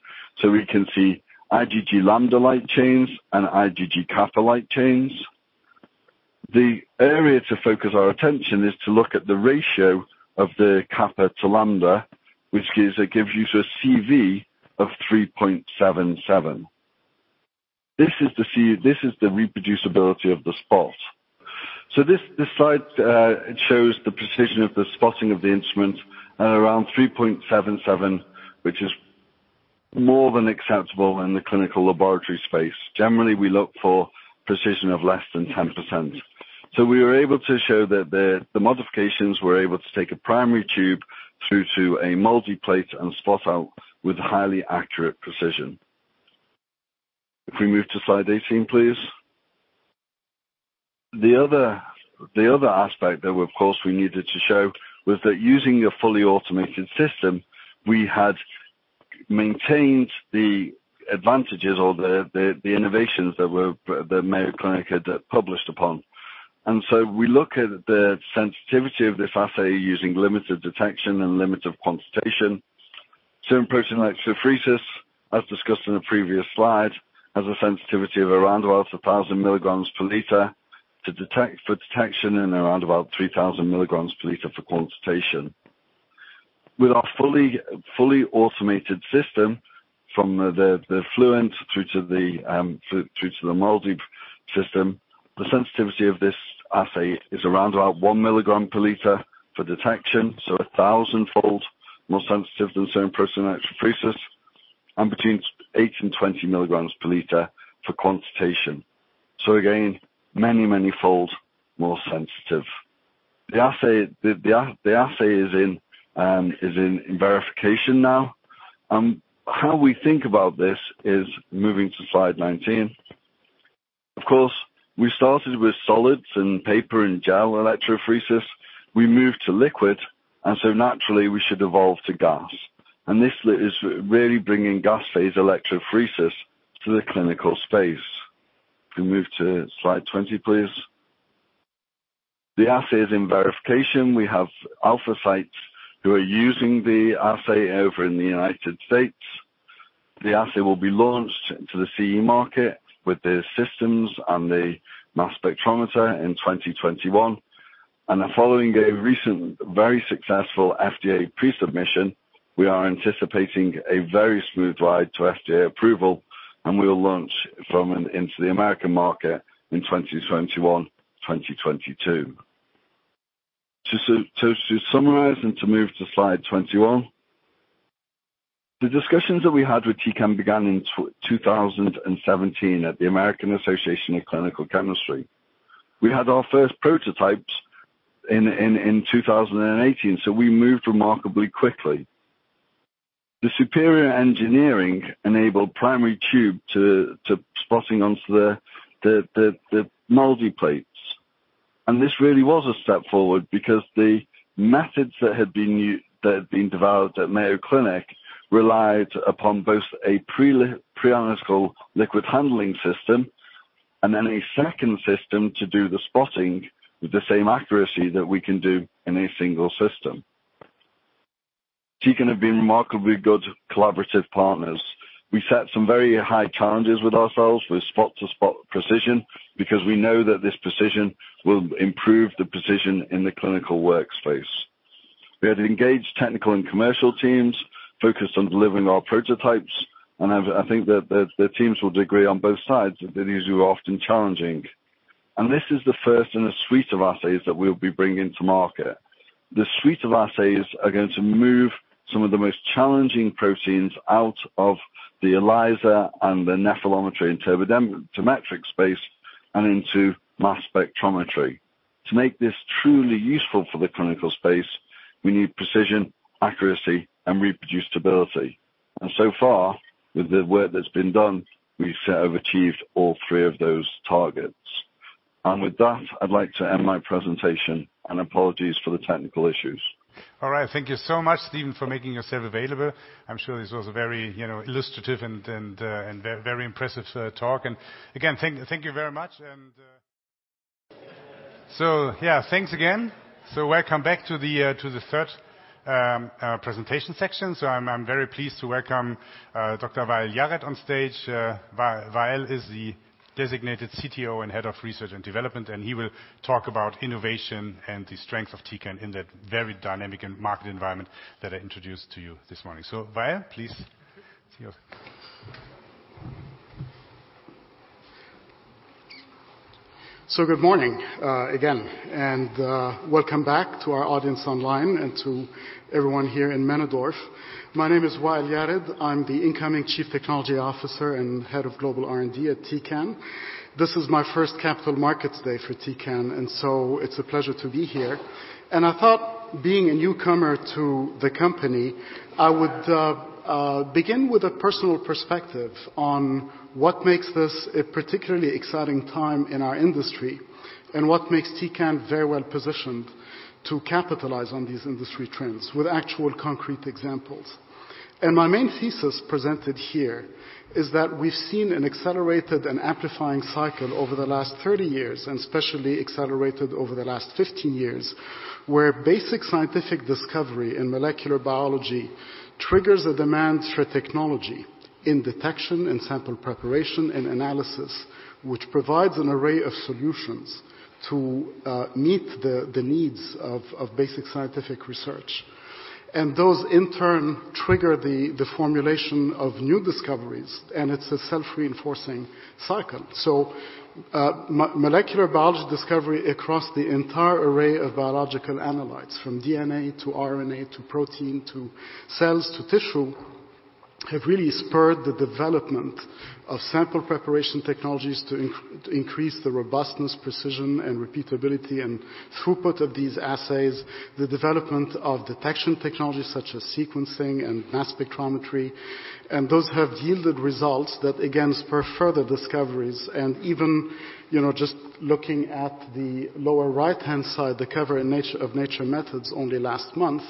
We can see IgG lambda light chains and IgG kappa light chains. The area to focus our attention is to look at the ratio of the kappa to lambda, which gives you a CV of 3.77. This is the reproducibility of the spot. This slide shows the precision of the spotting of the instrument at around 3.77, which is more than acceptable in the clinical laboratory space. Generally, we look for precision of less than 10%. We were able to show that the modifications were able to take a primary tube through to a multi-plate and spot out with highly accurate precision. If we move to slide 18, please. The other aspect that, of course, we needed to show was that using a fully automated system, we had maintained the advantages or the innovations that Mayo Clinic had published upon. We look at the sensitivity of this assay using limited detection and limited quantitation. Serum protein electrophoresis, as discussed in the previous slide, has a sensitivity of around 1,000 milligrams per liter for detection, and around about 3,000 milligrams per liter for quantitation. With our fully automated system, from the Fluent through to the multi system, the sensitivity of this assay is around about 1 milligram per liter for detection, so 1,000 fold more sensitive than serum protein electrophoresis, and between 8 and 20 milligrams per liter for quantitation. Again, many, many fold more sensitive. The assay is in verification now, and how we think about this is moving to slide 19. We started with solids and paper and gel electrophoresis. We moved to liquid, naturally, we should evolve to gas. This is really bringing gas phase electrophoresis to the clinical space. If we move to slide 20, please. The assay is in verification. We have alpha sites who are using the assay over in the U.S. The assay will be launched to the CE market with the systems and the mass spectrometer in 2021. Following a recent, very successful FDA pre-submission, we are anticipating a very smooth ride to FDA approval, and we will launch into the American market in 2021, 2022. To summarize and to move to slide 21. The discussions that we had with Tecan began in 2017 at the American Association for Clinical Chemistry. We had our first prototypes in 2018, we moved remarkably quickly. The superior engineering enabled primary tube to spotting onto the multi-plates. This really was a step forward because the methods that had been developed at Mayo Clinic relied upon both a pre-analytical liquid handling system and then a second system to do the spotting with the same accuracy that we can do in a single system. Tecan have been remarkably good collaborative partners. We set some very high challenges with ourselves with spot-to-spot precision because we know that this precision will improve the precision in the clinical workspace. We had engaged technical and commercial teams focused on delivering our prototypes, I think that the teams will agree on both sides that these were often challenging. This is the first in a suite of assays that we'll be bringing to market. The suite of assays are going to move some of the most challenging proteins out of the ELISA and the nephelometry interferometric space and into mass spectrometry. To make this truly useful for the clinical space, we need precision, accuracy, and reproducibility. So far, with the work that's been done, we've achieved all three of those targets. With that, I'd like to end my presentation, and apologies for the technical issues. All right. Thank you so much, Stephen, for making yourself available. I am sure this was a very illustrative and very impressive talk. Again, thank you very much. So yeah, thanks again. Welcome back to the third presentation section. I am very pleased to welcome Dr. Wael Yared on stage. Wael is the designated Chief Technology Officer and head of research and development, and he will talk about innovation and the strength of Tecan in that very dynamic market environment that I introduced to you this morning. Wael, please. It is yours. Good morning again, and welcome back to our audience online and to everyone here in Männedorf. My name is Wael Yared. I am the incoming Chief Technology Officer and head of global R&D at Tecan. This is my first capital markets day for Tecan, so it is a pleasure to be here. I thought, being a newcomer to the company, I would begin with a personal perspective on what makes this a particularly exciting time in our industry and what makes Tecan very well-positioned to capitalize on these industry trends with actual concrete examples. My main thesis presented here is that we've seen an accelerated and amplifying cycle over the last 30 years, especially accelerated over the last 15 years, where basic scientific discovery in molecular biology triggers a demand for technology in detection, in sample preparation, in analysis, which provides an array of solutions to meet the needs of basic scientific research. Those in turn trigger the formulation of new discoveries, and it is a self-reinforcing cycle. Molecular biology discovery across the entire array of biological analytes, from DNA to RNA to protein to cells to tissue, has really spurred the development of sample preparation technologies to increase the robustness, precision, repeatability and throughput of these assays. The development of detection technologies such as sequencing and mass spectrometry. Those have yielded results that again spur further discoveries and even just looking at the lower right-hand side, the cover of Nature Methods only last month,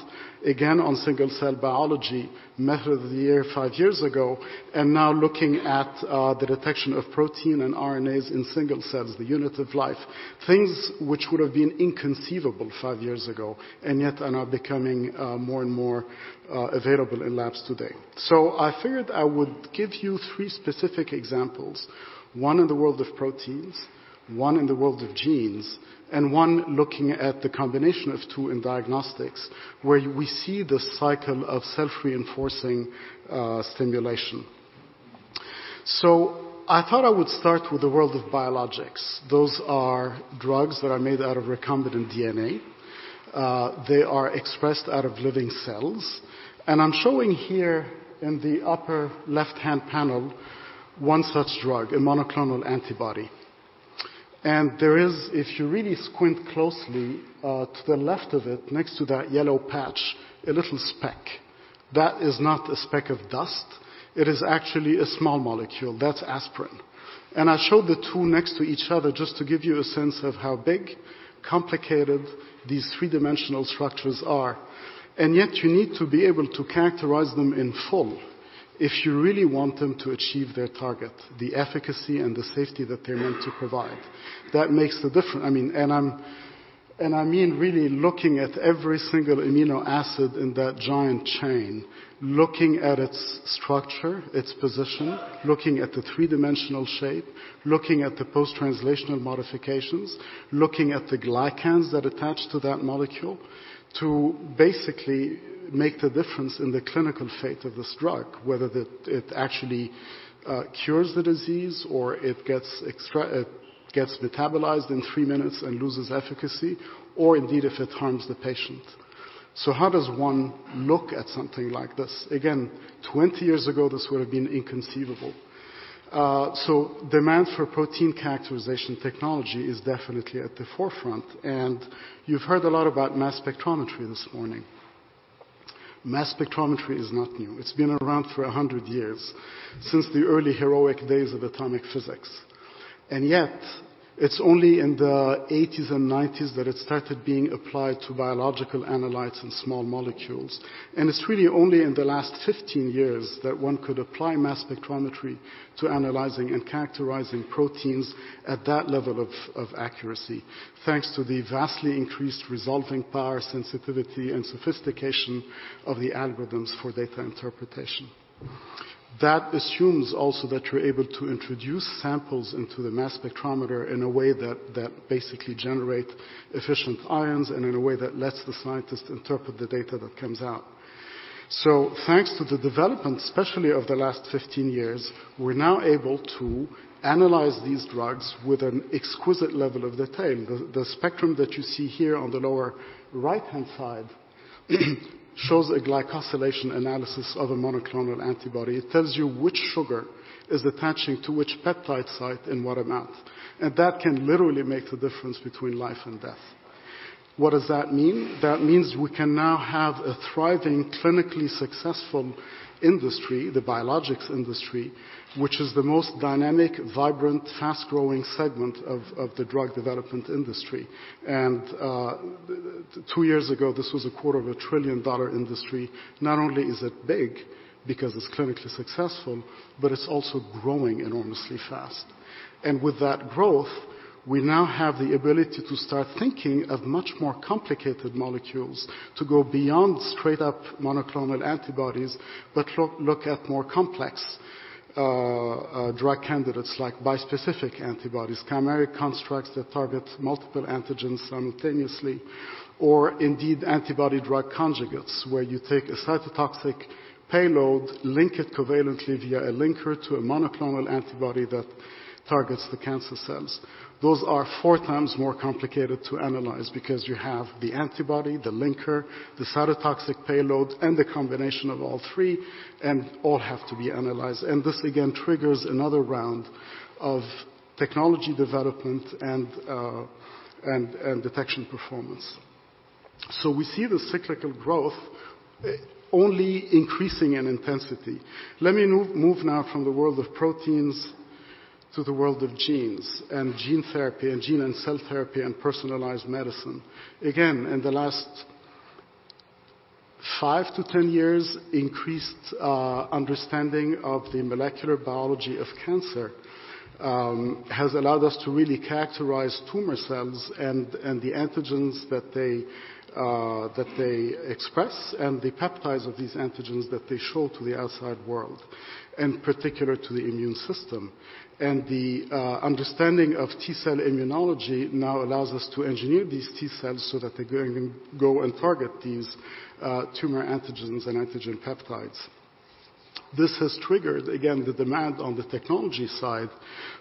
again on single-cell biology, Method of the Year five years ago, and now looking at the detection of protein and RNAs in single cells, the unit of life. Things which would've been inconceivable five years ago and yet are now becoming more and more available in labs today. I figured I would give you three specific examples. One in the world of proteins, one in the world of genes, and one looking at the combination of two in diagnostics, where we see this cycle of self-reinforcing stimulation. I thought I would start with the world of biologics. Those are drugs that are made out of recombinant DNA. They are expressed out of living cells. I'm showing here in the upper left-hand panel, one such drug, a monoclonal antibody. There is, if you really squint closely, to the left of it, next to that yellow patch, a little speck. That is not a speck of dust. It is actually a small molecule. That's aspirin. I showed the two next to each other just to give you a sense of how big, complicated these three-dimensional structures are. Yet you need to be able to characterize them in full if you really want them to achieve their target, the efficacy and the safety that they're meant to provide. That makes the difference. I mean really looking at every single amino acid in that giant chain, looking at its structure, its position, looking at the three-dimensional shape, looking at the post-translational modifications, looking at the glycans that attach to that molecule to basically make the difference in the clinical fate of this drug, whether it actually cures the disease or it gets metabolized in three minutes and loses efficacy, or indeed if it harms the patient. How does one look at something like this? Again, 20 years ago, this would've been inconceivable. Demand for protein characterization technology is definitely at the forefront, and you've heard a lot about mass spectrometry this morning. Mass spectrometry is not new. It's been around for 100 years, since the early heroic days of atomic physics. Yet it's only in the '80s and '90s that it started being applied to biological analytes and small molecules. It's really only in the last 15 years that one could apply mass spectrometry to analyzing and characterizing proteins at that level of accuracy, thanks to the vastly increased resolving power, sensitivity and sophistication of the algorithms for data interpretation. That assumes also that you're able to introduce samples into the mass spectrometer in a way that basically generate efficient ions and in a way that lets the scientist interpret the data that comes out. Thanks to the development, especially over the last 15 years, we're now able to analyze these drugs with an exquisite level of detail. The spectrum that you see here on the lower right-hand side shows a glycosylation analysis of a monoclonal antibody. It tells you which sugar is attaching to which peptide site in what amount, and that can literally make the difference between life and death. What does that mean? That means we can now have a thriving, clinically successful industry, the biologics industry, which is the most dynamic, vibrant, fast-growing segment of the drug development industry. Two years ago, this was a quarter of a trillion-dollar industry. Not only is it big because it's clinically successful, but it's also growing enormously fast. With that growth, we now have the ability to start thinking of much more complicated molecules to go beyond straight-up monoclonal antibodies, but look at more complex drug candidates like bispecific antibodies, chimeric constructs that target multiple antigens simultaneously, or indeed antibody drug conjugates, where you take a cytotoxic payload, link it covalently via a linker to a monoclonal antibody that targets the cancer cells. Those are 4 times more complicated to analyze because you have the antibody, the linker, the cytotoxic payload, and the combination of all three, and all have to be analyzed. This again triggers another round of technology development and detection performance. We see the cyclical growth only increasing in intensity. Let me move now from the world of proteins to the world of genes and gene therapy and gene and cell therapy and personalized medicine. Again, in the last 5-10 years, increased understanding of the molecular biology of cancer has allowed us to really characterize tumor cells and the antigens that they express, and the peptides of these antigens that they show to the outside world, in particular to the immune system. The understanding of T cell immunology now allows us to engineer these T cells so that they can go and target these tumor antigens and antigen peptides. This has triggered, again, the demand on the technology side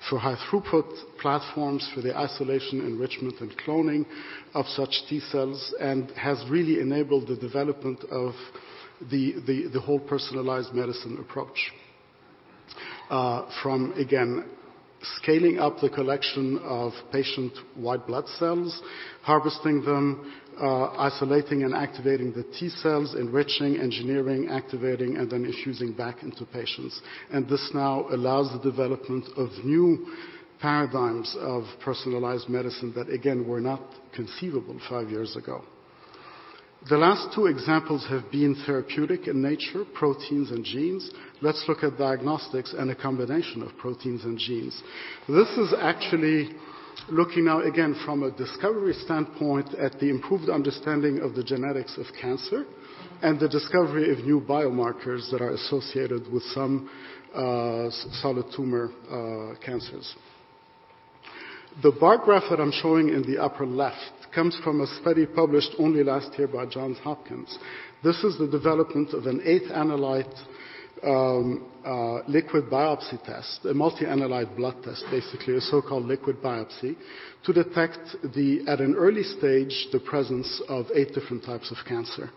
for high throughput platforms for the isolation, enrichment, and cloning of such T cells, and has really enabled the development of the whole personalized medicine approach. From, again, scaling up the collection of patient wide blood cells, harvesting them, isolating and activating the T cells, enriching, engineering, activating, and then infusing back into patients. This now allows the development of new paradigms of personalized medicine that, again, were not conceivable five years ago. The last two examples have been therapeutic in nature, proteins and genes. Let's look at diagnostics and a combination of proteins and genes. This is actually looking now, again, from a discovery standpoint at the improved understanding of the genetics of cancer and the discovery of new biomarkers that are associated with some solid tumor cancers. The bar graph that I'm showing in the upper left comes from a study published only last year by Johns Hopkins. This is the development of an eighth analyte liquid biopsy test, a multi-analyte blood test, basically, a so-called liquid biopsy, to detect, at an early stage, the presence of 8 different types of cancer.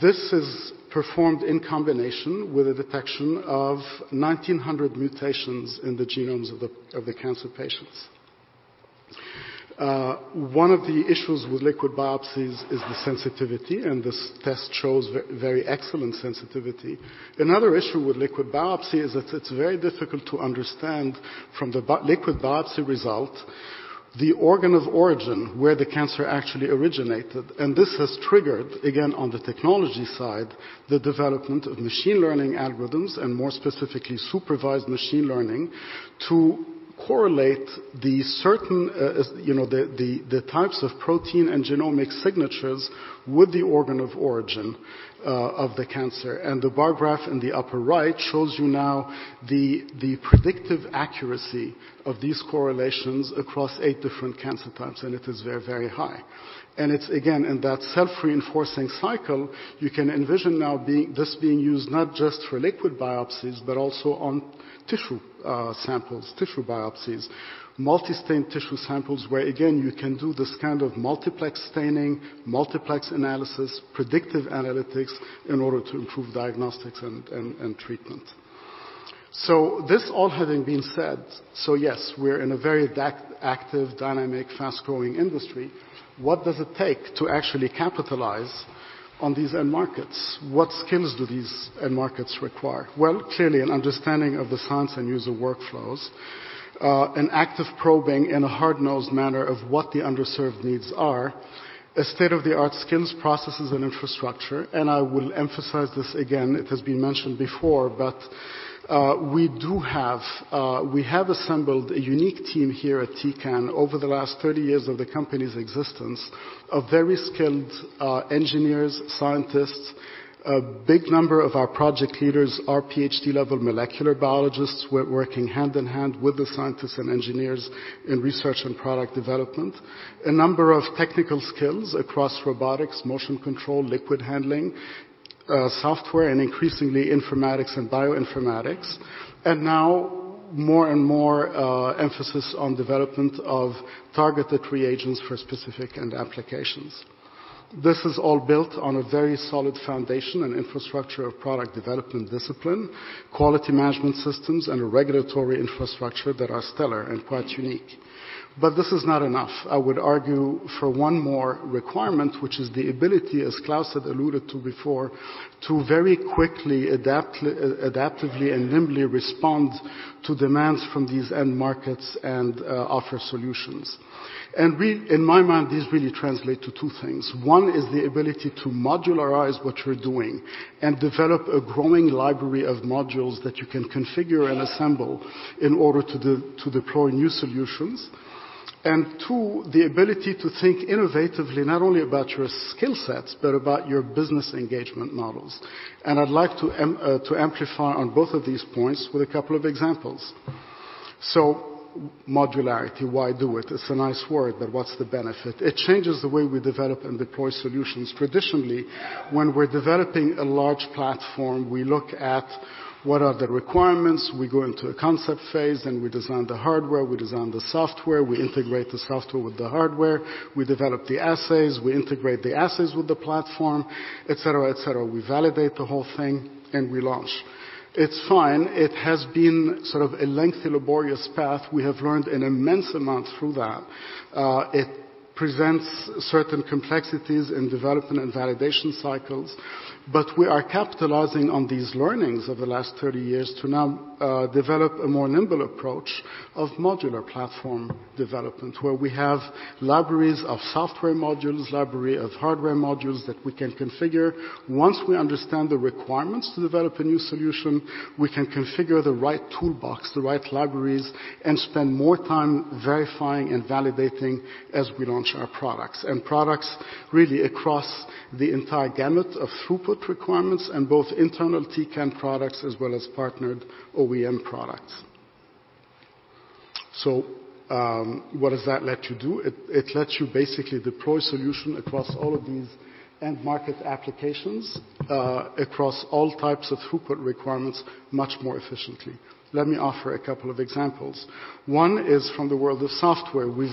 This is performed in combination with a detection of 1,900 mutations in the genomes of the cancer patients. One of the issues with liquid biopsies is the sensitivity, and this test shows very excellent sensitivity. Another issue with liquid biopsy is that it's very difficult to understand from the liquid biopsy result the organ of origin where the cancer actually originated. This has triggered, again, on the technology side, the development of machine learning algorithms, and more specifically, supervised machine learning to correlate the types of protein and genomic signatures with the organ of origin of the cancer. The bar graph in the upper right shows you now the predictive accuracy of these correlations across eight different cancer types, and it is very high. It's, again, in that self-reinforcing cycle, you can envision now this being used not just for liquid biopsies, but also on tissue samples, tissue biopsies. Multi-stain tissue samples, where again, you can do this kind of multiplex staining, multiplex analysis, predictive analytics in order to improve diagnostics and treatment. This all having been said, yes, we're in a very active, dynamic, fast-growing industry. What does it take to actually capitalize on these end markets? What skills do these end markets require? Well, clearly an understanding of the science and user workflows, an active probing in a hard-nosed manner of what the underserved needs are, state-of-the-art skills, processes, and infrastructure. I will emphasize this again, it has been mentioned before, but we have assembled a unique team here at Tecan over the last 30 years of the company's existence of very skilled engineers, scientists. A big number of our project leaders are PhD-level molecular biologists. We're working hand in hand with the scientists and engineers in research and product development. A number of technical skills across robotics, motion control, liquid handling, software, and increasingly informatics and bioinformatics. Now more and more emphasis on development of targeted reagents for specific end applications. This is all built on a very solid foundation and infrastructure of product development discipline, quality management systems, and a regulatory infrastructure that are stellar and quite unique. This is not enough. I would argue for one more requirement, which is the ability, as Klaus had alluded to before, to very quickly, adaptively, and nimbly respond to demands from these end markets and offer solutions. In my mind, these really translate to two things. One is the ability to modularize what you're doing and develop a growing library of modules that you can configure and assemble in order to deploy new solutions. Two, the ability to think innovatively, not only about your skill sets, but about your business engagement models. I'd like to amplify on both of these points with a couple of examples. Modularity, why do it? It's a nice word, what's the benefit? It changes the way we develop and deploy solutions. Traditionally, when we're developing a large platform, we look at what are the requirements. We go into a concept phase, then we design the hardware, we design the software, we integrate the software with the hardware, we develop the assays, we integrate the assays with the platform, et cetera. We validate the whole thing and we launch. It's fine. It has been sort of a lengthy, laborious path. We have learned an immense amount through that. It presents certain complexities in development and validation cycles. We are capitalizing on these learnings of the last 30 years to now develop a more nimble approach of modular platform development, where we have libraries of software modules, library of hardware modules that we can configure. Once we understand the requirements to develop a new solution, we can configure the right toolbox, the right libraries, and spend more time verifying and validating as we launch our products. Products really across the entire gamut of throughput requirements and both internal Tecan products as well as partnered OEM products. What does that let you do? It lets you basically deploy solution across all of these end market applications, across all types of throughput requirements much more efficiently. Let me offer a couple of examples. One is from the world of software. We've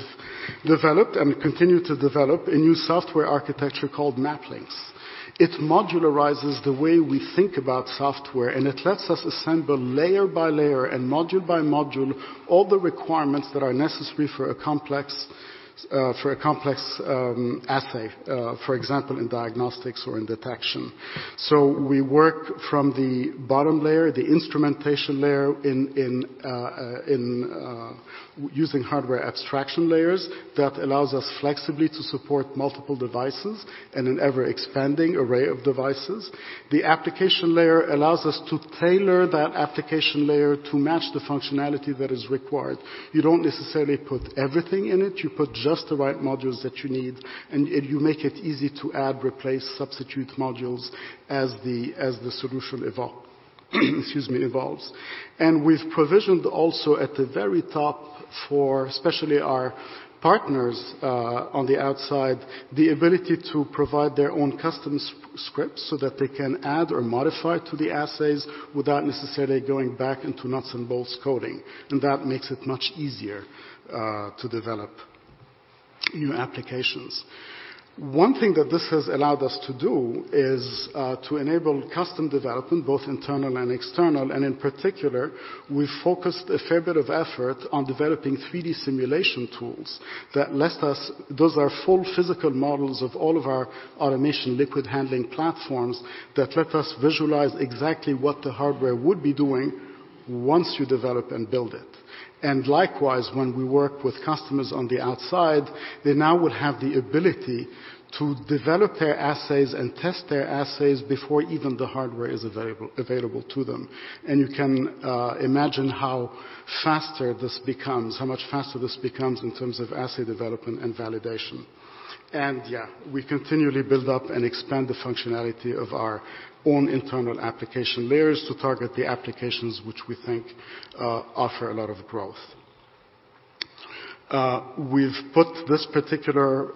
developed and continue to develop a new software architecture called MAPlinx. It modularizes the way we think about software, it lets us assemble layer by layer and module by module, all the requirements that are necessary for a complex assay, for example, in diagnostics or in detection. We work from the bottom layer, the instrumentation layer, using hardware abstraction layers that allows us flexibly to support multiple devices and an ever-expanding array of devices. The application layer allows us to tailor that application layer to match the functionality that is required. You don't necessarily put everything in it. You put just the right modules that you need, and you make it easy to add, replace, substitute modules as the solution evolves. We've provisioned also at the very top for, especially our partners on the outside, the ability to provide their own custom scripts so that they can add or modify to the assays without necessarily going back into nuts and bolts coding. That makes it much easier to develop new applications. One thing that this has allowed us to do is to enable custom development, both internal and external. In particular, we've focused a fair bit of effort on developing 3D simulation tools that let us, those are full physical models of all of our automation liquid handling platforms that let us visualize exactly what the hardware would be doing once you develop and build it. Likewise, when we work with customers on the outside, they now would have the ability to develop their assays and test their assays before even the hardware is available to them. You can imagine how much faster this becomes in terms of assay development and validation. We continually build up and expand the functionality of our own internal application layers to target the applications which we think offer a lot of growth. We've put this particular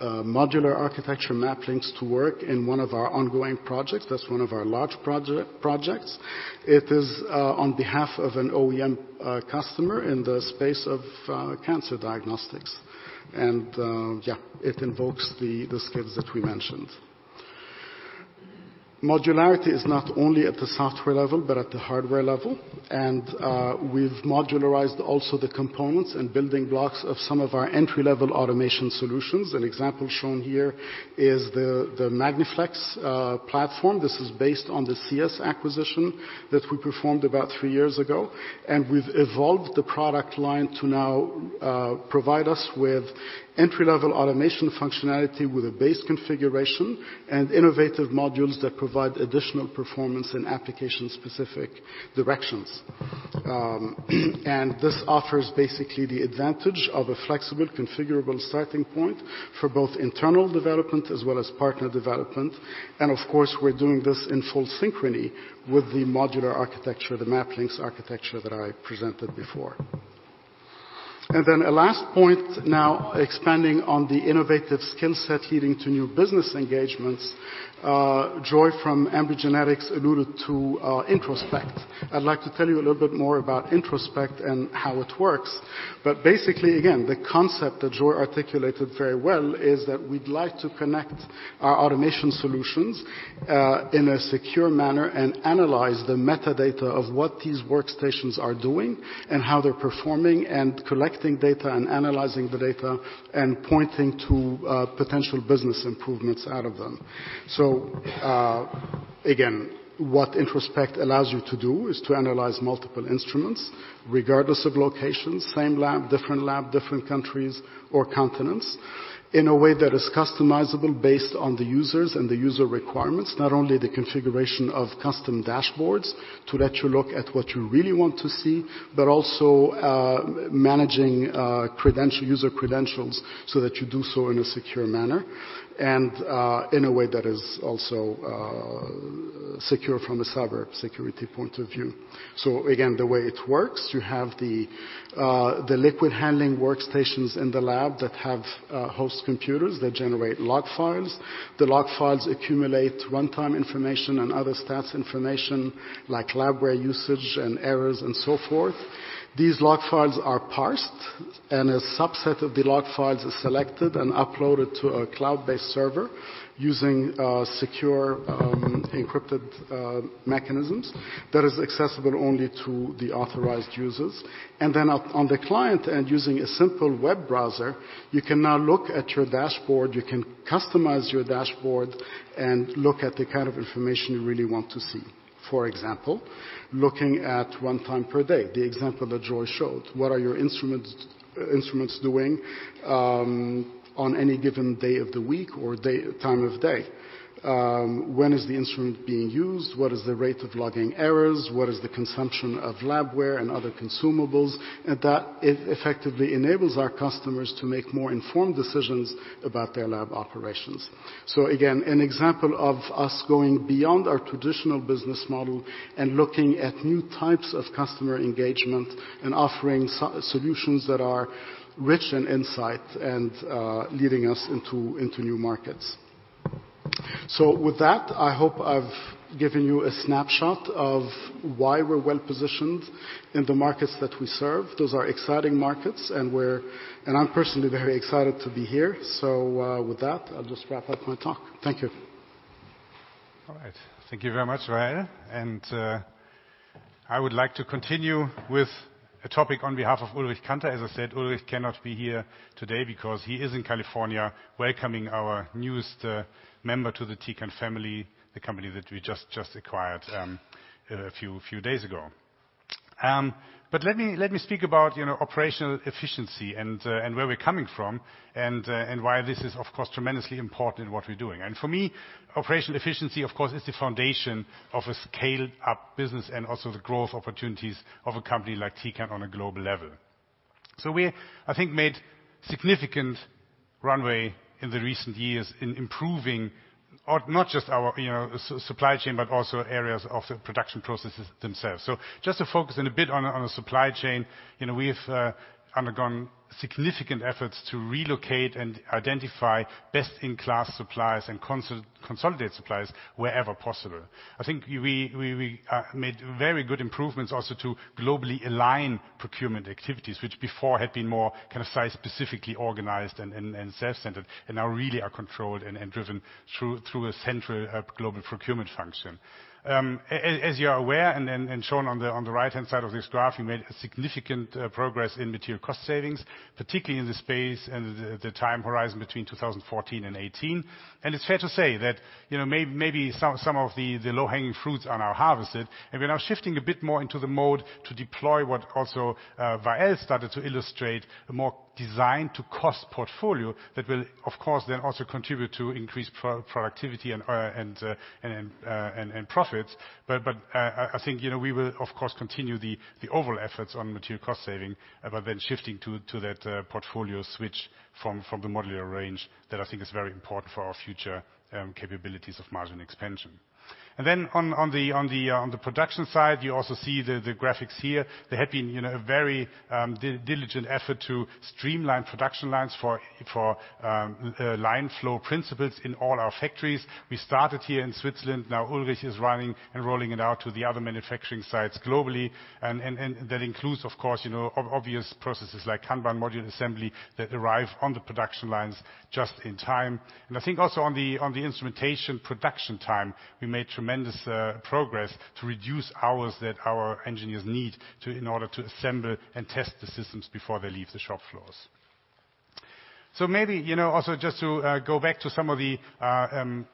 modular architecture MAPlinx to work in one of our ongoing projects. That's one of our large projects. It is on behalf of an OEM customer in the space of cancer diagnostics. It invokes the skills that we mentioned. Modularity is not only at the software level, but at the hardware level. We've modularized also the components and building blocks of some of our entry-level automation solutions. An example shown here is the Magni Flex platform. This is based on the CS acquisition that we performed about three years ago. We've evolved the product line to now provide us with entry-level automation functionality with a base configuration and innovative modules that provide additional performance and application-specific directions. This offers basically the advantage of a flexible, configurable starting point for both internal development as well as partner development. Of course, we're doing this in full synchrony with the modular architecture, the MAPlinx architecture that I presented before. A last point now expanding on the innovative skill set leading to new business engagements, Joy from Ambry Genetics alluded to Introspect. I'd like to tell you a little bit more about Introspect and how it works. Basically, again, the concept that Joy articulated very well is that we'd like to connect our automation solutions in a secure manner and analyze the metadata of what these workstations are doing, and how they're performing and collecting data and analyzing the data and pointing to potential business improvements out of them. Again, what Introspect allows you to do is to analyze multiple instruments regardless of location, same lab, different lab, different countries or continents, in a way that is customizable based on the users and the user requirements. Not only the configuration of custom dashboards to let you look at what you really want to see, but also managing user credentials so that you do so in a secure manner and in a way that is also secure from a cyber security point of view. Again, the way it works, you have the liquid handling workstations in the lab that have host computers that generate log files. The log files accumulate runtime information and other stats information like labware usage and errors and so forth. These log files are parsed, and a subset of the log files is selected and uploaded to a cloud-based server using secure, encrypted mechanisms that is accessible only to the authorized users. Then on the client end, using a simple web browser, you can now look at your dashboard, you can customize your dashboard and look at the kind of information you really want to see. For example, looking at one time per day, the example that Joy showed. What are your instruments doing on any given day of the week or time of day? When is the instrument being used? What is the rate of logging errors? What is the consumption of labware and other consumables? That effectively enables our customers to make more informed decisions about their lab operations. Again, an example of us going beyond our traditional business model and looking at new types of customer engagement and offering solutions that are rich in insight and leading us into new markets. With that, I hope I've given you a snapshot of why we're well-positioned in the markets that we serve. Those are exciting markets, and I'm personally very excited to be here. With that, I'll just wrap up my talk. Thank you. All right. Thank you very much, Wael. I would like to continue with a topic on behalf of Ulrich Kanter. As I said, Ulrich cannot be here today because he is in California welcoming our newest member to the Tecan family, the company that we just acquired a few days ago. Let me speak about operational efficiency and where we're coming from, and why this is, of course, tremendously important in what we're doing. For me, operational efficiency, of course, is the foundation of a scaled-up business and also the growth opportunities of a company like Tecan on a global level. We, I think, made significant runway in the recent years in improving not just our supply chain, but also areas of the production processes themselves. Just to focus in a bit on the supply chain. We've undergone significant efforts to relocate and identify best-in-class suppliers and consolidate suppliers wherever possible. I think we made very good improvements also to globally align procurement activities, which before had been more kind of site-specifically organized and sales-centered and now really are controlled and driven through a central global procurement function. As you are aware and shown on the right-hand side of this graph, we made a significant progress in material cost savings, particularly in the space and the time horizon between 2014 and 2018. It's fair to say that maybe some of the low-hanging fruits are now harvested, we're now shifting a bit more into the mode to deploy what also Wael started to illustrate, a more design to cost portfolio that will, of course, then also contribute to increased productivity and profits. I think, we will, of course, continue the overall efforts on material cost saving, but then shifting to that portfolio switch from the modular range that I think is very important for our future capabilities of margin expansion. On the production side, you also see the graphics here. There had been a very diligent effort to streamline production lines for line flow principles in all our factories. We started here in Switzerland. Now Ulrich is running and rolling it out to the other manufacturing sites globally, and that includes, of course, obvious processes like kanban module assembly that arrive on the production lines just in time. I think also on the instrumentation production time, we made tremendous progress to reduce hours that our engineers need in order to assemble and test the systems before they leave the shop floors. Maybe, also just to go back to some of the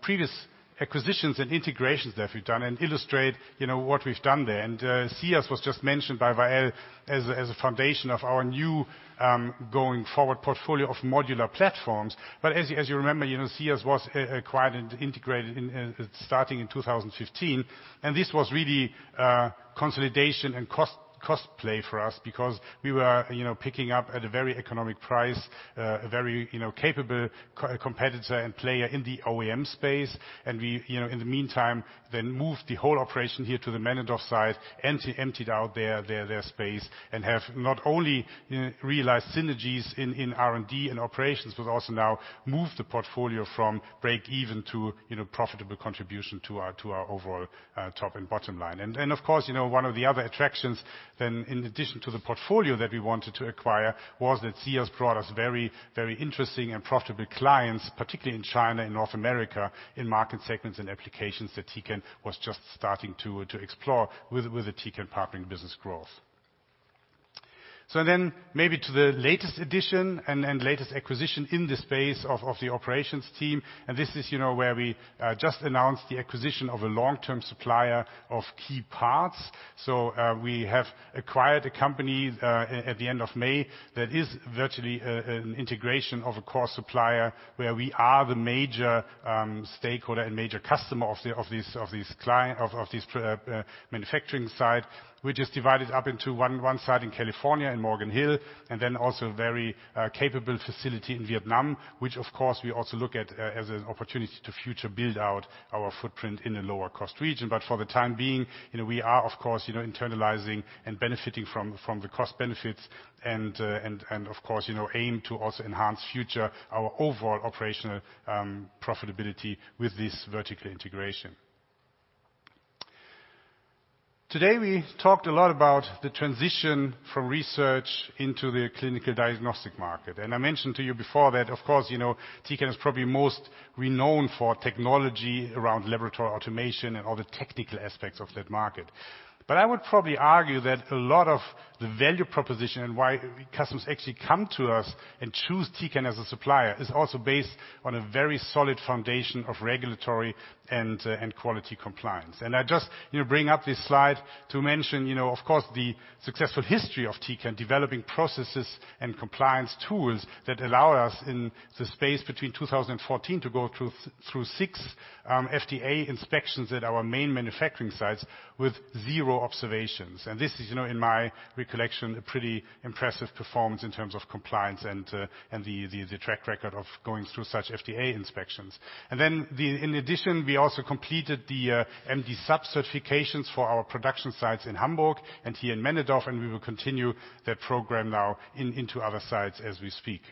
previous acquisitions and integrations that we've done and illustrate what we've done there. Sias was just mentioned by Wael as a foundation of our new going forward portfolio of modular platforms. As you remember, Sias was acquired and integrated starting in 2015, and this was really consolidation and cost play for us because we were picking up at a very economic price, a very capable competitor and player in the OEM space. We, in the meantime, then moved the whole operation here to the Männedorf site and emptied out their space and have not only realized synergies in R&D and operations but also now moved the portfolio from break even to profitable contribution to our overall top and bottom line. Of course, one of the other attractions then in addition to the portfolio that we wanted to acquire was that Sias brought us very interesting and profitable clients, particularly in China and North America, in market segments and applications that Tecan was just starting to explore with the Tecan Partnering Business growth. Maybe to the latest addition and latest acquisition in the space of the operations team, and this is where we just announced the acquisition of a long-term supplier of key parts. We have acquired a company, at the end of May, that is virtually an integration of a core supplier where we are the major stakeholder and major customer of these manufacturing site, which is divided up into one site in California, in Morgan Hill, and then also a very capable facility in Vietnam, which of course, we also look at as an opportunity to future build out our footprint in a lower cost region. For the time being, we are, of course, internalizing and benefiting from the cost benefits and, of course, aim to also enhance future our overall operational profitability with this vertical integration. Today, we talked a lot about the transition from research into the clinical diagnostic market. I mentioned to you before that, of course, Tecan is probably most renowned for technology around laboratory automation and all the technical aspects of that market. But I would probably argue that a lot of the value proposition and why customers actually come to us and choose Tecan as a supplier is also based on a very solid foundation of regulatory and quality compliance. I just bring up this slide to mention, of course, the successful history of Tecan developing processes and compliance tools that allow us in the space between 2014 to go through 6 FDA inspections at our main manufacturing sites with zero observations. This is, in my recollection, a pretty impressive performance in terms of compliance and the track record of going through such FDA inspections. Then in addition, we also completed the MDSAP certifications for our production sites in Hamburg and here in Männedorf, and we will continue that program now into other sites as we speak.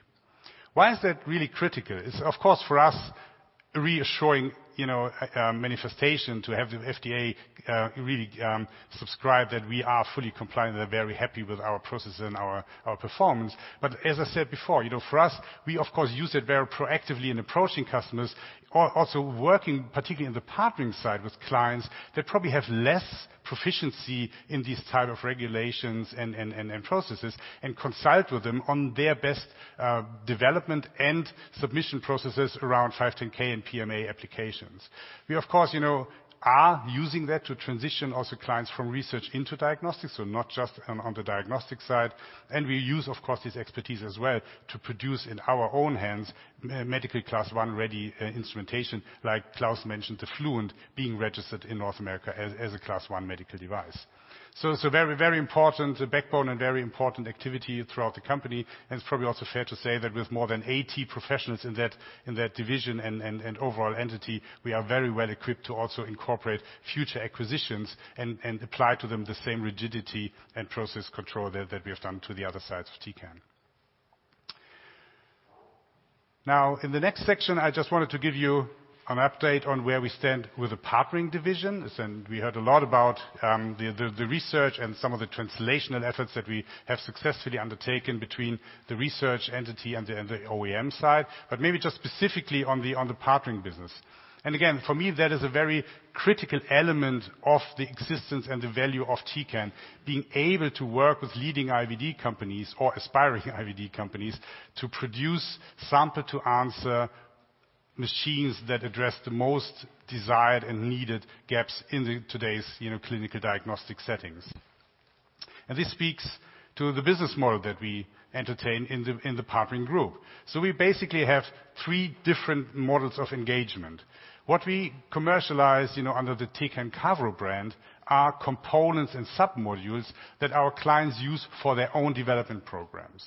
Why is that really critical? It's, of course, for us, reassuring manifestation to have the FDA really subscribe that we are fully compliant and are very happy with our processes and our performance. As I said before, for us, we, of course, use it very proactively in approaching customers or also working, particularly in the Partnering side with clients that probably have less proficiency in these type of regulations and processes and consult with them on their best development and submission processes around 510(k) and PMA applications. We, of course, are using that to transition also clients from research into diagnostics, so not just on the diagnostic side. We use, of course, this expertise as well to produce in our own hands medically Class I ready instrumentation like Klaus mentioned, the Fluent being registered in North America as a Class I medical device. It's a very important backbone and very important activity throughout the company, and it's probably also fair to say that with more than 80 professionals in that division and overall entity, we are very well equipped to also incorporate future acquisitions and apply to them the same rigidity and process control that we have done to the other sides of Tecan. In the next section, I just wanted to give you an update on where we stand with the Partnering division. Listen, we heard a lot about the research and some of the translational efforts that we have successfully undertaken between the research entity and the OEM side, maybe just specifically on the partnering business. Again, for me, that is a very critical element of the existence and the value of Tecan, being able to work with leading IVD companies or aspiring IVD companies to produce sample-to-answer machines that address the most desired and needed gaps in today's clinical diagnostic settings. This speaks to the business model that we entertain in the Partnering Group. We basically have three different models of engagement. What we commercialize under the Tecan Cavro brand are components and sub-modules that our clients use for their own development programs.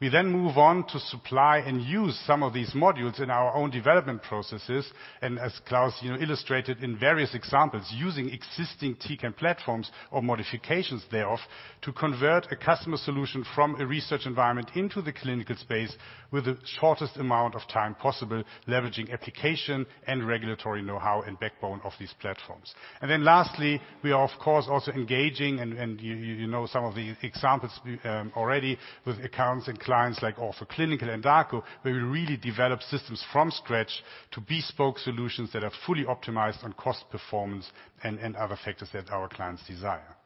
We move on to supply and use some of these modules in our own development processes. As Klaus illustrated in various examples, using existing Tecan platforms or modifications thereof to convert a customer solution from a research environment into the clinical space with the shortest amount of time possible, leveraging application and regulatory know-how and backbone of these platforms. Lastly, we are of course, also engaging, and you know some of the examples already with accounts and clients like Ortho Clinical and Dako, where we really develop systems from scratch to bespoke solutions that are fully optimized on cost, performance, and other factors that our clients desire.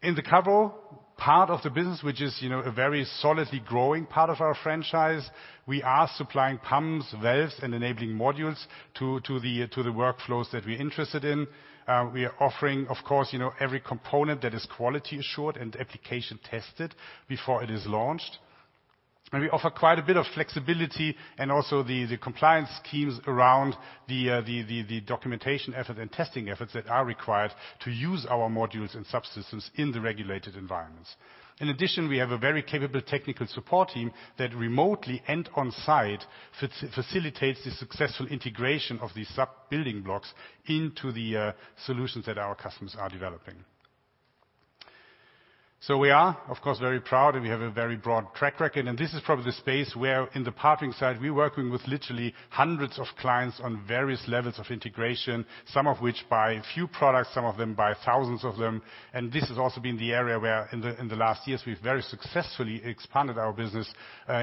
In the Cavro part of the business, which is a very solidly growing part of our franchise, we are supplying pumps, valves, and enabling modules to the workflows that we're interested in. We are offering, of course, every component that is quality assured and application tested before it is launched. We offer quite a bit of flexibility and also the compliance schemes around the documentation effort and testing efforts that are required to use our modules and subsystems in the regulated environments. In addition, we have a very capable technical support team that remotely and on-site facilitates the successful integration of these sub-building blocks into the solutions that our customers are developing. We are, of course, very proud, and we have a very broad track record, and this is probably the space where in the partnering side, we're working with literally hundreds of clients on various levels of integration, some of which buy a few products, some of them buy thousands of them. This has also been the area where in the last years we've very successfully expanded our business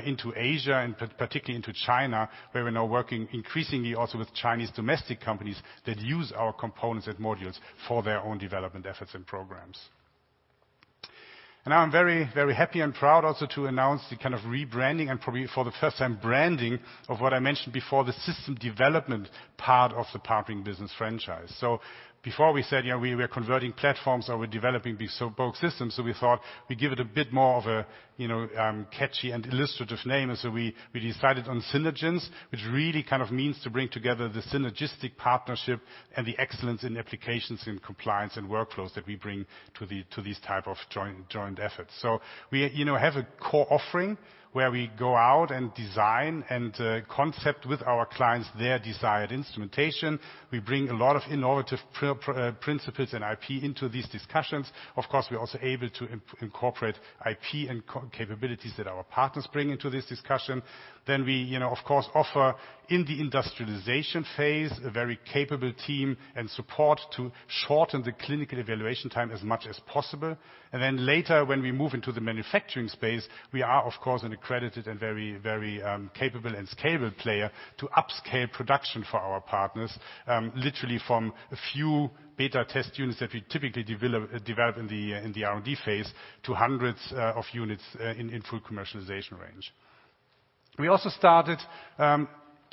into Asia and particularly into China, where we're now working increasingly also with Chinese domestic companies that use our components and modules for their own development efforts and programs. I'm very happy and proud also to announce the rebranding and probably for the first time branding of what I mentioned before, the system development part of the partnering business franchise. Before we said we are converting platforms or we're developing these bespoke systems. We thought we'd give it a bit more of a catchy and illustrative name. We decided on Synergens, which really means to bring together the synergistic partnership and the excellence in applications, in compliance, and workflows that we bring to these type of joint efforts. We have a core offering where we go out and design and concept with our clients their desired instrumentation. We bring a lot of innovative principles and IP into these discussions. Of course, we're also able to incorporate IP and capabilities that our partners bring into this discussion. We, of course, offer in the industrialization phase a very capable team and support to shorten the clinical evaluation time as much as possible, and then later when we move into the manufacturing space, we are, of course, an accredited and very capable and scalable player to upscale production for our partners, literally from a few beta test units that we typically develop in the R&D phase to hundreds of units in full commercialization range. We also started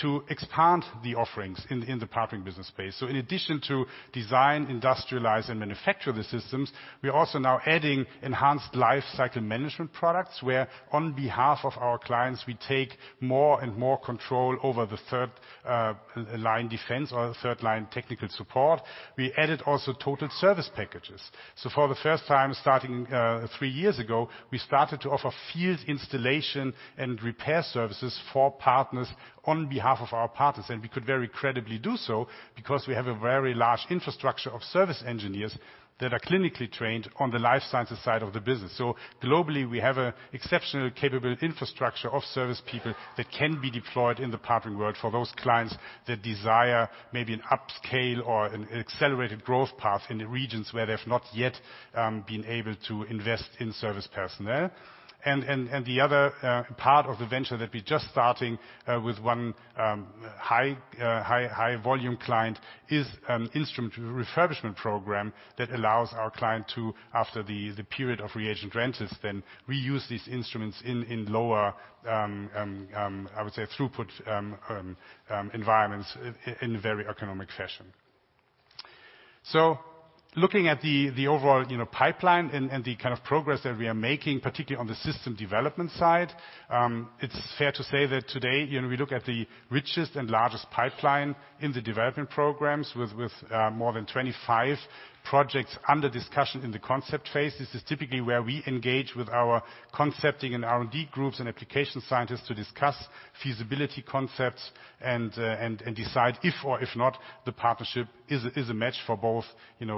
to expand the offerings in the partnering business space. In addition to design, industrialize, and manufacture the systems, we are also now adding enhanced lifecycle management products, where on behalf of our clients, we take more and more control over the third line defense or third line technical support. We added also total service packages. For the first time, starting three years ago, we started to offer field installation and repair services for partners on behalf of our partners. We could very credibly do so because we have a very large infrastructure of service engineers that are clinically trained on the life sciences side of the business. Globally, we have an exceptionally capable infrastructure of service people that can be deployed in the partnering world for those clients that desire maybe an upscale or an accelerated growth path in the regions where they've not yet been able to invest in service personnel. The other part of the venture that we're just starting with one high volume client is an instrument refurbishment program that allows our client to, after the period of reagent rentals, then reuse these instruments in lower, I would say, throughput environments in a very economic fashion. Looking at the overall pipeline and the progress that we are making, particularly on the system development side, it's fair to say that today, we look at the richest and largest pipeline in the development programs with more than 25 projects under discussion in the concept phase. This is typically where we engage with our concepting and R&D groups and application scientists to discuss feasibility concepts and decide if or if not the partnership is a match for both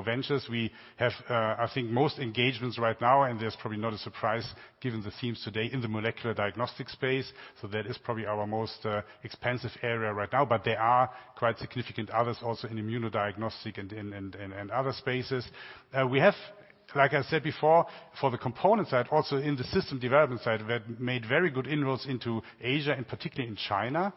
ventures. We have, I think, most engagements right now, and there's probably not a surprise given the themes today in the molecular diagnostic space. That is probably our most expensive area right now. There are quite significant others also in immunodiagnostic and other spaces. We have, like I said before, for the component side, also in the system development side, we have made very good inroads into Asia and particularly in China.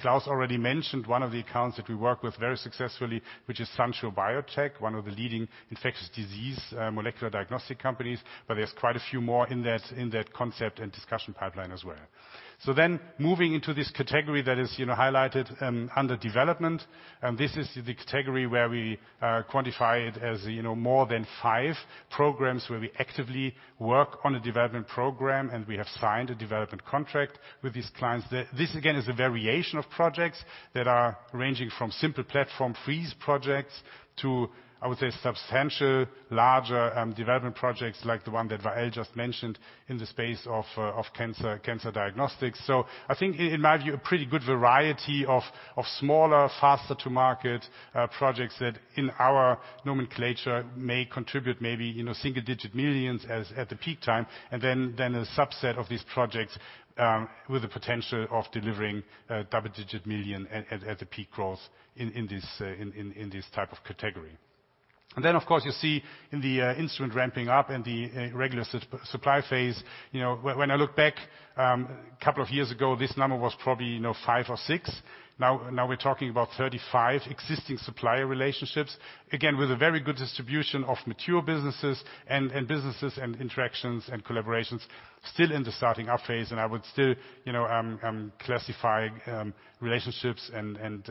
Klaus already mentioned one of the accounts that we work with very successfully, which is Sansure Biotech, one of the leading infectious disease molecular diagnostic companies. There's quite a few more in that concept and discussion pipeline as well. Moving into this category that is highlighted under development, this is the category where we quantify it as more than five programs where we actively work on a development program, and we have signed a development contract with these clients. This, again, is a variation of projects that are ranging from simple platform freeze projects to, I would say, substantial, larger development projects like the one that Wael just mentioned in the space of cancer diagnostics. I think in my view, a pretty good variety of smaller, faster to market projects that in our nomenclature may contribute maybe single-digit millions as at the peak time, and then a subset of these projects with the potential of delivering double-digit million at the peak growth in this type of category. Of course, you see in the instrument ramping up and the regular supply phase, when I look back, couple of years ago, this number was probably five or six. Now we're talking about 35 existing supplier relationships, again, with a very good distribution of mature businesses and interactions and collaborations still in the starting up phase. I would still classify relationships and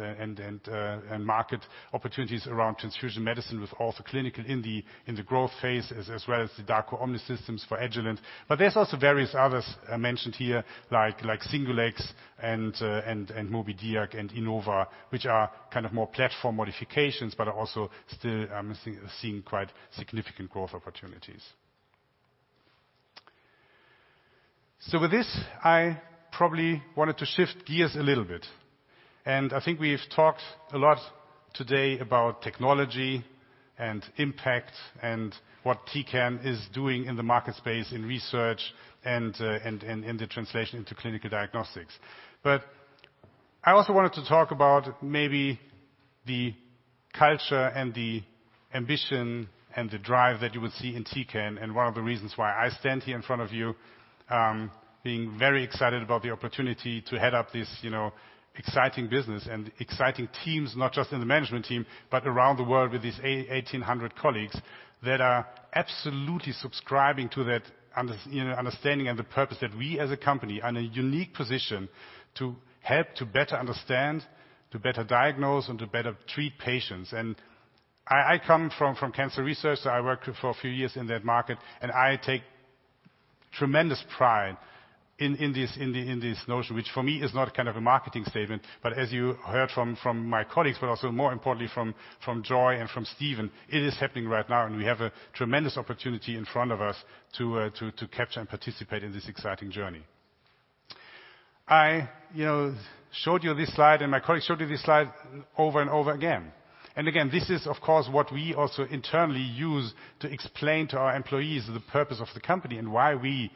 market opportunities around transfusion medicine with Ortho Clinical in the growth phase, as well as the Dako Omnis systems for Agilent. There's also various others mentioned here like Singulex and Mobidiag and Inova, which are kind of more platform modifications, but are also still seeing quite significant growth opportunities. With this, I probably wanted to shift gears a little bit, I think we've talked a lot today about technology and impact and what Tecan is doing in the market space in research and the translation into clinical diagnostics. I also wanted to talk about maybe the culture and the ambition and the drive that you will see in Tecan and one of the reasons why I stand here in front of you being very excited about the opportunity to head up this exciting business and exciting teams, not just in the management team, but around the world with these 1,800 colleagues that are absolutely subscribing to that understanding and the purpose that we as a company are in a unique position to help to better understand, to better diagnose, and to better treat patients. I come from cancer research. I worked for a few years in that market, and I take tremendous pride in this notion, which for me is not kind of a marketing statement, but as you heard from my colleagues, but also more importantly from Joy and from Stephen, it is happening right now, and we have a tremendous opportunity in front of us to capture and participate in this exciting journey. I showed you this slide. My colleague showed you this slide over and over again. Again, this is, of course, what we also internally use to explain to our employees the purpose of the company and why we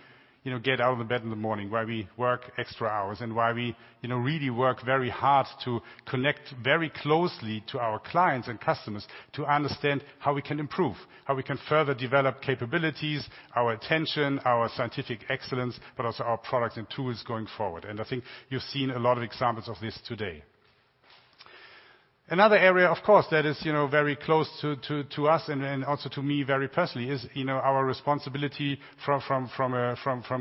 get out of the bed in the morning, why we work extra hours, and why we really work very hard to connect very closely to our clients and customers to understand how we can improve, how we can further develop capabilities, our attention, our scientific excellence, but also our products and tools going forward. I think you've seen a lot of examples of this today. Another area, of course, that is very close to us and also to me very personally is our responsibility from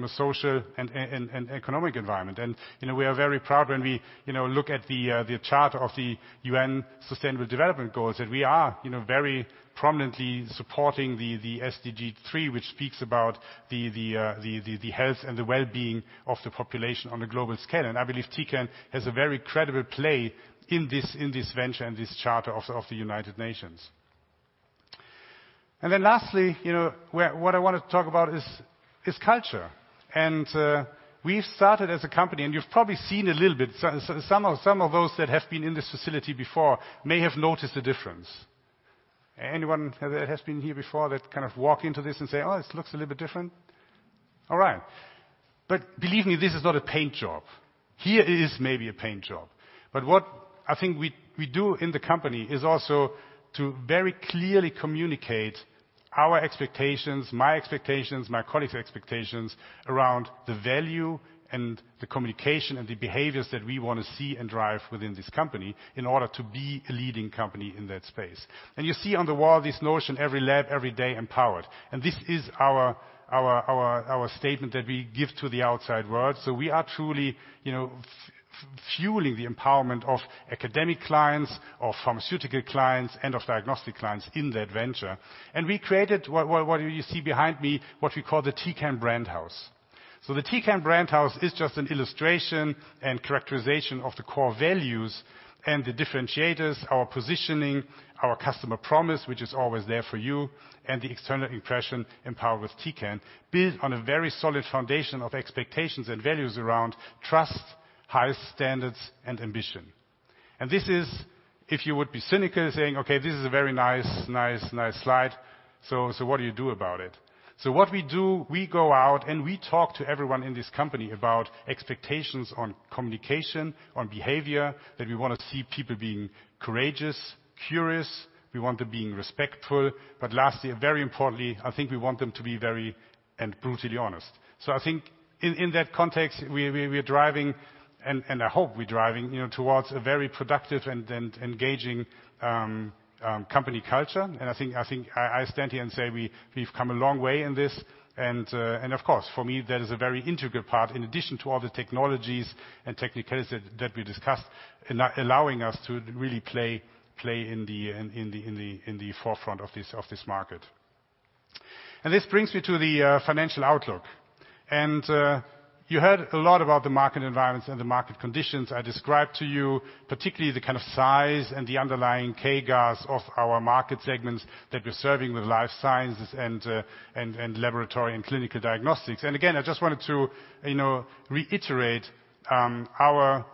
a social and economic environment. We are very proud when we look at the charter of the UN Sustainable Development Goals, that we are very prominently supporting the SDG 3, which speaks about the health and the wellbeing of the population on a global scale. I believe Tecan has a very credible play in this venture and this charter of the United Nations. Then lastly, what I want to talk about is culture. We've started as a company. You've probably seen a little bit, some of those that have been in this facility before may have noticed the difference. Anyone that has been here before that kind of walk into this and say, "Oh, this looks a little bit different"? All right. Believe me, this is not a paint job. Here it is maybe a paint job. What I think we do in the company is also to very clearly communicate our expectations, my expectations, my colleagues' expectations around the value and the communication and the behaviors that we want to see and drive within this company in order to be a leading company in that space. You see on the wall this notion, every lab, every day empowered. This is our statement that we give to the outside world. We are truly fueling the empowerment of academic clients, of pharmaceutical clients, and of diagnostic clients in that venture. We created what you see behind me, what we call the Tecan brand house. The Tecan Brand House is just an illustration and characterization of the core values and the differentiators, our positioning, our customer promise, which is always there for you, and the external impression, Empower with Tecan, built on a very solid foundation of expectations and values around trust, high standards, and ambition. This is, if you would be cynical saying, "Okay, this is a very nice slide, what do you do about it?" What we do, we go out and we talk to everyone in this company about expectations on communication, on behavior, that we want to see people being courageous, curious, we want them being respectful, but lastly, very importantly, I think we want them to be very and brutally honest. I think in that context, we are driving and I hope we're driving towards a very productive and engaging company culture. I think I stand here and say we've come a long way in this, and of course, for me, that is a very integral part in addition to all the technologies and techniques that we discussed, allowing us to really play in the forefront of this market. This brings me to the financial outlook. You heard a lot about the market environments and the market conditions I described to you, particularly the kind of size and the underlying CAGRs of our market segments that we're serving with life sciences and laboratory and clinical diagnostics. Again, I just wanted to reiterate our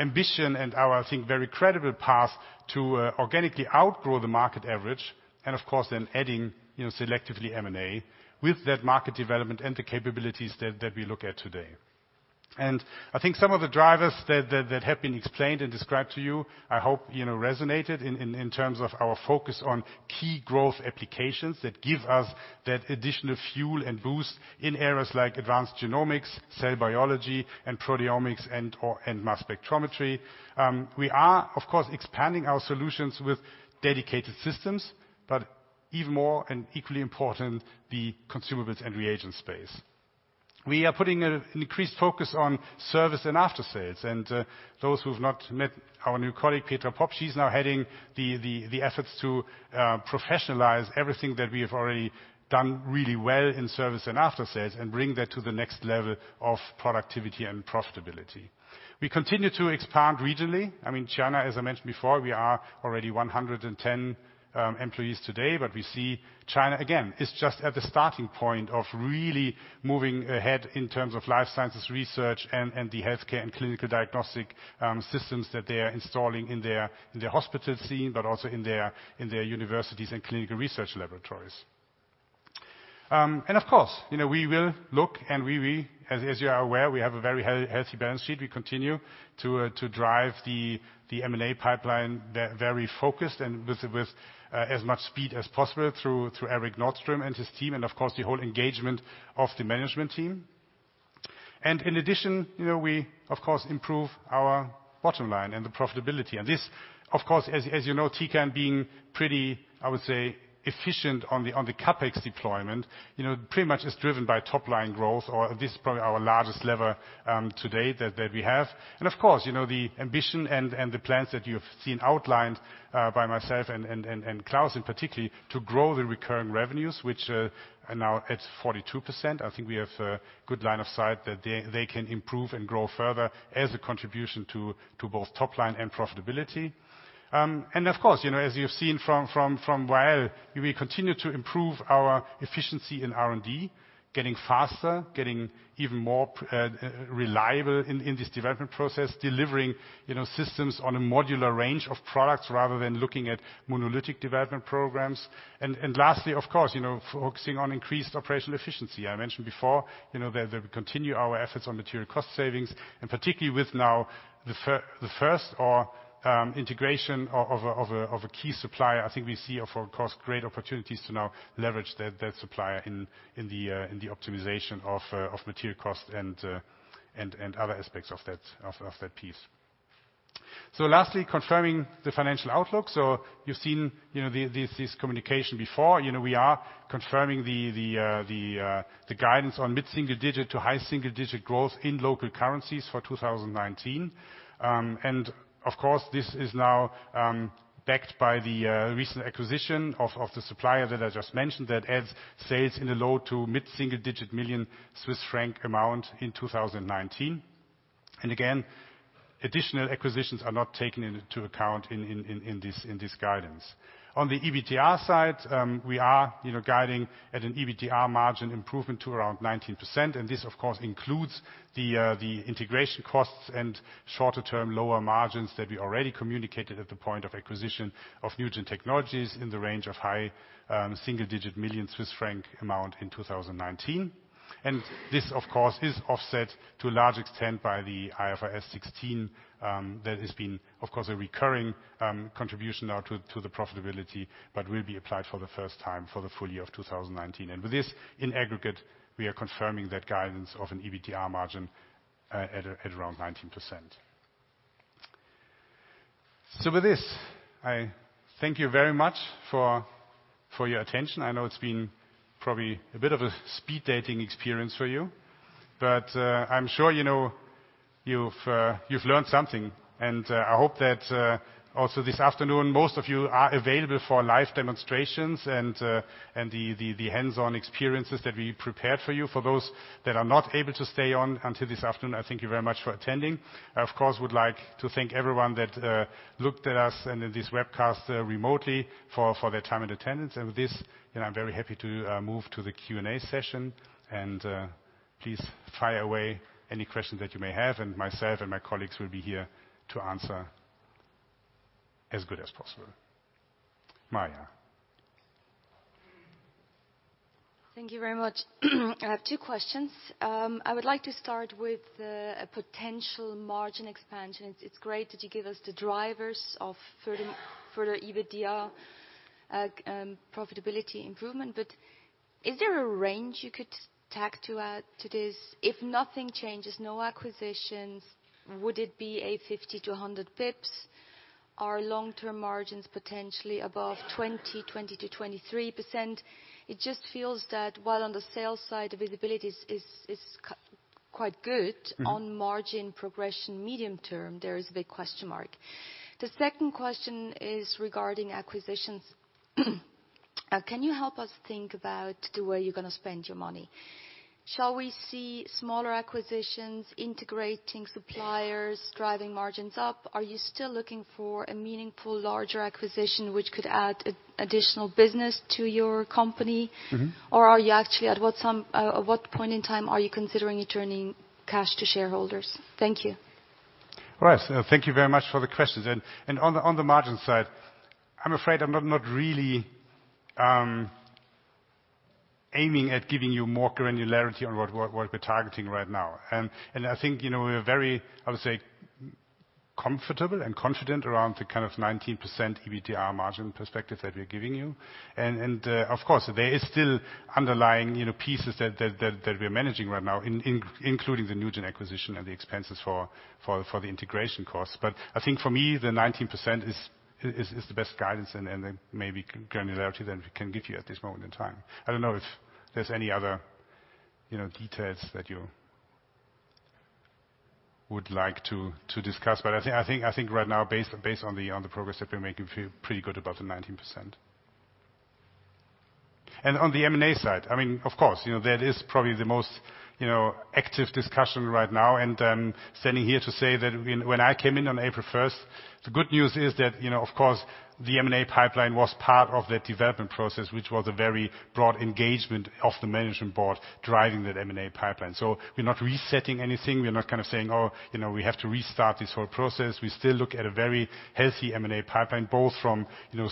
ambition and our, I think, very credible path to organically outgrow the market average, and of course then adding selectively M&A with that market development and the capabilities that we look at today. I think some of the drivers that have been explained and described to you, I hope resonated in terms of our focus on key growth applications that give us that additional fuel and boost in areas like advanced genomics, cell biology, and proteomics and mass spectrometry. We are, of course, expanding our solutions with dedicated systems, but even more and equally important, the consumables and reagents space. We are putting an increased focus on service and after-sales, and those who've not met our new colleague, Petra Popp, she's now heading the efforts to professionalize everything that we have already done really well in service and after-sales and bring that to the next level of productivity and profitability. We continue to expand regionally. China, as I mentioned before, we are already 110 employees today, but we see China, again, is just at the starting point of really moving ahead in terms of life sciences research and the healthcare and clinical diagnostic systems that they're installing in their hospital scene, but also in their universities and clinical research laboratories. Of course, we will look and we, as you are aware, we have a very healthy balance sheet. We continue to drive the M&A pipeline very focused and with as much speed as possible through Erik Norström and his team and of course the whole engagement of the management team. In addition, we of course improve our bottom line and the profitability. This, of course, as you know, Tecan being pretty, I would say, efficient on the CapEx deployment, pretty much is driven by top-line growth or this is probably our largest lever today that we have. Of course, the ambition and the plans that you've seen outlined by myself and Klaus in particularly to grow the recurring revenues, which are now at 42%. I think we have a good line of sight that they can improve and grow further as a contribution to both top line and profitability. Of course, as you've seen from Wael, we continue to improve our efficiency in R&D, getting faster, getting even more reliable in this development process, delivering systems on a modular range of products rather than looking at monolithic development programs. Lastly, of course, focusing on increased operational efficiency. I mentioned before that we continue our efforts on material cost savings, and particularly with now the first integration of a key supplier, I think we see, of course, great opportunities to now leverage that supplier in the optimization of material cost and other aspects of that piece. Lastly, confirming the financial outlook. You've seen this communication before. We are confirming the guidance on mid-single digit to high single-digit growth in local currencies for 2019. Of course, this is now backed by the recent acquisition of the supplier that I just mentioned that adds sales in the low to mid-single digit million CHF amount in 2019. Again, additional acquisitions are not taken into account in this guidance. On the EBTR side, we are guiding at an EBTR margin improvement to around 19%. This, of course, includes the integration costs and shorter-term lower margins that we already communicated at the point of acquisition of NuGen Technologies in the range of high single-digit million CHF amount in 2019. This, of course, is offset to a large extent by the IFRS 16. That has been, of course, a recurring contribution now to the profitability, but will be applied for the first time for the full year of 2019. With this, in aggregate, we are confirming that guidance of an EBTR margin at around 19%. With this, I thank you very much for your attention. I know it's been probably a bit of a speed dating experience for you. I'm sure you've learned something, and I hope that also this afternoon, most of you are available for live demonstrations and the hands-on experiences that we prepared for you. For those that are not able to stay on until this afternoon, thank you very much for attending. I, of course, would like to thank everyone that looked at us and at this webcast remotely for their time and attendance. With this, I'm very happy to move to the Q&A session. Please fire away any questions that you may have, and myself and my colleagues will be here to answer as good as possible. Maja. Thank you very much. I have two questions. I would like to start with a potential margin expansion. It is great that you give us the drivers of further EBITDA profitability improvement. Is there a range you could tack to add to this? If nothing changes, no acquisitions, would it be 50-100 basis points? Are long-term margins potentially above 20%-23%? It just feels that while on the sales side, the visibility is quite good- on margin progression medium term, there is a big question mark. The second question is regarding acquisitions. Can you help us think about the way you're going to spend your money? Shall we see smaller acquisitions, integrating suppliers, driving margins up? Are you still looking for a meaningful, larger acquisition which could add additional business to your company? Are you actually, at what point in time are you considering returning cash to shareholders? Thank you. All right. Thank you very much for the questions. On the margin side, I'm afraid I'm not really aiming at giving you more granularity on what we're targeting right now. I think, we're very, I would say, comfortable and confident around the kind of 19% EBTR margin perspective that we are giving you. Of course, there is still underlying pieces that we are managing right now, including the NuGen acquisition and the expenses for the integration costs. I think for me, the 19% is the best guidance and maybe granularity that we can give you at this moment in time. I don't know if there's any other details that you would like to discuss. I think right now, based on the progress that we're making, feel pretty good about the 19%. On the M&A side, of course, that is probably the most active discussion right now. I'm standing here to say that when I came in on April 1st, the good news is that, of course, the M&A pipeline was part of that development process, which was a very broad engagement of the management board driving that M&A pipeline. We're not resetting anything. We're not saying, "Oh, we have to restart this whole process." We still look at a very healthy M&A pipeline, both from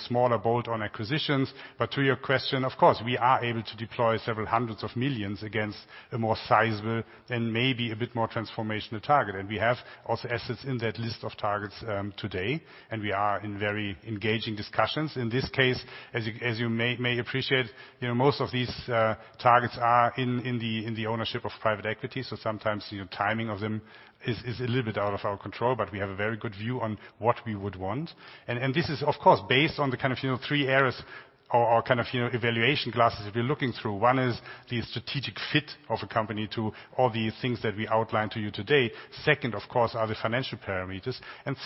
smaller bolt-on acquisitions. To your question, of course, we are able to deploy several hundreds of millions against a more sizable and maybe a bit more transformational target. We have also assets in that list of targets today. We are in very engaging discussions. In this case, as you may appreciate, most of these targets are in the ownership of private equity, sometimes the timing of them is a little bit out of our control. We have a very good view on what we would want. This is, of course, based on the three areas or evaluation glasses that we're looking through. One is the strategic fit of a company to all the things that we outlined to you today. Second, of course, are the financial parameters.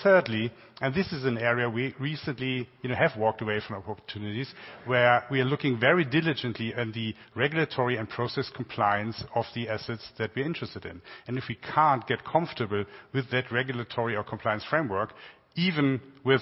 Thirdly, this is an area we recently have walked away from opportunities, where we are looking very diligently at the regulatory and process compliance of the assets that we're interested in. If we can't get comfortable with that regulatory or compliance framework, even with,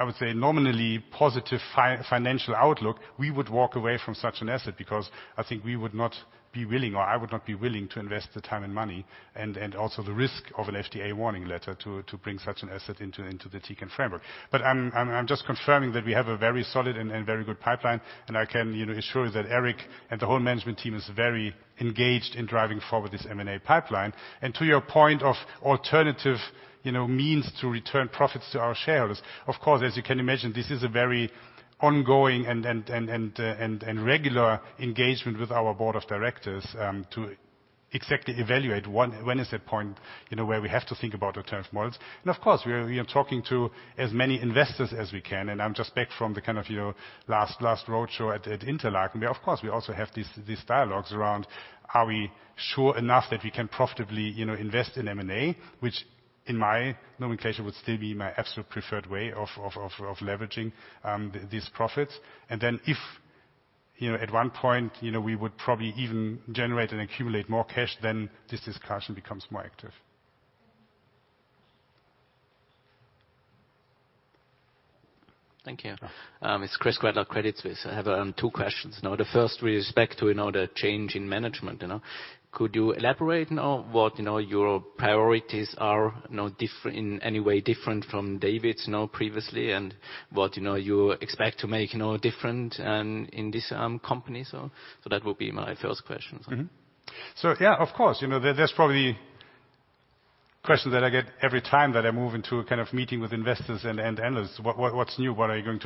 I would say, nominally positive financial outlook, we would walk away from such an asset because I think we would not be willing, or I would not be willing to invest the time and money and also the risk of an FDA warning letter to bring such an asset into the Tecan framework. I'm just confirming that we have a very solid and very good pipeline, and I can assure you that Erik and the whole management team is very engaged in driving forward this M&A pipeline. To your point of alternative means to return profits to our shareholders, of course, as you can imagine, this is a very ongoing and regular engagement with our board of directors to exactly evaluate when is that point, where we have to think about alternative models. Of course, we are talking to as many investors as we can, and I'm just back from the last roadshow at Interlaken. Of course, we also have these dialogues around are we sure enough that we can profitably invest in M&A, which in my nomenclature would still be my absolute preferred way of leveraging these profits. If at one point, we would probably even generate and accumulate more cash, then this discussion becomes more active. Thank you. It's Chris Gretler Credit Suisse. I have two questions. The first with respect to the change in management. Could you elaborate now what your priorities are in any way different from David's now previously and what you expect to make different in this company? That would be my first question. Yeah, of course. That's probably question that I get every time that I move into a kind of meeting with investors and analysts. What's new? What are you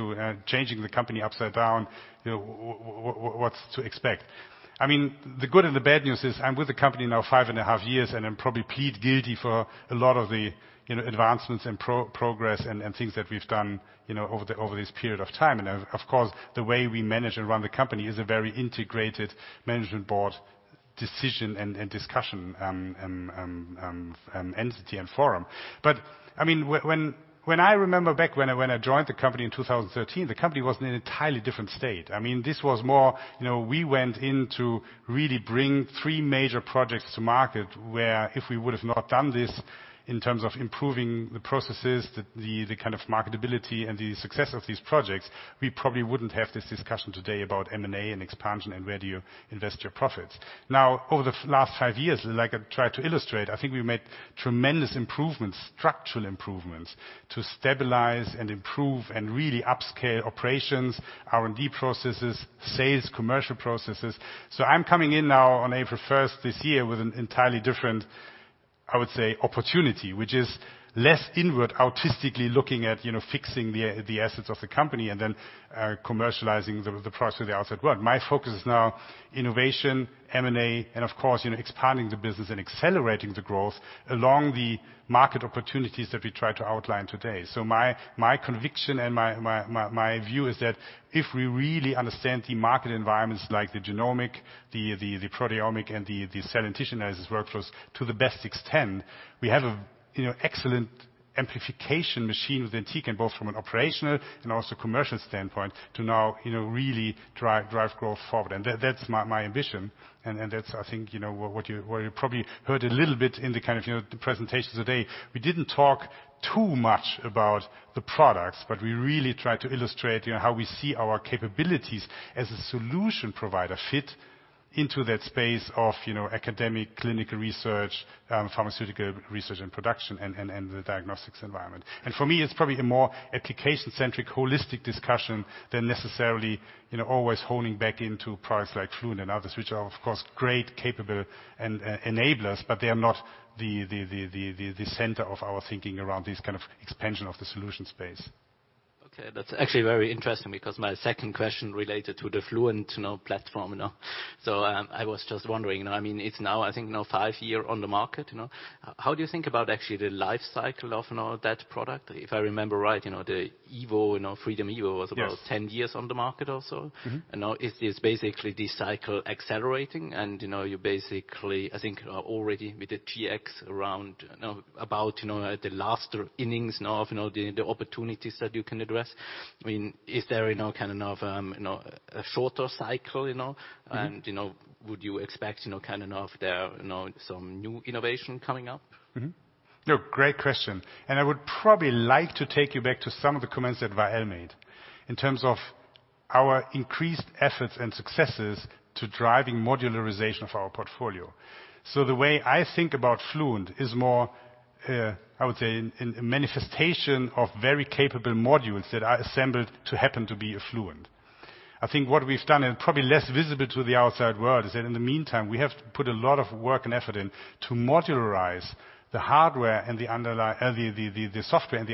changing the company upside down? What's to expect? The good and the bad news is I'm with the company now five and a half years, and I probably plead guilty for a lot of the advancements and progress and things that we've done over this period of time. Of course, the way we manage and run the company is a very integrated management board decision and discussion, entity and forum. When I remember back when I joined the company in 2013, the company was in an entirely different state. This was more, we went into really bring three major projects to market where if we would've not done this in terms of improving the processes, the kind of marketability and the success of these projects, we probably wouldn't have this discussion today about M&A and expansion and where do you invest your profits. Over the last five years, like I tried to illustrate, I think we made tremendous improvements, structural improvements, to stabilize and improve and really upscale operations, R&D processes, sales, commercial processes. I'm coming in now on April 1st this year with an entirely different, I would say, opportunity, which is less inward autistically looking at fixing the assets of the company and then commercializing the process of the outside world. My focus is now innovation, M&A, of course, expanding the business and accelerating the growth along the market opportunities that we try to outline today. My conviction and my view is that if we really understand the market environments like the genomic, the proteomic, and the [cell and tissue analysis] workflows to the best extent, we have excellent amplification machine within Tecan, both from an operational and also commercial standpoint, to now really drive growth forward. That's my ambition, and that's I think what you probably heard a little bit in the kind of presentations today. We didn't talk too much about the products, we really tried to illustrate how we see our capabilities as a solution provider fit into that space of academic, clinical research, pharmaceutical research and production, and the diagnostics environment. For me, it's probably a more application-centric, holistic discussion than necessarily always honing back into products like Fluent and others, which are, of course, great capable enablers, but they are not the center of our thinking around this kind of expansion of the solution space. Okay. That's actually very interesting because my second question related to the Fluent platform. I was just wondering, it's now I think now five year on the market. How do you think about actually the life cycle of that product? If I remember right, the EVO, Freedom EVO was- Yes About 10 years on the market or so. Now is basically this cycle accelerating and you basically, I think are already with the Gx around about the last innings now of the opportunities that you can address. Is there kind of a shorter cycle? Would you expect kind of there some new innovation coming up? Great question. I would probably like to take you back to some of the comments that Wael made in terms of our increased efforts and successes to driving modularization of our portfolio. The way I think about Fluent is more, I would say in manifestation of very capable modules that are assembled to happen to be a Fluent. I think what we've done, and probably less visible to the outside world, is that in the meantime, we have to put a lot of work and effort in to modularize the software and the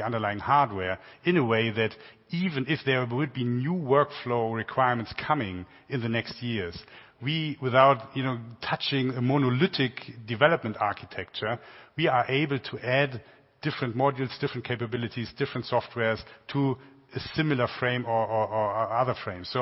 underlying hardware in a way that even if there would be new workflow requirements coming in the next years, we, without touching a monolithic development architecture, we are able to add different modules, different capabilities, different softwares to a similar frame or other frames.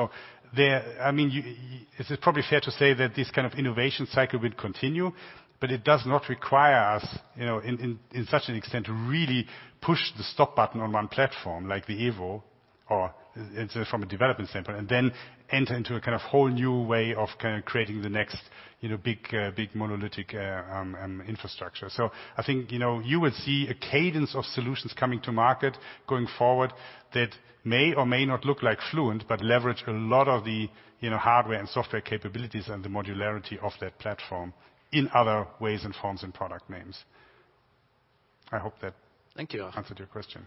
It's probably fair to say that this kind of innovation cycle will continue, but it does not require us in such an extent to really push the stop button on one platform like the EVO or from a development standpoint, enter into a kind of whole new way of kind of creating the next big monolithic infrastructure. I think you will see a cadence of solutions coming to market going forward that may or may not look like Fluent, but leverage a lot of the hardware and software capabilities and the modularity of that platform in other ways and forms and product names. Thank you answered your question.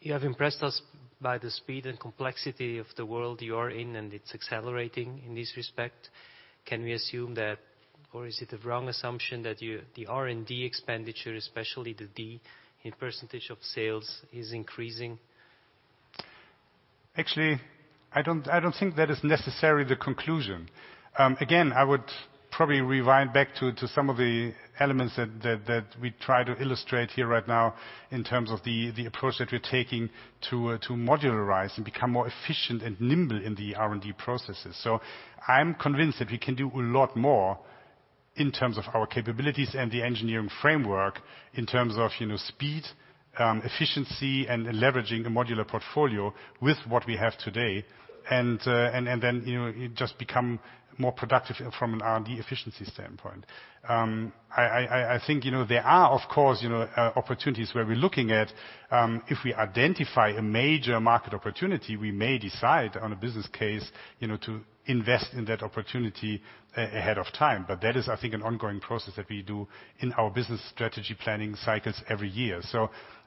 You have impressed us by the speed and complexity of the world you are in, and it's accelerating in this respect. Can we assume that Is it a wrong assumption that the R&D expenditure, especially the D in % of sales, is increasing? Actually, I don't think that is necessarily the conclusion. Again, I would probably rewind back to some of the elements that we try to illustrate here right now in terms of the approach that we're taking to modularize and become more efficient and nimble in the R&D processes. I'm convinced that we can do a lot more in terms of our capabilities and the engineering framework in terms of speed, efficiency, and leveraging a modular portfolio with what we have today. It just become more productive from an R&D efficiency standpoint. I think there are, of course, opportunities where we're looking at, if we identify a major market opportunity, we may decide on a business case to invest in that opportunity ahead of time. That is, I think, an ongoing process that we do in our business strategy planning cycles every year.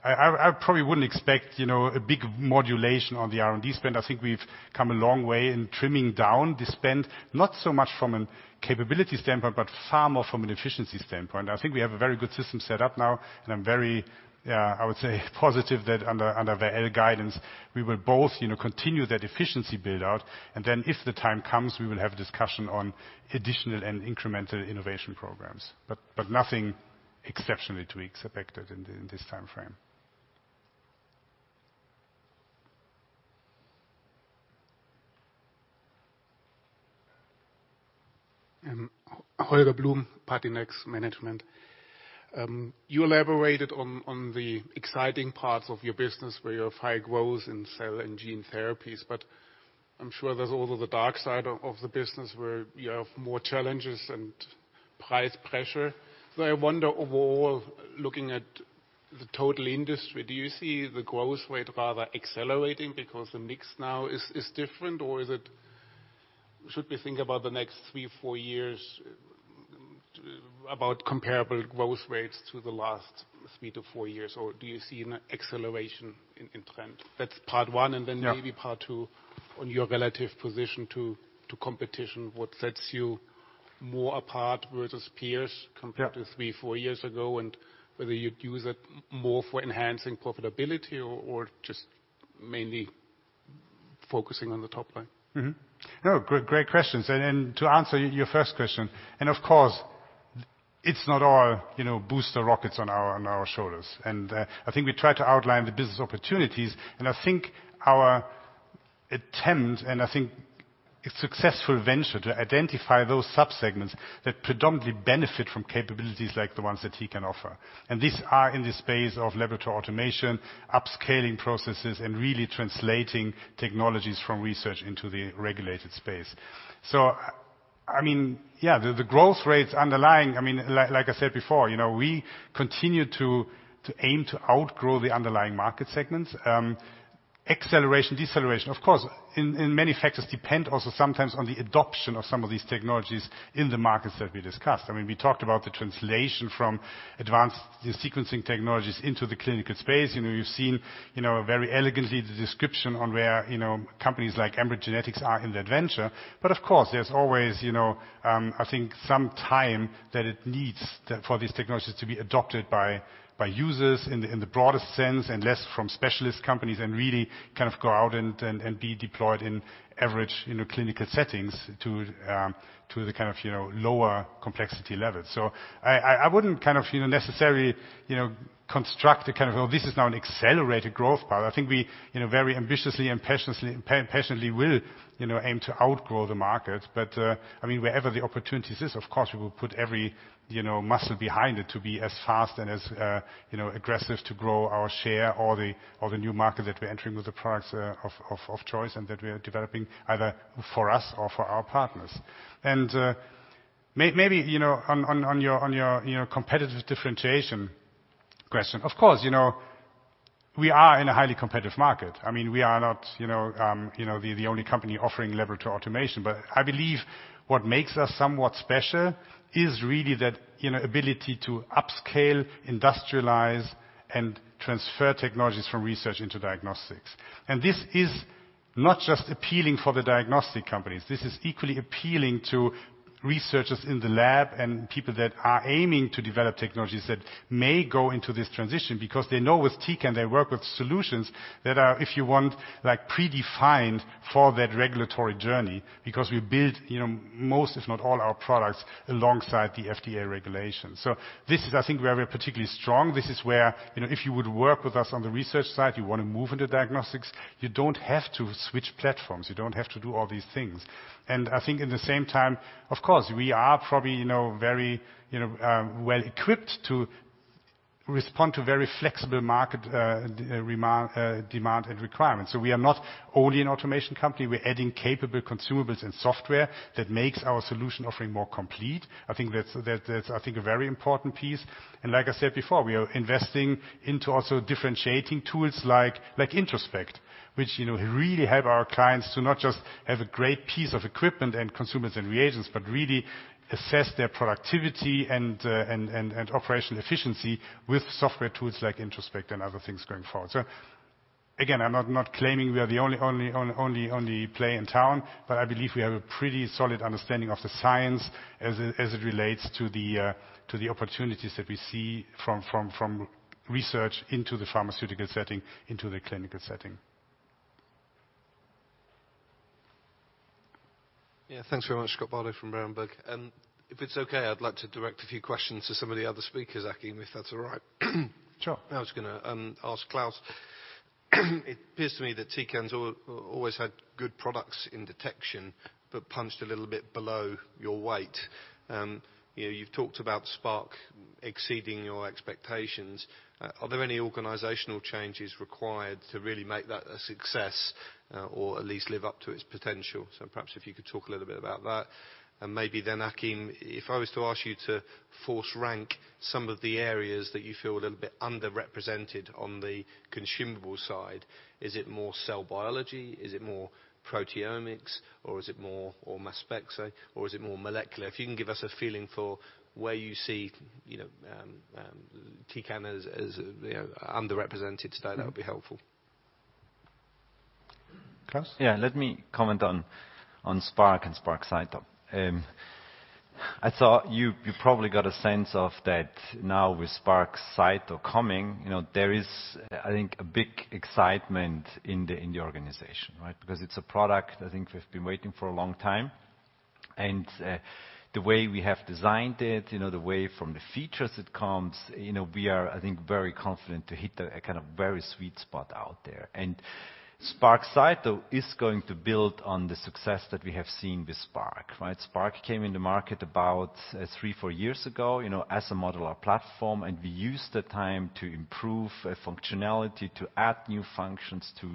I probably wouldn't expect a big modulation on the R&D spend. I think we've come a long way in trimming down the spend, not so much from a capability standpoint, but far more from an efficiency standpoint. I think we have a very good system set up now, and I'm very, I would say, positive that under Wael guidance, we will both continue that efficiency build-out. If the time comes, we will have a discussion on additional and incremental innovation programs. Nothing exceptional to be expected in this time frame. Holger Blum, Patinex Management. You elaborated on the exciting parts of your business where you have high growth in cell and gene therapies, I'm sure there's also the dark side of the business where you have more challenges and price pressure. I wonder, overall, looking at the total industry, do you see the growth rate rather accelerating because the mix now is different? Should we think about the next 3, 4 years about comparable growth rates to the last 3 to 4 years? Do you see an acceleration in trend? That's part one. Yeah. Maybe part two on your relative position to competition, what sets you more apart versus peers- Yeah compared to 3, 4 years ago, whether you'd use it more for enhancing profitability or just mainly focusing on the top line? No, great questions. To answer your first question, of course, it's not all booster rockets on our shoulders. I think we try to outline the business opportunities. I think our attempt, I think a successful venture to identify those sub-segments that predominantly benefit from capabilities like the ones that Tecan offer. These are in the space of laboratory automation, upscaling processes, and really translating technologies from research into the regulated space. The growth rates underlying, like I said before, we continue to aim to outgrow the underlying market segments. Acceleration, deceleration, of course, many factors depend also sometimes on the adoption of some of these technologies in the markets that we discussed. We talked about the translation from advanced sequencing technologies into the clinical space. You've seen very elegantly the description on where companies like Ambry Genetics are in the adventure. Of course, there's always I think some time that it needs for these technologies to be adopted by users in the broadest sense, less from specialist companies, and really kind of go out and be deployed in average clinical settings to the kind of lower complexity level. I wouldn't kind of necessarily construct a kind of, oh, this is now an accelerated growth part. I think we very ambitiously and passionately will aim to outgrow the markets. Wherever the opportunities is, of course, we will put every muscle behind it to be as fast and as aggressive to grow our share or the new market that we're entering with the products of choice and that we are developing either for us or for our partners. Maybe on your competitive differentiation question, of course, we are in a highly competitive market. We are not the only company offering laboratory automation. I believe what makes us somewhat special is really that ability to upscale, industrialize, and transfer technologies from research into diagnostics. This is not just appealing for the diagnostic companies. This is equally appealing to researchers in the lab and people that are aiming to develop technologies that may go into this transition because they know with Tecan, they work with solutions that are, if you want, predefined for that regulatory journey because we build most, if not all our products alongside the FDA regulations. This is, I think, where we're particularly strong. This is where if you would work with us on the research side, you want to move into diagnostics, you don't have to switch platforms. You don't have to do all these things. I think at the same time, of course, we are probably very well-equipped to respond to very flexible market demand and requirements. We are not only an automation company, we're adding capable consumables and software that makes our solution offering more complete. I think that's a very important piece. Like I said before, we are investing into also differentiating tools like Introspect, which really help our clients to not just have a great piece of equipment and consumers and reagents, but really assess their productivity and operational efficiency with software tools like Introspect and other things going forward. Again, I'm not claiming we are the only play in town, but I believe we have a pretty solid understanding of the science as it relates to the opportunities that we see from research into the pharmaceutical setting, into the clinical setting. Yeah, thanks very much. Scott Bardo from Berenberg. If it's okay, I'd like to direct a few questions to some of the other speakers, Achim, if that's all right. Sure. I was going to ask Klaus. It appears to me that Tecan's always had good products in detection, but punched a little bit below your weight. You've talked about Spark exceeding your expectations. Are there any organizational changes required to really make that a success or at least live up to its potential? Perhaps if you could talk a little bit about that. Maybe then Achim, if I was to ask you to force rank some of the areas that you feel are a little bit underrepresented on the consumable side. Is it more cell biology? Is it more proteomics? Or is it more mass spec? Or is it more molecular? If you can give us a feeling for where you see Tecan is underrepresented today, that would be helpful. Klaus? Yeah, let me comment on Spark and Spark CyTO. I thought you probably got a sense of that now with Spark CyTO coming, there is, I think, a big excitement in the organization, right? Because it's a product, I think we've been waiting for a long time. The way we have designed it, the way from the features it comes, we are, I think, very confident to hit a kind of very sweet spot out there. Spark CyTO is going to build on the success that we have seen with Spark, right? Spark came in the market about three, four years ago as a modular platform, and we used the time to improve functionality, to add new functions, to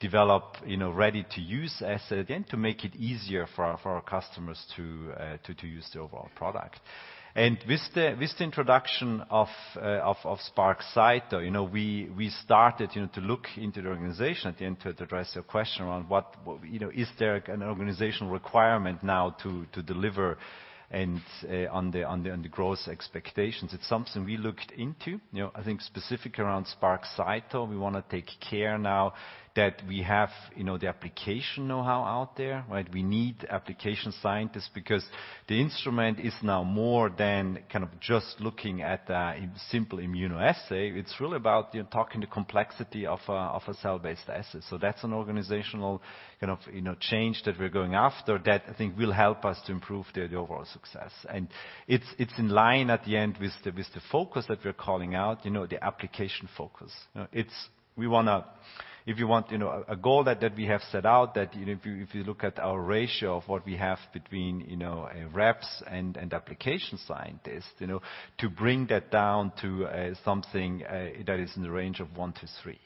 develop ready-to-use assay, and to make it easier for our customers to use the overall product. With the introduction of Spark CyTO, we started to look into the organization at the end to address your question around is there an organizational requirement now to deliver on the growth expectations? It's something we looked into. I think specific around Spark CyTO, we want to take care now that we have the application know-how out there, right? We need application scientists because the instrument is now more than kind of just looking at a simple immunoassay. It's really about talking the complexity of a cell-based assay. That's an organizational kind of change that we're going after that I think will help us to improve the overall success. It's in line at the end with the focus that we're calling out, the application focus. A goal that we have set out that if you look at our ratio of what we have between reps and application scientists, to bring that down to something that is in the range of 1 to 3.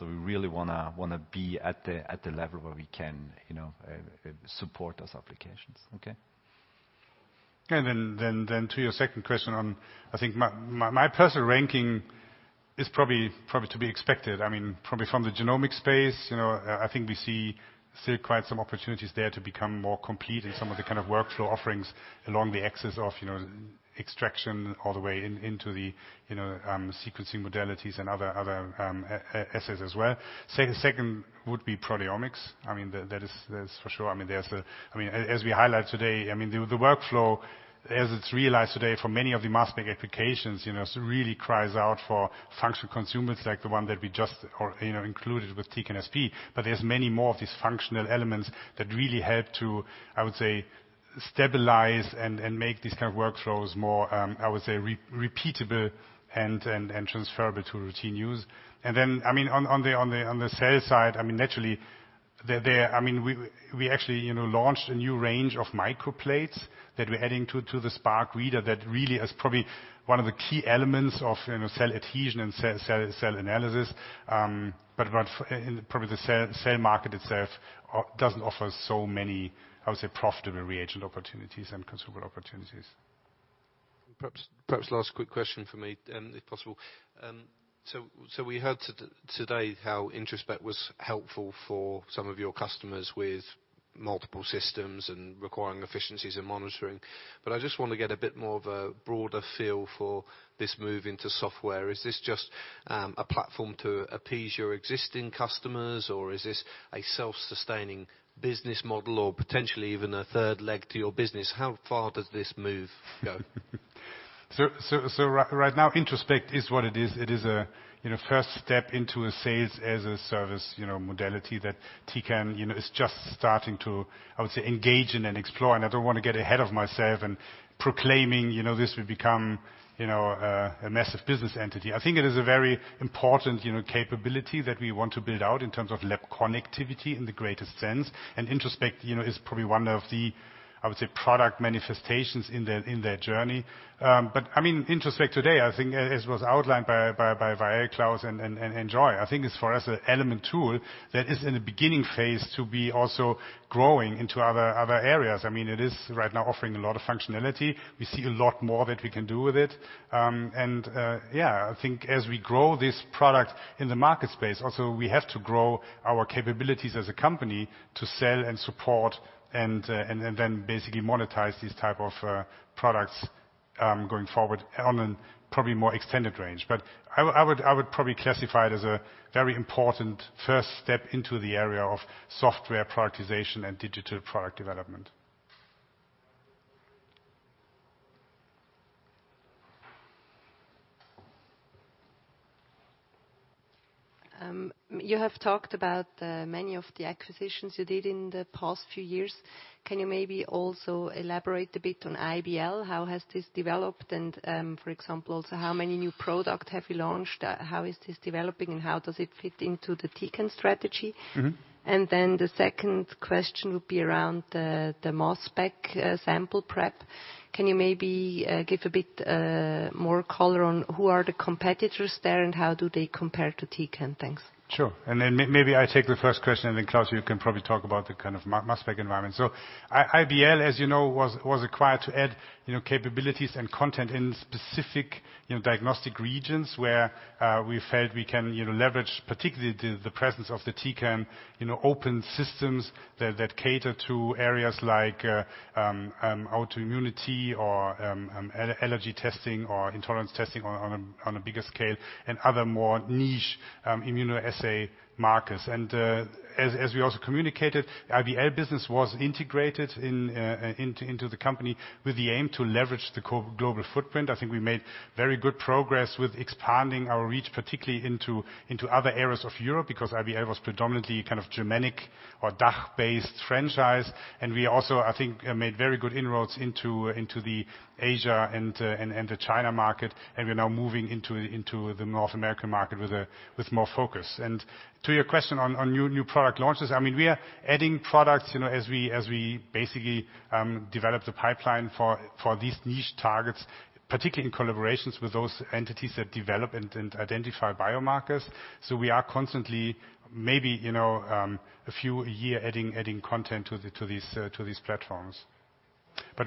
We really want to be at the level where we can support those applications. Okay. To your second question on, I think my personal ranking is probably to be expected. I mean, probably from the genomic space, I think we see still quite some opportunities there to become more complete in some of the kind of workflow offerings along the axis of extraction all the way into the sequencing modalities and other assets as well. Second would be proteomics. I mean, that is for sure. As we highlighted today, the workflow as it's realized today for many of the mass spec applications, really cries out for functional consumables like the one that we just included with Tecan SPE. There's many more of these functional elements that really help to, I would say, stabilize and make these kind of workflows more, I would say, repeatable and transferable to routine use. On the sales side, naturally, we actually launched a new range of microplates that we're adding to the Spark reader that really is probably one of the key elements of cell adhesion and cell analysis. Probably the cell market itself doesn't offer so many, I would say, profitable reagent opportunities and consumable opportunities. Perhaps last quick question from me, if possible. We heard today how Introspect was helpful for some of your customers with multiple systems and requiring efficiencies in monitoring. I just want to get a bit more of a broader feel for this move into software. Is this just a platform to appease your existing customers, or is this a self-sustaining business model or potentially even a third leg to your business? How far does this move go? Right now, Introspect is what it is. It is a first step into a sales-as-a-service modality that Tecan is just starting to, I would say, engage in and explore. I don't want to get ahead of myself in proclaiming this will become a massive business entity. I think it is a very important capability that we want to build out in terms of lab connectivity in the greatest sense, and Introspect is probably one of the, I would say, product manifestations in that journey. Introspect today, I think as was outlined by Klaus and Joy, I think is for us an element tool that is in the beginning phase to be also growing into other areas. It is right now offering a lot of functionality. We see a lot more that we can do with it. Yeah, I think as we grow this product in the market space also, we have to grow our capabilities as a company to sell and support and then basically monetize these type of products going forward on a probably more extended range. I would probably classify it as a very important first step into the area of software prioritization and digital product development. You have talked about many of the acquisitions you did in the past few years. Can you maybe also elaborate a bit on IBL? How has this developed? For example, how many new product have you launched? How is this developing, and how does it fit into the Tecan strategy? The second question would be around the mass spec sample prep. Can you maybe give a bit more color on who are the competitors there, and how do they compare to Tecan? Thanks. Sure. Maybe I take the first question, then Klaus, you can probably talk about the kind of mass spec environment. IBL, as you know, was acquired to add capabilities and content in specific diagnostic regions where we felt we can leverage, particularly the presence of the Tecan open systems that cater to areas like autoimmunity or allergy testing or intolerance testing on a bigger scale and other more niche immunoassay markets. As we also communicated, IBL business was integrated into the company with the aim to leverage the global footprint. I think we made very good progress with expanding our reach, particularly into other areas of Europe, because IBL was predominantly kind of Germanic or DACH-based franchise. We also, I think, made very good inroads into the Asia and the China market, and we are now moving into the North American market with more focus. To your question on new product launches, we are adding products as we basically develop the pipeline for these niche targets, particularly in collaborations with those entities that develop and identify biomarkers. We are constantly, maybe a few a year, adding content to these platforms.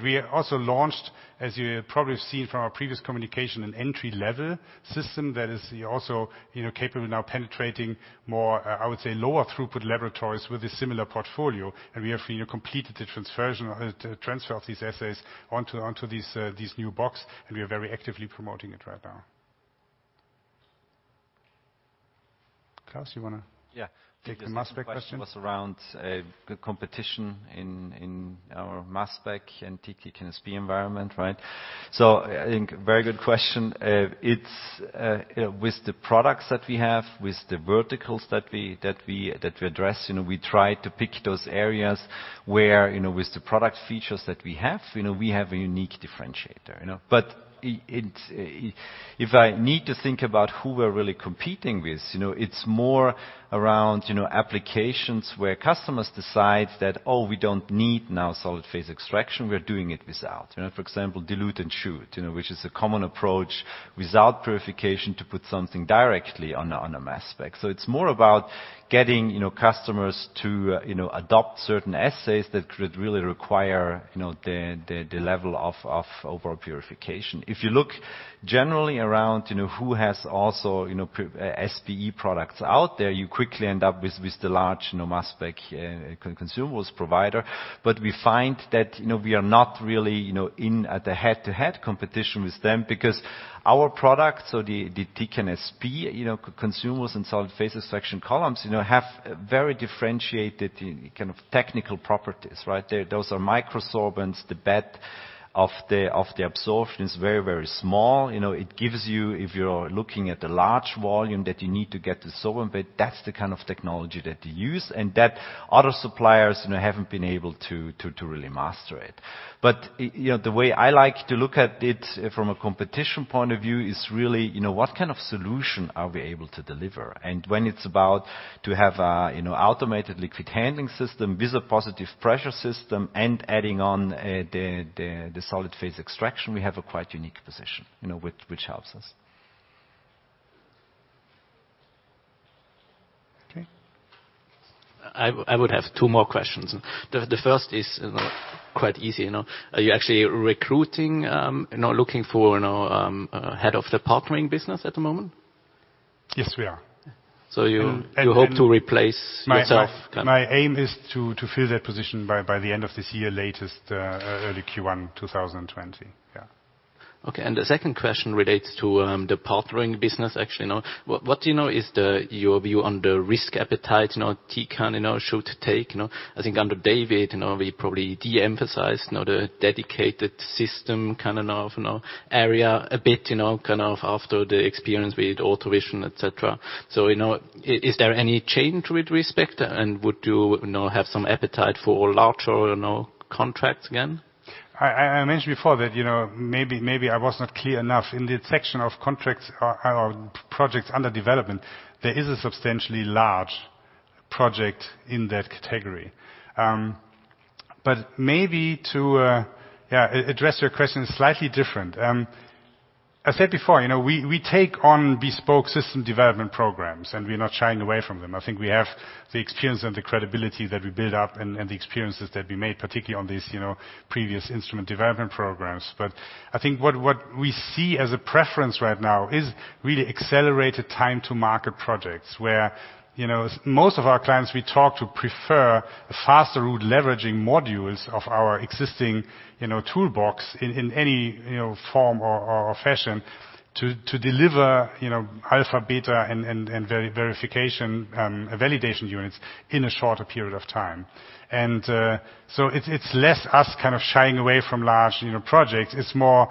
We also launched, as you probably have seen from our previous communication, an entry-level system that is also capable of now penetrating more, I would say, lower throughput laboratories with a similar portfolio. We have completed the transfer of these assays onto these new box, and we are very actively promoting it right now. Klaus, you want to. Yeah Take the mass spec question? The question was around competition in our mass spec and SPEware Corporation environment, right? I think very good question. With the products that we have, with the verticals that we address, we try to pick those areas where, with the product features that we have, we have a unique differentiator. If I need to think about who we are really competing with, it is more around applications where customers decide that, oh, we do not need now solid phase extraction, we are doing it without. For example, dilute and shoot, which is a common approach without purification to put something directly on a mass spec. It is more about getting customers to adopt certain assays that could really require the level of overall purification. If you look generally around who has also SPE products out there, you quickly end up with the large mass spec consumables provider. We find that we are not really in at a head-to-head competition with them because our products or the SPEware Corporation consumables and solid phase extraction columns, have very differentiated kind of technical properties, right? Those are microsorbents. The bed of the absorption is very, very small. It gives you, if you're looking at the large volume that you need to get the sorbent, that's the kind of technology that they use and that other suppliers haven't been able to really master it. The way I like to look at it from a competition point of view is really, what kind of solution are we able to deliver? When it's about to have automated liquid handling system with a positive pressure system and adding on the solid phase extraction, we have a quite unique position, which helps us. Okay. I would have two more questions. The first is quite easy. Are you actually recruiting, looking for a Head of the Partnering Business at the moment? Yes, we are. You hope to replace yourself? My aim is to fill that position by the end of this year, latest early Q1 2020. Yeah. Okay. The second question relates to the partnering business, actually. What do you know is your view on the risk appetite Tecan should take? I think under David, we probably de-emphasized the dedicated system kind of area a bit, kind of after the experience with ORTHO VISION, et cetera. Is there any change with respect, and would you have some appetite for larger contracts again? I mentioned before that maybe I was not clear enough in the section of contracts or projects under development. There is a substantially large project in that category. Maybe to address your question slightly different. I said before, we take on bespoke system development programs, and we're not shying away from them. I think we have the experience and the credibility that we built up and the experiences that we made, particularly on these previous instrument development programs. I think what we see as a preference right now is really accelerated time to market projects where most of our clients we talk to prefer a faster route, leveraging modules of our existing toolbox in any form or fashion to deliver alpha, beta, and validation units in a shorter period of time. It's less us kind of shying away from large projects. It's more,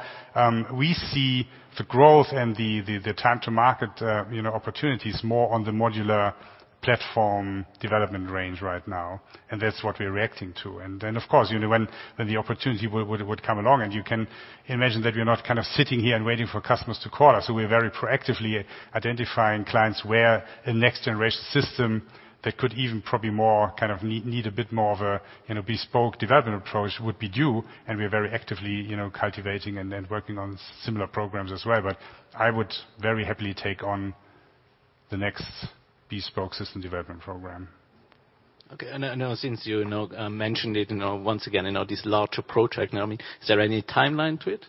we see the growth and the time to market opportunities more on the modular platform development range right now, and that's what we're reacting to. Then, of course, when the opportunity would come along, and you can imagine that we're not kind of sitting here and waiting for customers to call us. We're very proactively identifying clients where a next generation system that could even probably more kind of need a bit more of a bespoke development approach would be due, and we are very actively cultivating and then working on similar programs as well. I would very happily take on the next bespoke system development program. Okay. Now since you mentioned it once again, this larger project now, is there any timeline to it?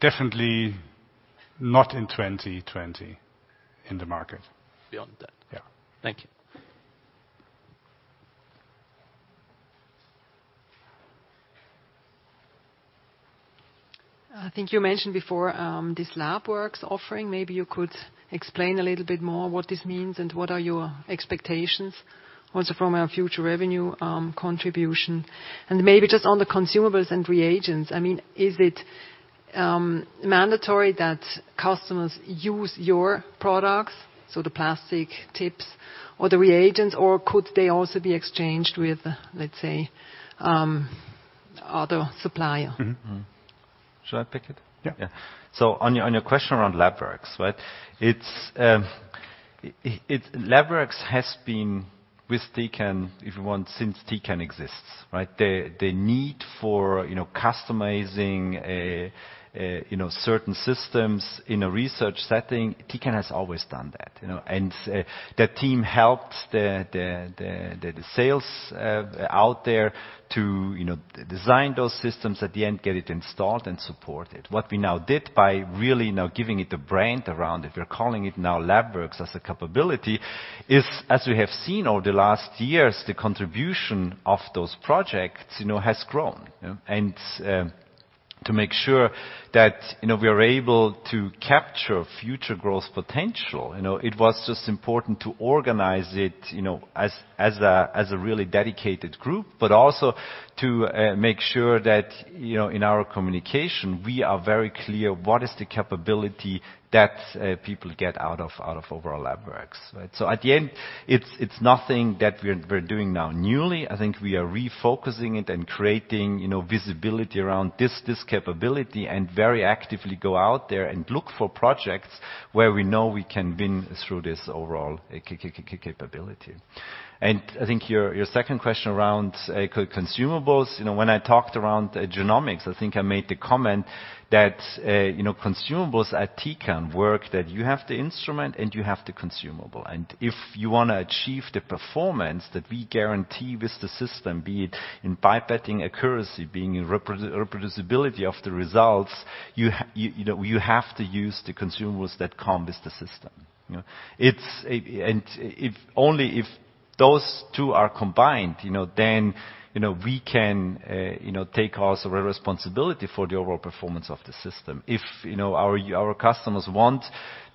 Definitely not in 2020 in the market. Beyond that. Yeah. Thank you. I think you mentioned before, this Labwerx offering. Maybe you could explain a little bit more what this means and what are your expectations also from a future revenue contribution. Maybe just on the consumables and reagents, is it mandatory that customers use your products, so the plastic tips or the reagents, or could they also be exchanged with, let's say, other supplier? Should I pick it? Yeah. On your question around Labwerx has been with Tecan, if you want, since Tecan exists, right? The need for customizing certain systems in a research setting, Tecan has always done that. The team helps the sales out there to design those systems, at the end, get it installed and support it. What we now did by really now giving it a brand around it, we're calling it now Labwerx as a capability, is as we have seen over the last years, the contribution of those projects has grown. To make sure that we are able to capture future growth potential, it was just important to organize it as a really dedicated group, but also to make sure that in our communication, we are very clear what is the capability that people get out of overall Labwerx, right? At the end, it's nothing that we're doing now newly. I think we are refocusing it and creating visibility around this capability and very actively go out there and look for projects where we know we can win through this overall capability. I think your second question around consumables. When I talked around genomics, I think I made the comment that consumables at Tecan work that you have the instrument and you have the consumable. If you want to achieve the performance that we guarantee with the system, be it in pipetting accuracy, be it in reproducibility of the results, you have to use the consumables that come with the system. Only if those two are combined, then we can take also a responsibility for the overall performance of the system. If our customers want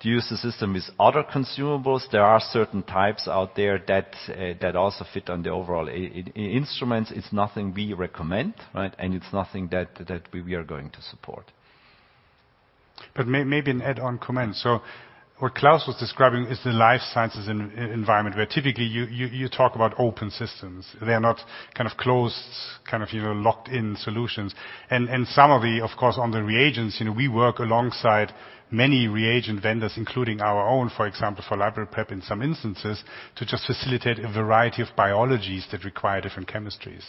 to use the system with other consumables, there are certain types out there that also fit on the overall instruments. It's nothing we recommend, right, it's nothing that we are going to support. Maybe an add-on comment. What Klaus was describing is the life sciences environment where typically you talk about open systems. They're not kind of closed, kind of locked-in solutions. Some of the, of course, on the reagents, we work alongside many reagent vendors, including our own, for example, for library prep in some instances, to just facilitate a variety of biologies that require different chemistries.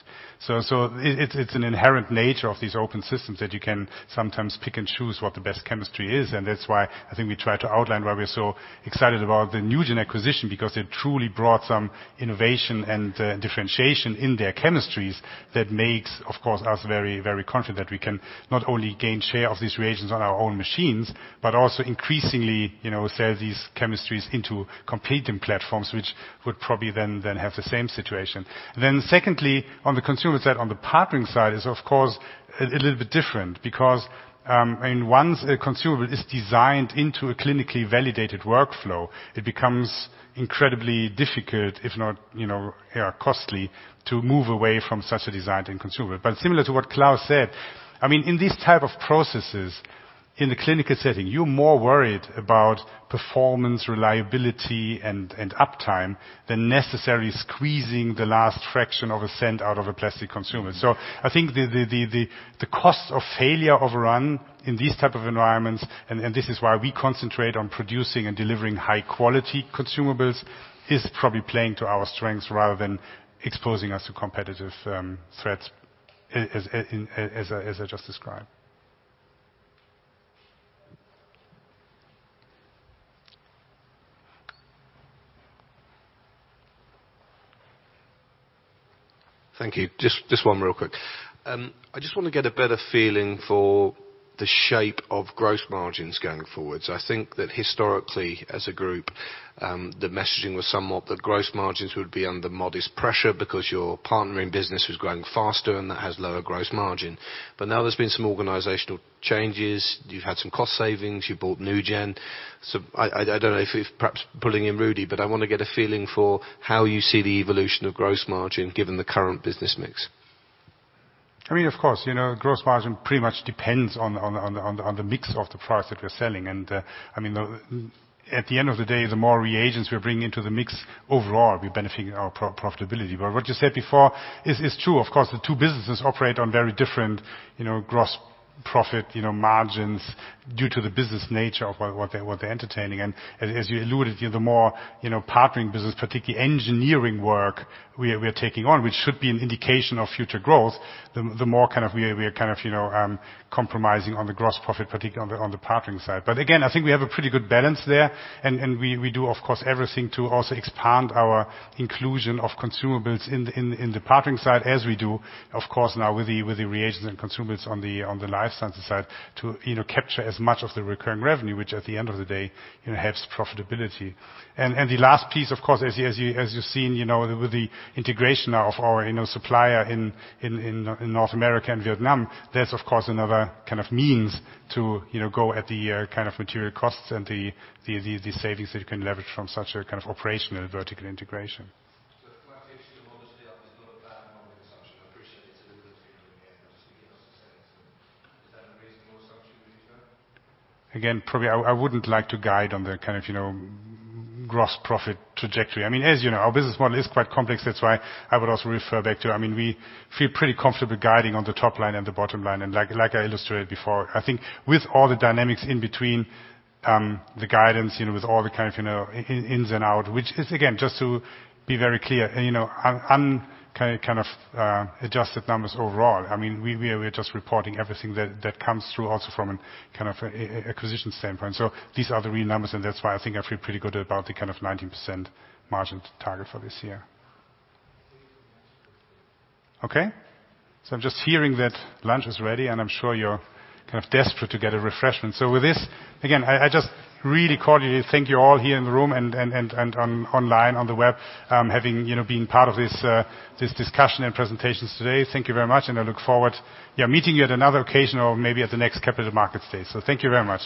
It's an inherent nature of these open systems that you can sometimes pick and choose what the best chemistry is, that's why I think we try to outline why we're so excited about the NuGen acquisition because it truly brought some innovation and differentiation in their chemistries. That makes, of course, us very confident that we can not only gain share of these reagents on our own machines, but also increasingly sell these chemistries into competing platforms, which would probably then have the same situation. Secondly, on the consumer side, on the partnering side is of course a little bit different because, once a consumable is designed into a clinically validated workflow, it becomes incredibly difficult, if not costly, to move away from such a designed-in consumable. Similar to what Klaus said, in these type of processes in the clinical setting, you're more worried about performance, reliability, and uptime than necessarily squeezing the last fraction of a cent out of a plastic consumable. I think the cost of failure of a run in these type of environments, this is why we concentrate on producing and delivering high-quality consumables, is probably playing to our strengths rather than exposing us to competitive threats as I just described. Thank you. Just one real quick. I just want to get a better feeling for the shape of gross margins going forwards. I think that historically, as a group, the messaging was somewhat that gross margins would be under modest pressure because your partnering business was growing faster, and that has lower gross margin. Now there's been some organizational changes. You've had some cost savings. You bought NuGen. I don't know if perhaps pulling in Rudi, but I want to get a feeling for how you see the evolution of gross margin given the current business mix. Of course. Gross margin pretty much depends on the mix of the products that we're selling. At the end of the day, the more reagents we are bringing into the mix, overall, we're benefiting our profitability. What you said before is true. Of course, the two businesses operate on very different gross profit margins due to the business nature of what they're entertaining. As you alluded, the more partnering business, particularly engineering work we are taking on, which should be an indication of future growth. The more we are compromising on the gross profit, particularly on the partnering side. Again, I think we have a pretty good balance there. We do, of course, everything to also expand our inclusion of consumables in the partnering side as we do, of course now with the reagents and consumables on the life sciences side to capture as much of the recurring revenue, which at the end of the day, helps profitability. The last piece, of course, as you're seeing with the integration now of our supplier in North America and Vietnam. There's, of course, another means to go at the material costs and the savings that you can leverage from such an operational vertical integration. From my picture, the model still is not a bad model assumption. I appreciate it's a little bit bigger again, just because of the sales. Is that a reasonable assumption going forward? Again, probably I wouldn't like to guide on the kind of gross profit trajectory. As you know, our business model is quite complex. That's why I would also refer back to. We feel pretty comfortable guiding on the top line and the bottom line. Like I illustrated before, I think with all the dynamics in between the guidance, with all the ins and out, which is again, just to be very clear, un-kind of adjusted numbers overall. We're just reporting everything that comes through also from an acquisition standpoint. These are the real numbers, and that's why I think I feel pretty good about the 19% margin target for this year. Okay. I'm just hearing that lunch is ready, and I'm sure you're desperate to get a refreshment. With this, again, I just really cordially thank you all here in the room and online on the web, having been part of this discussion and presentations today. Thank you very much. I look forward meeting you at another occasion or maybe at the next Capital Markets Day. Thank you very much.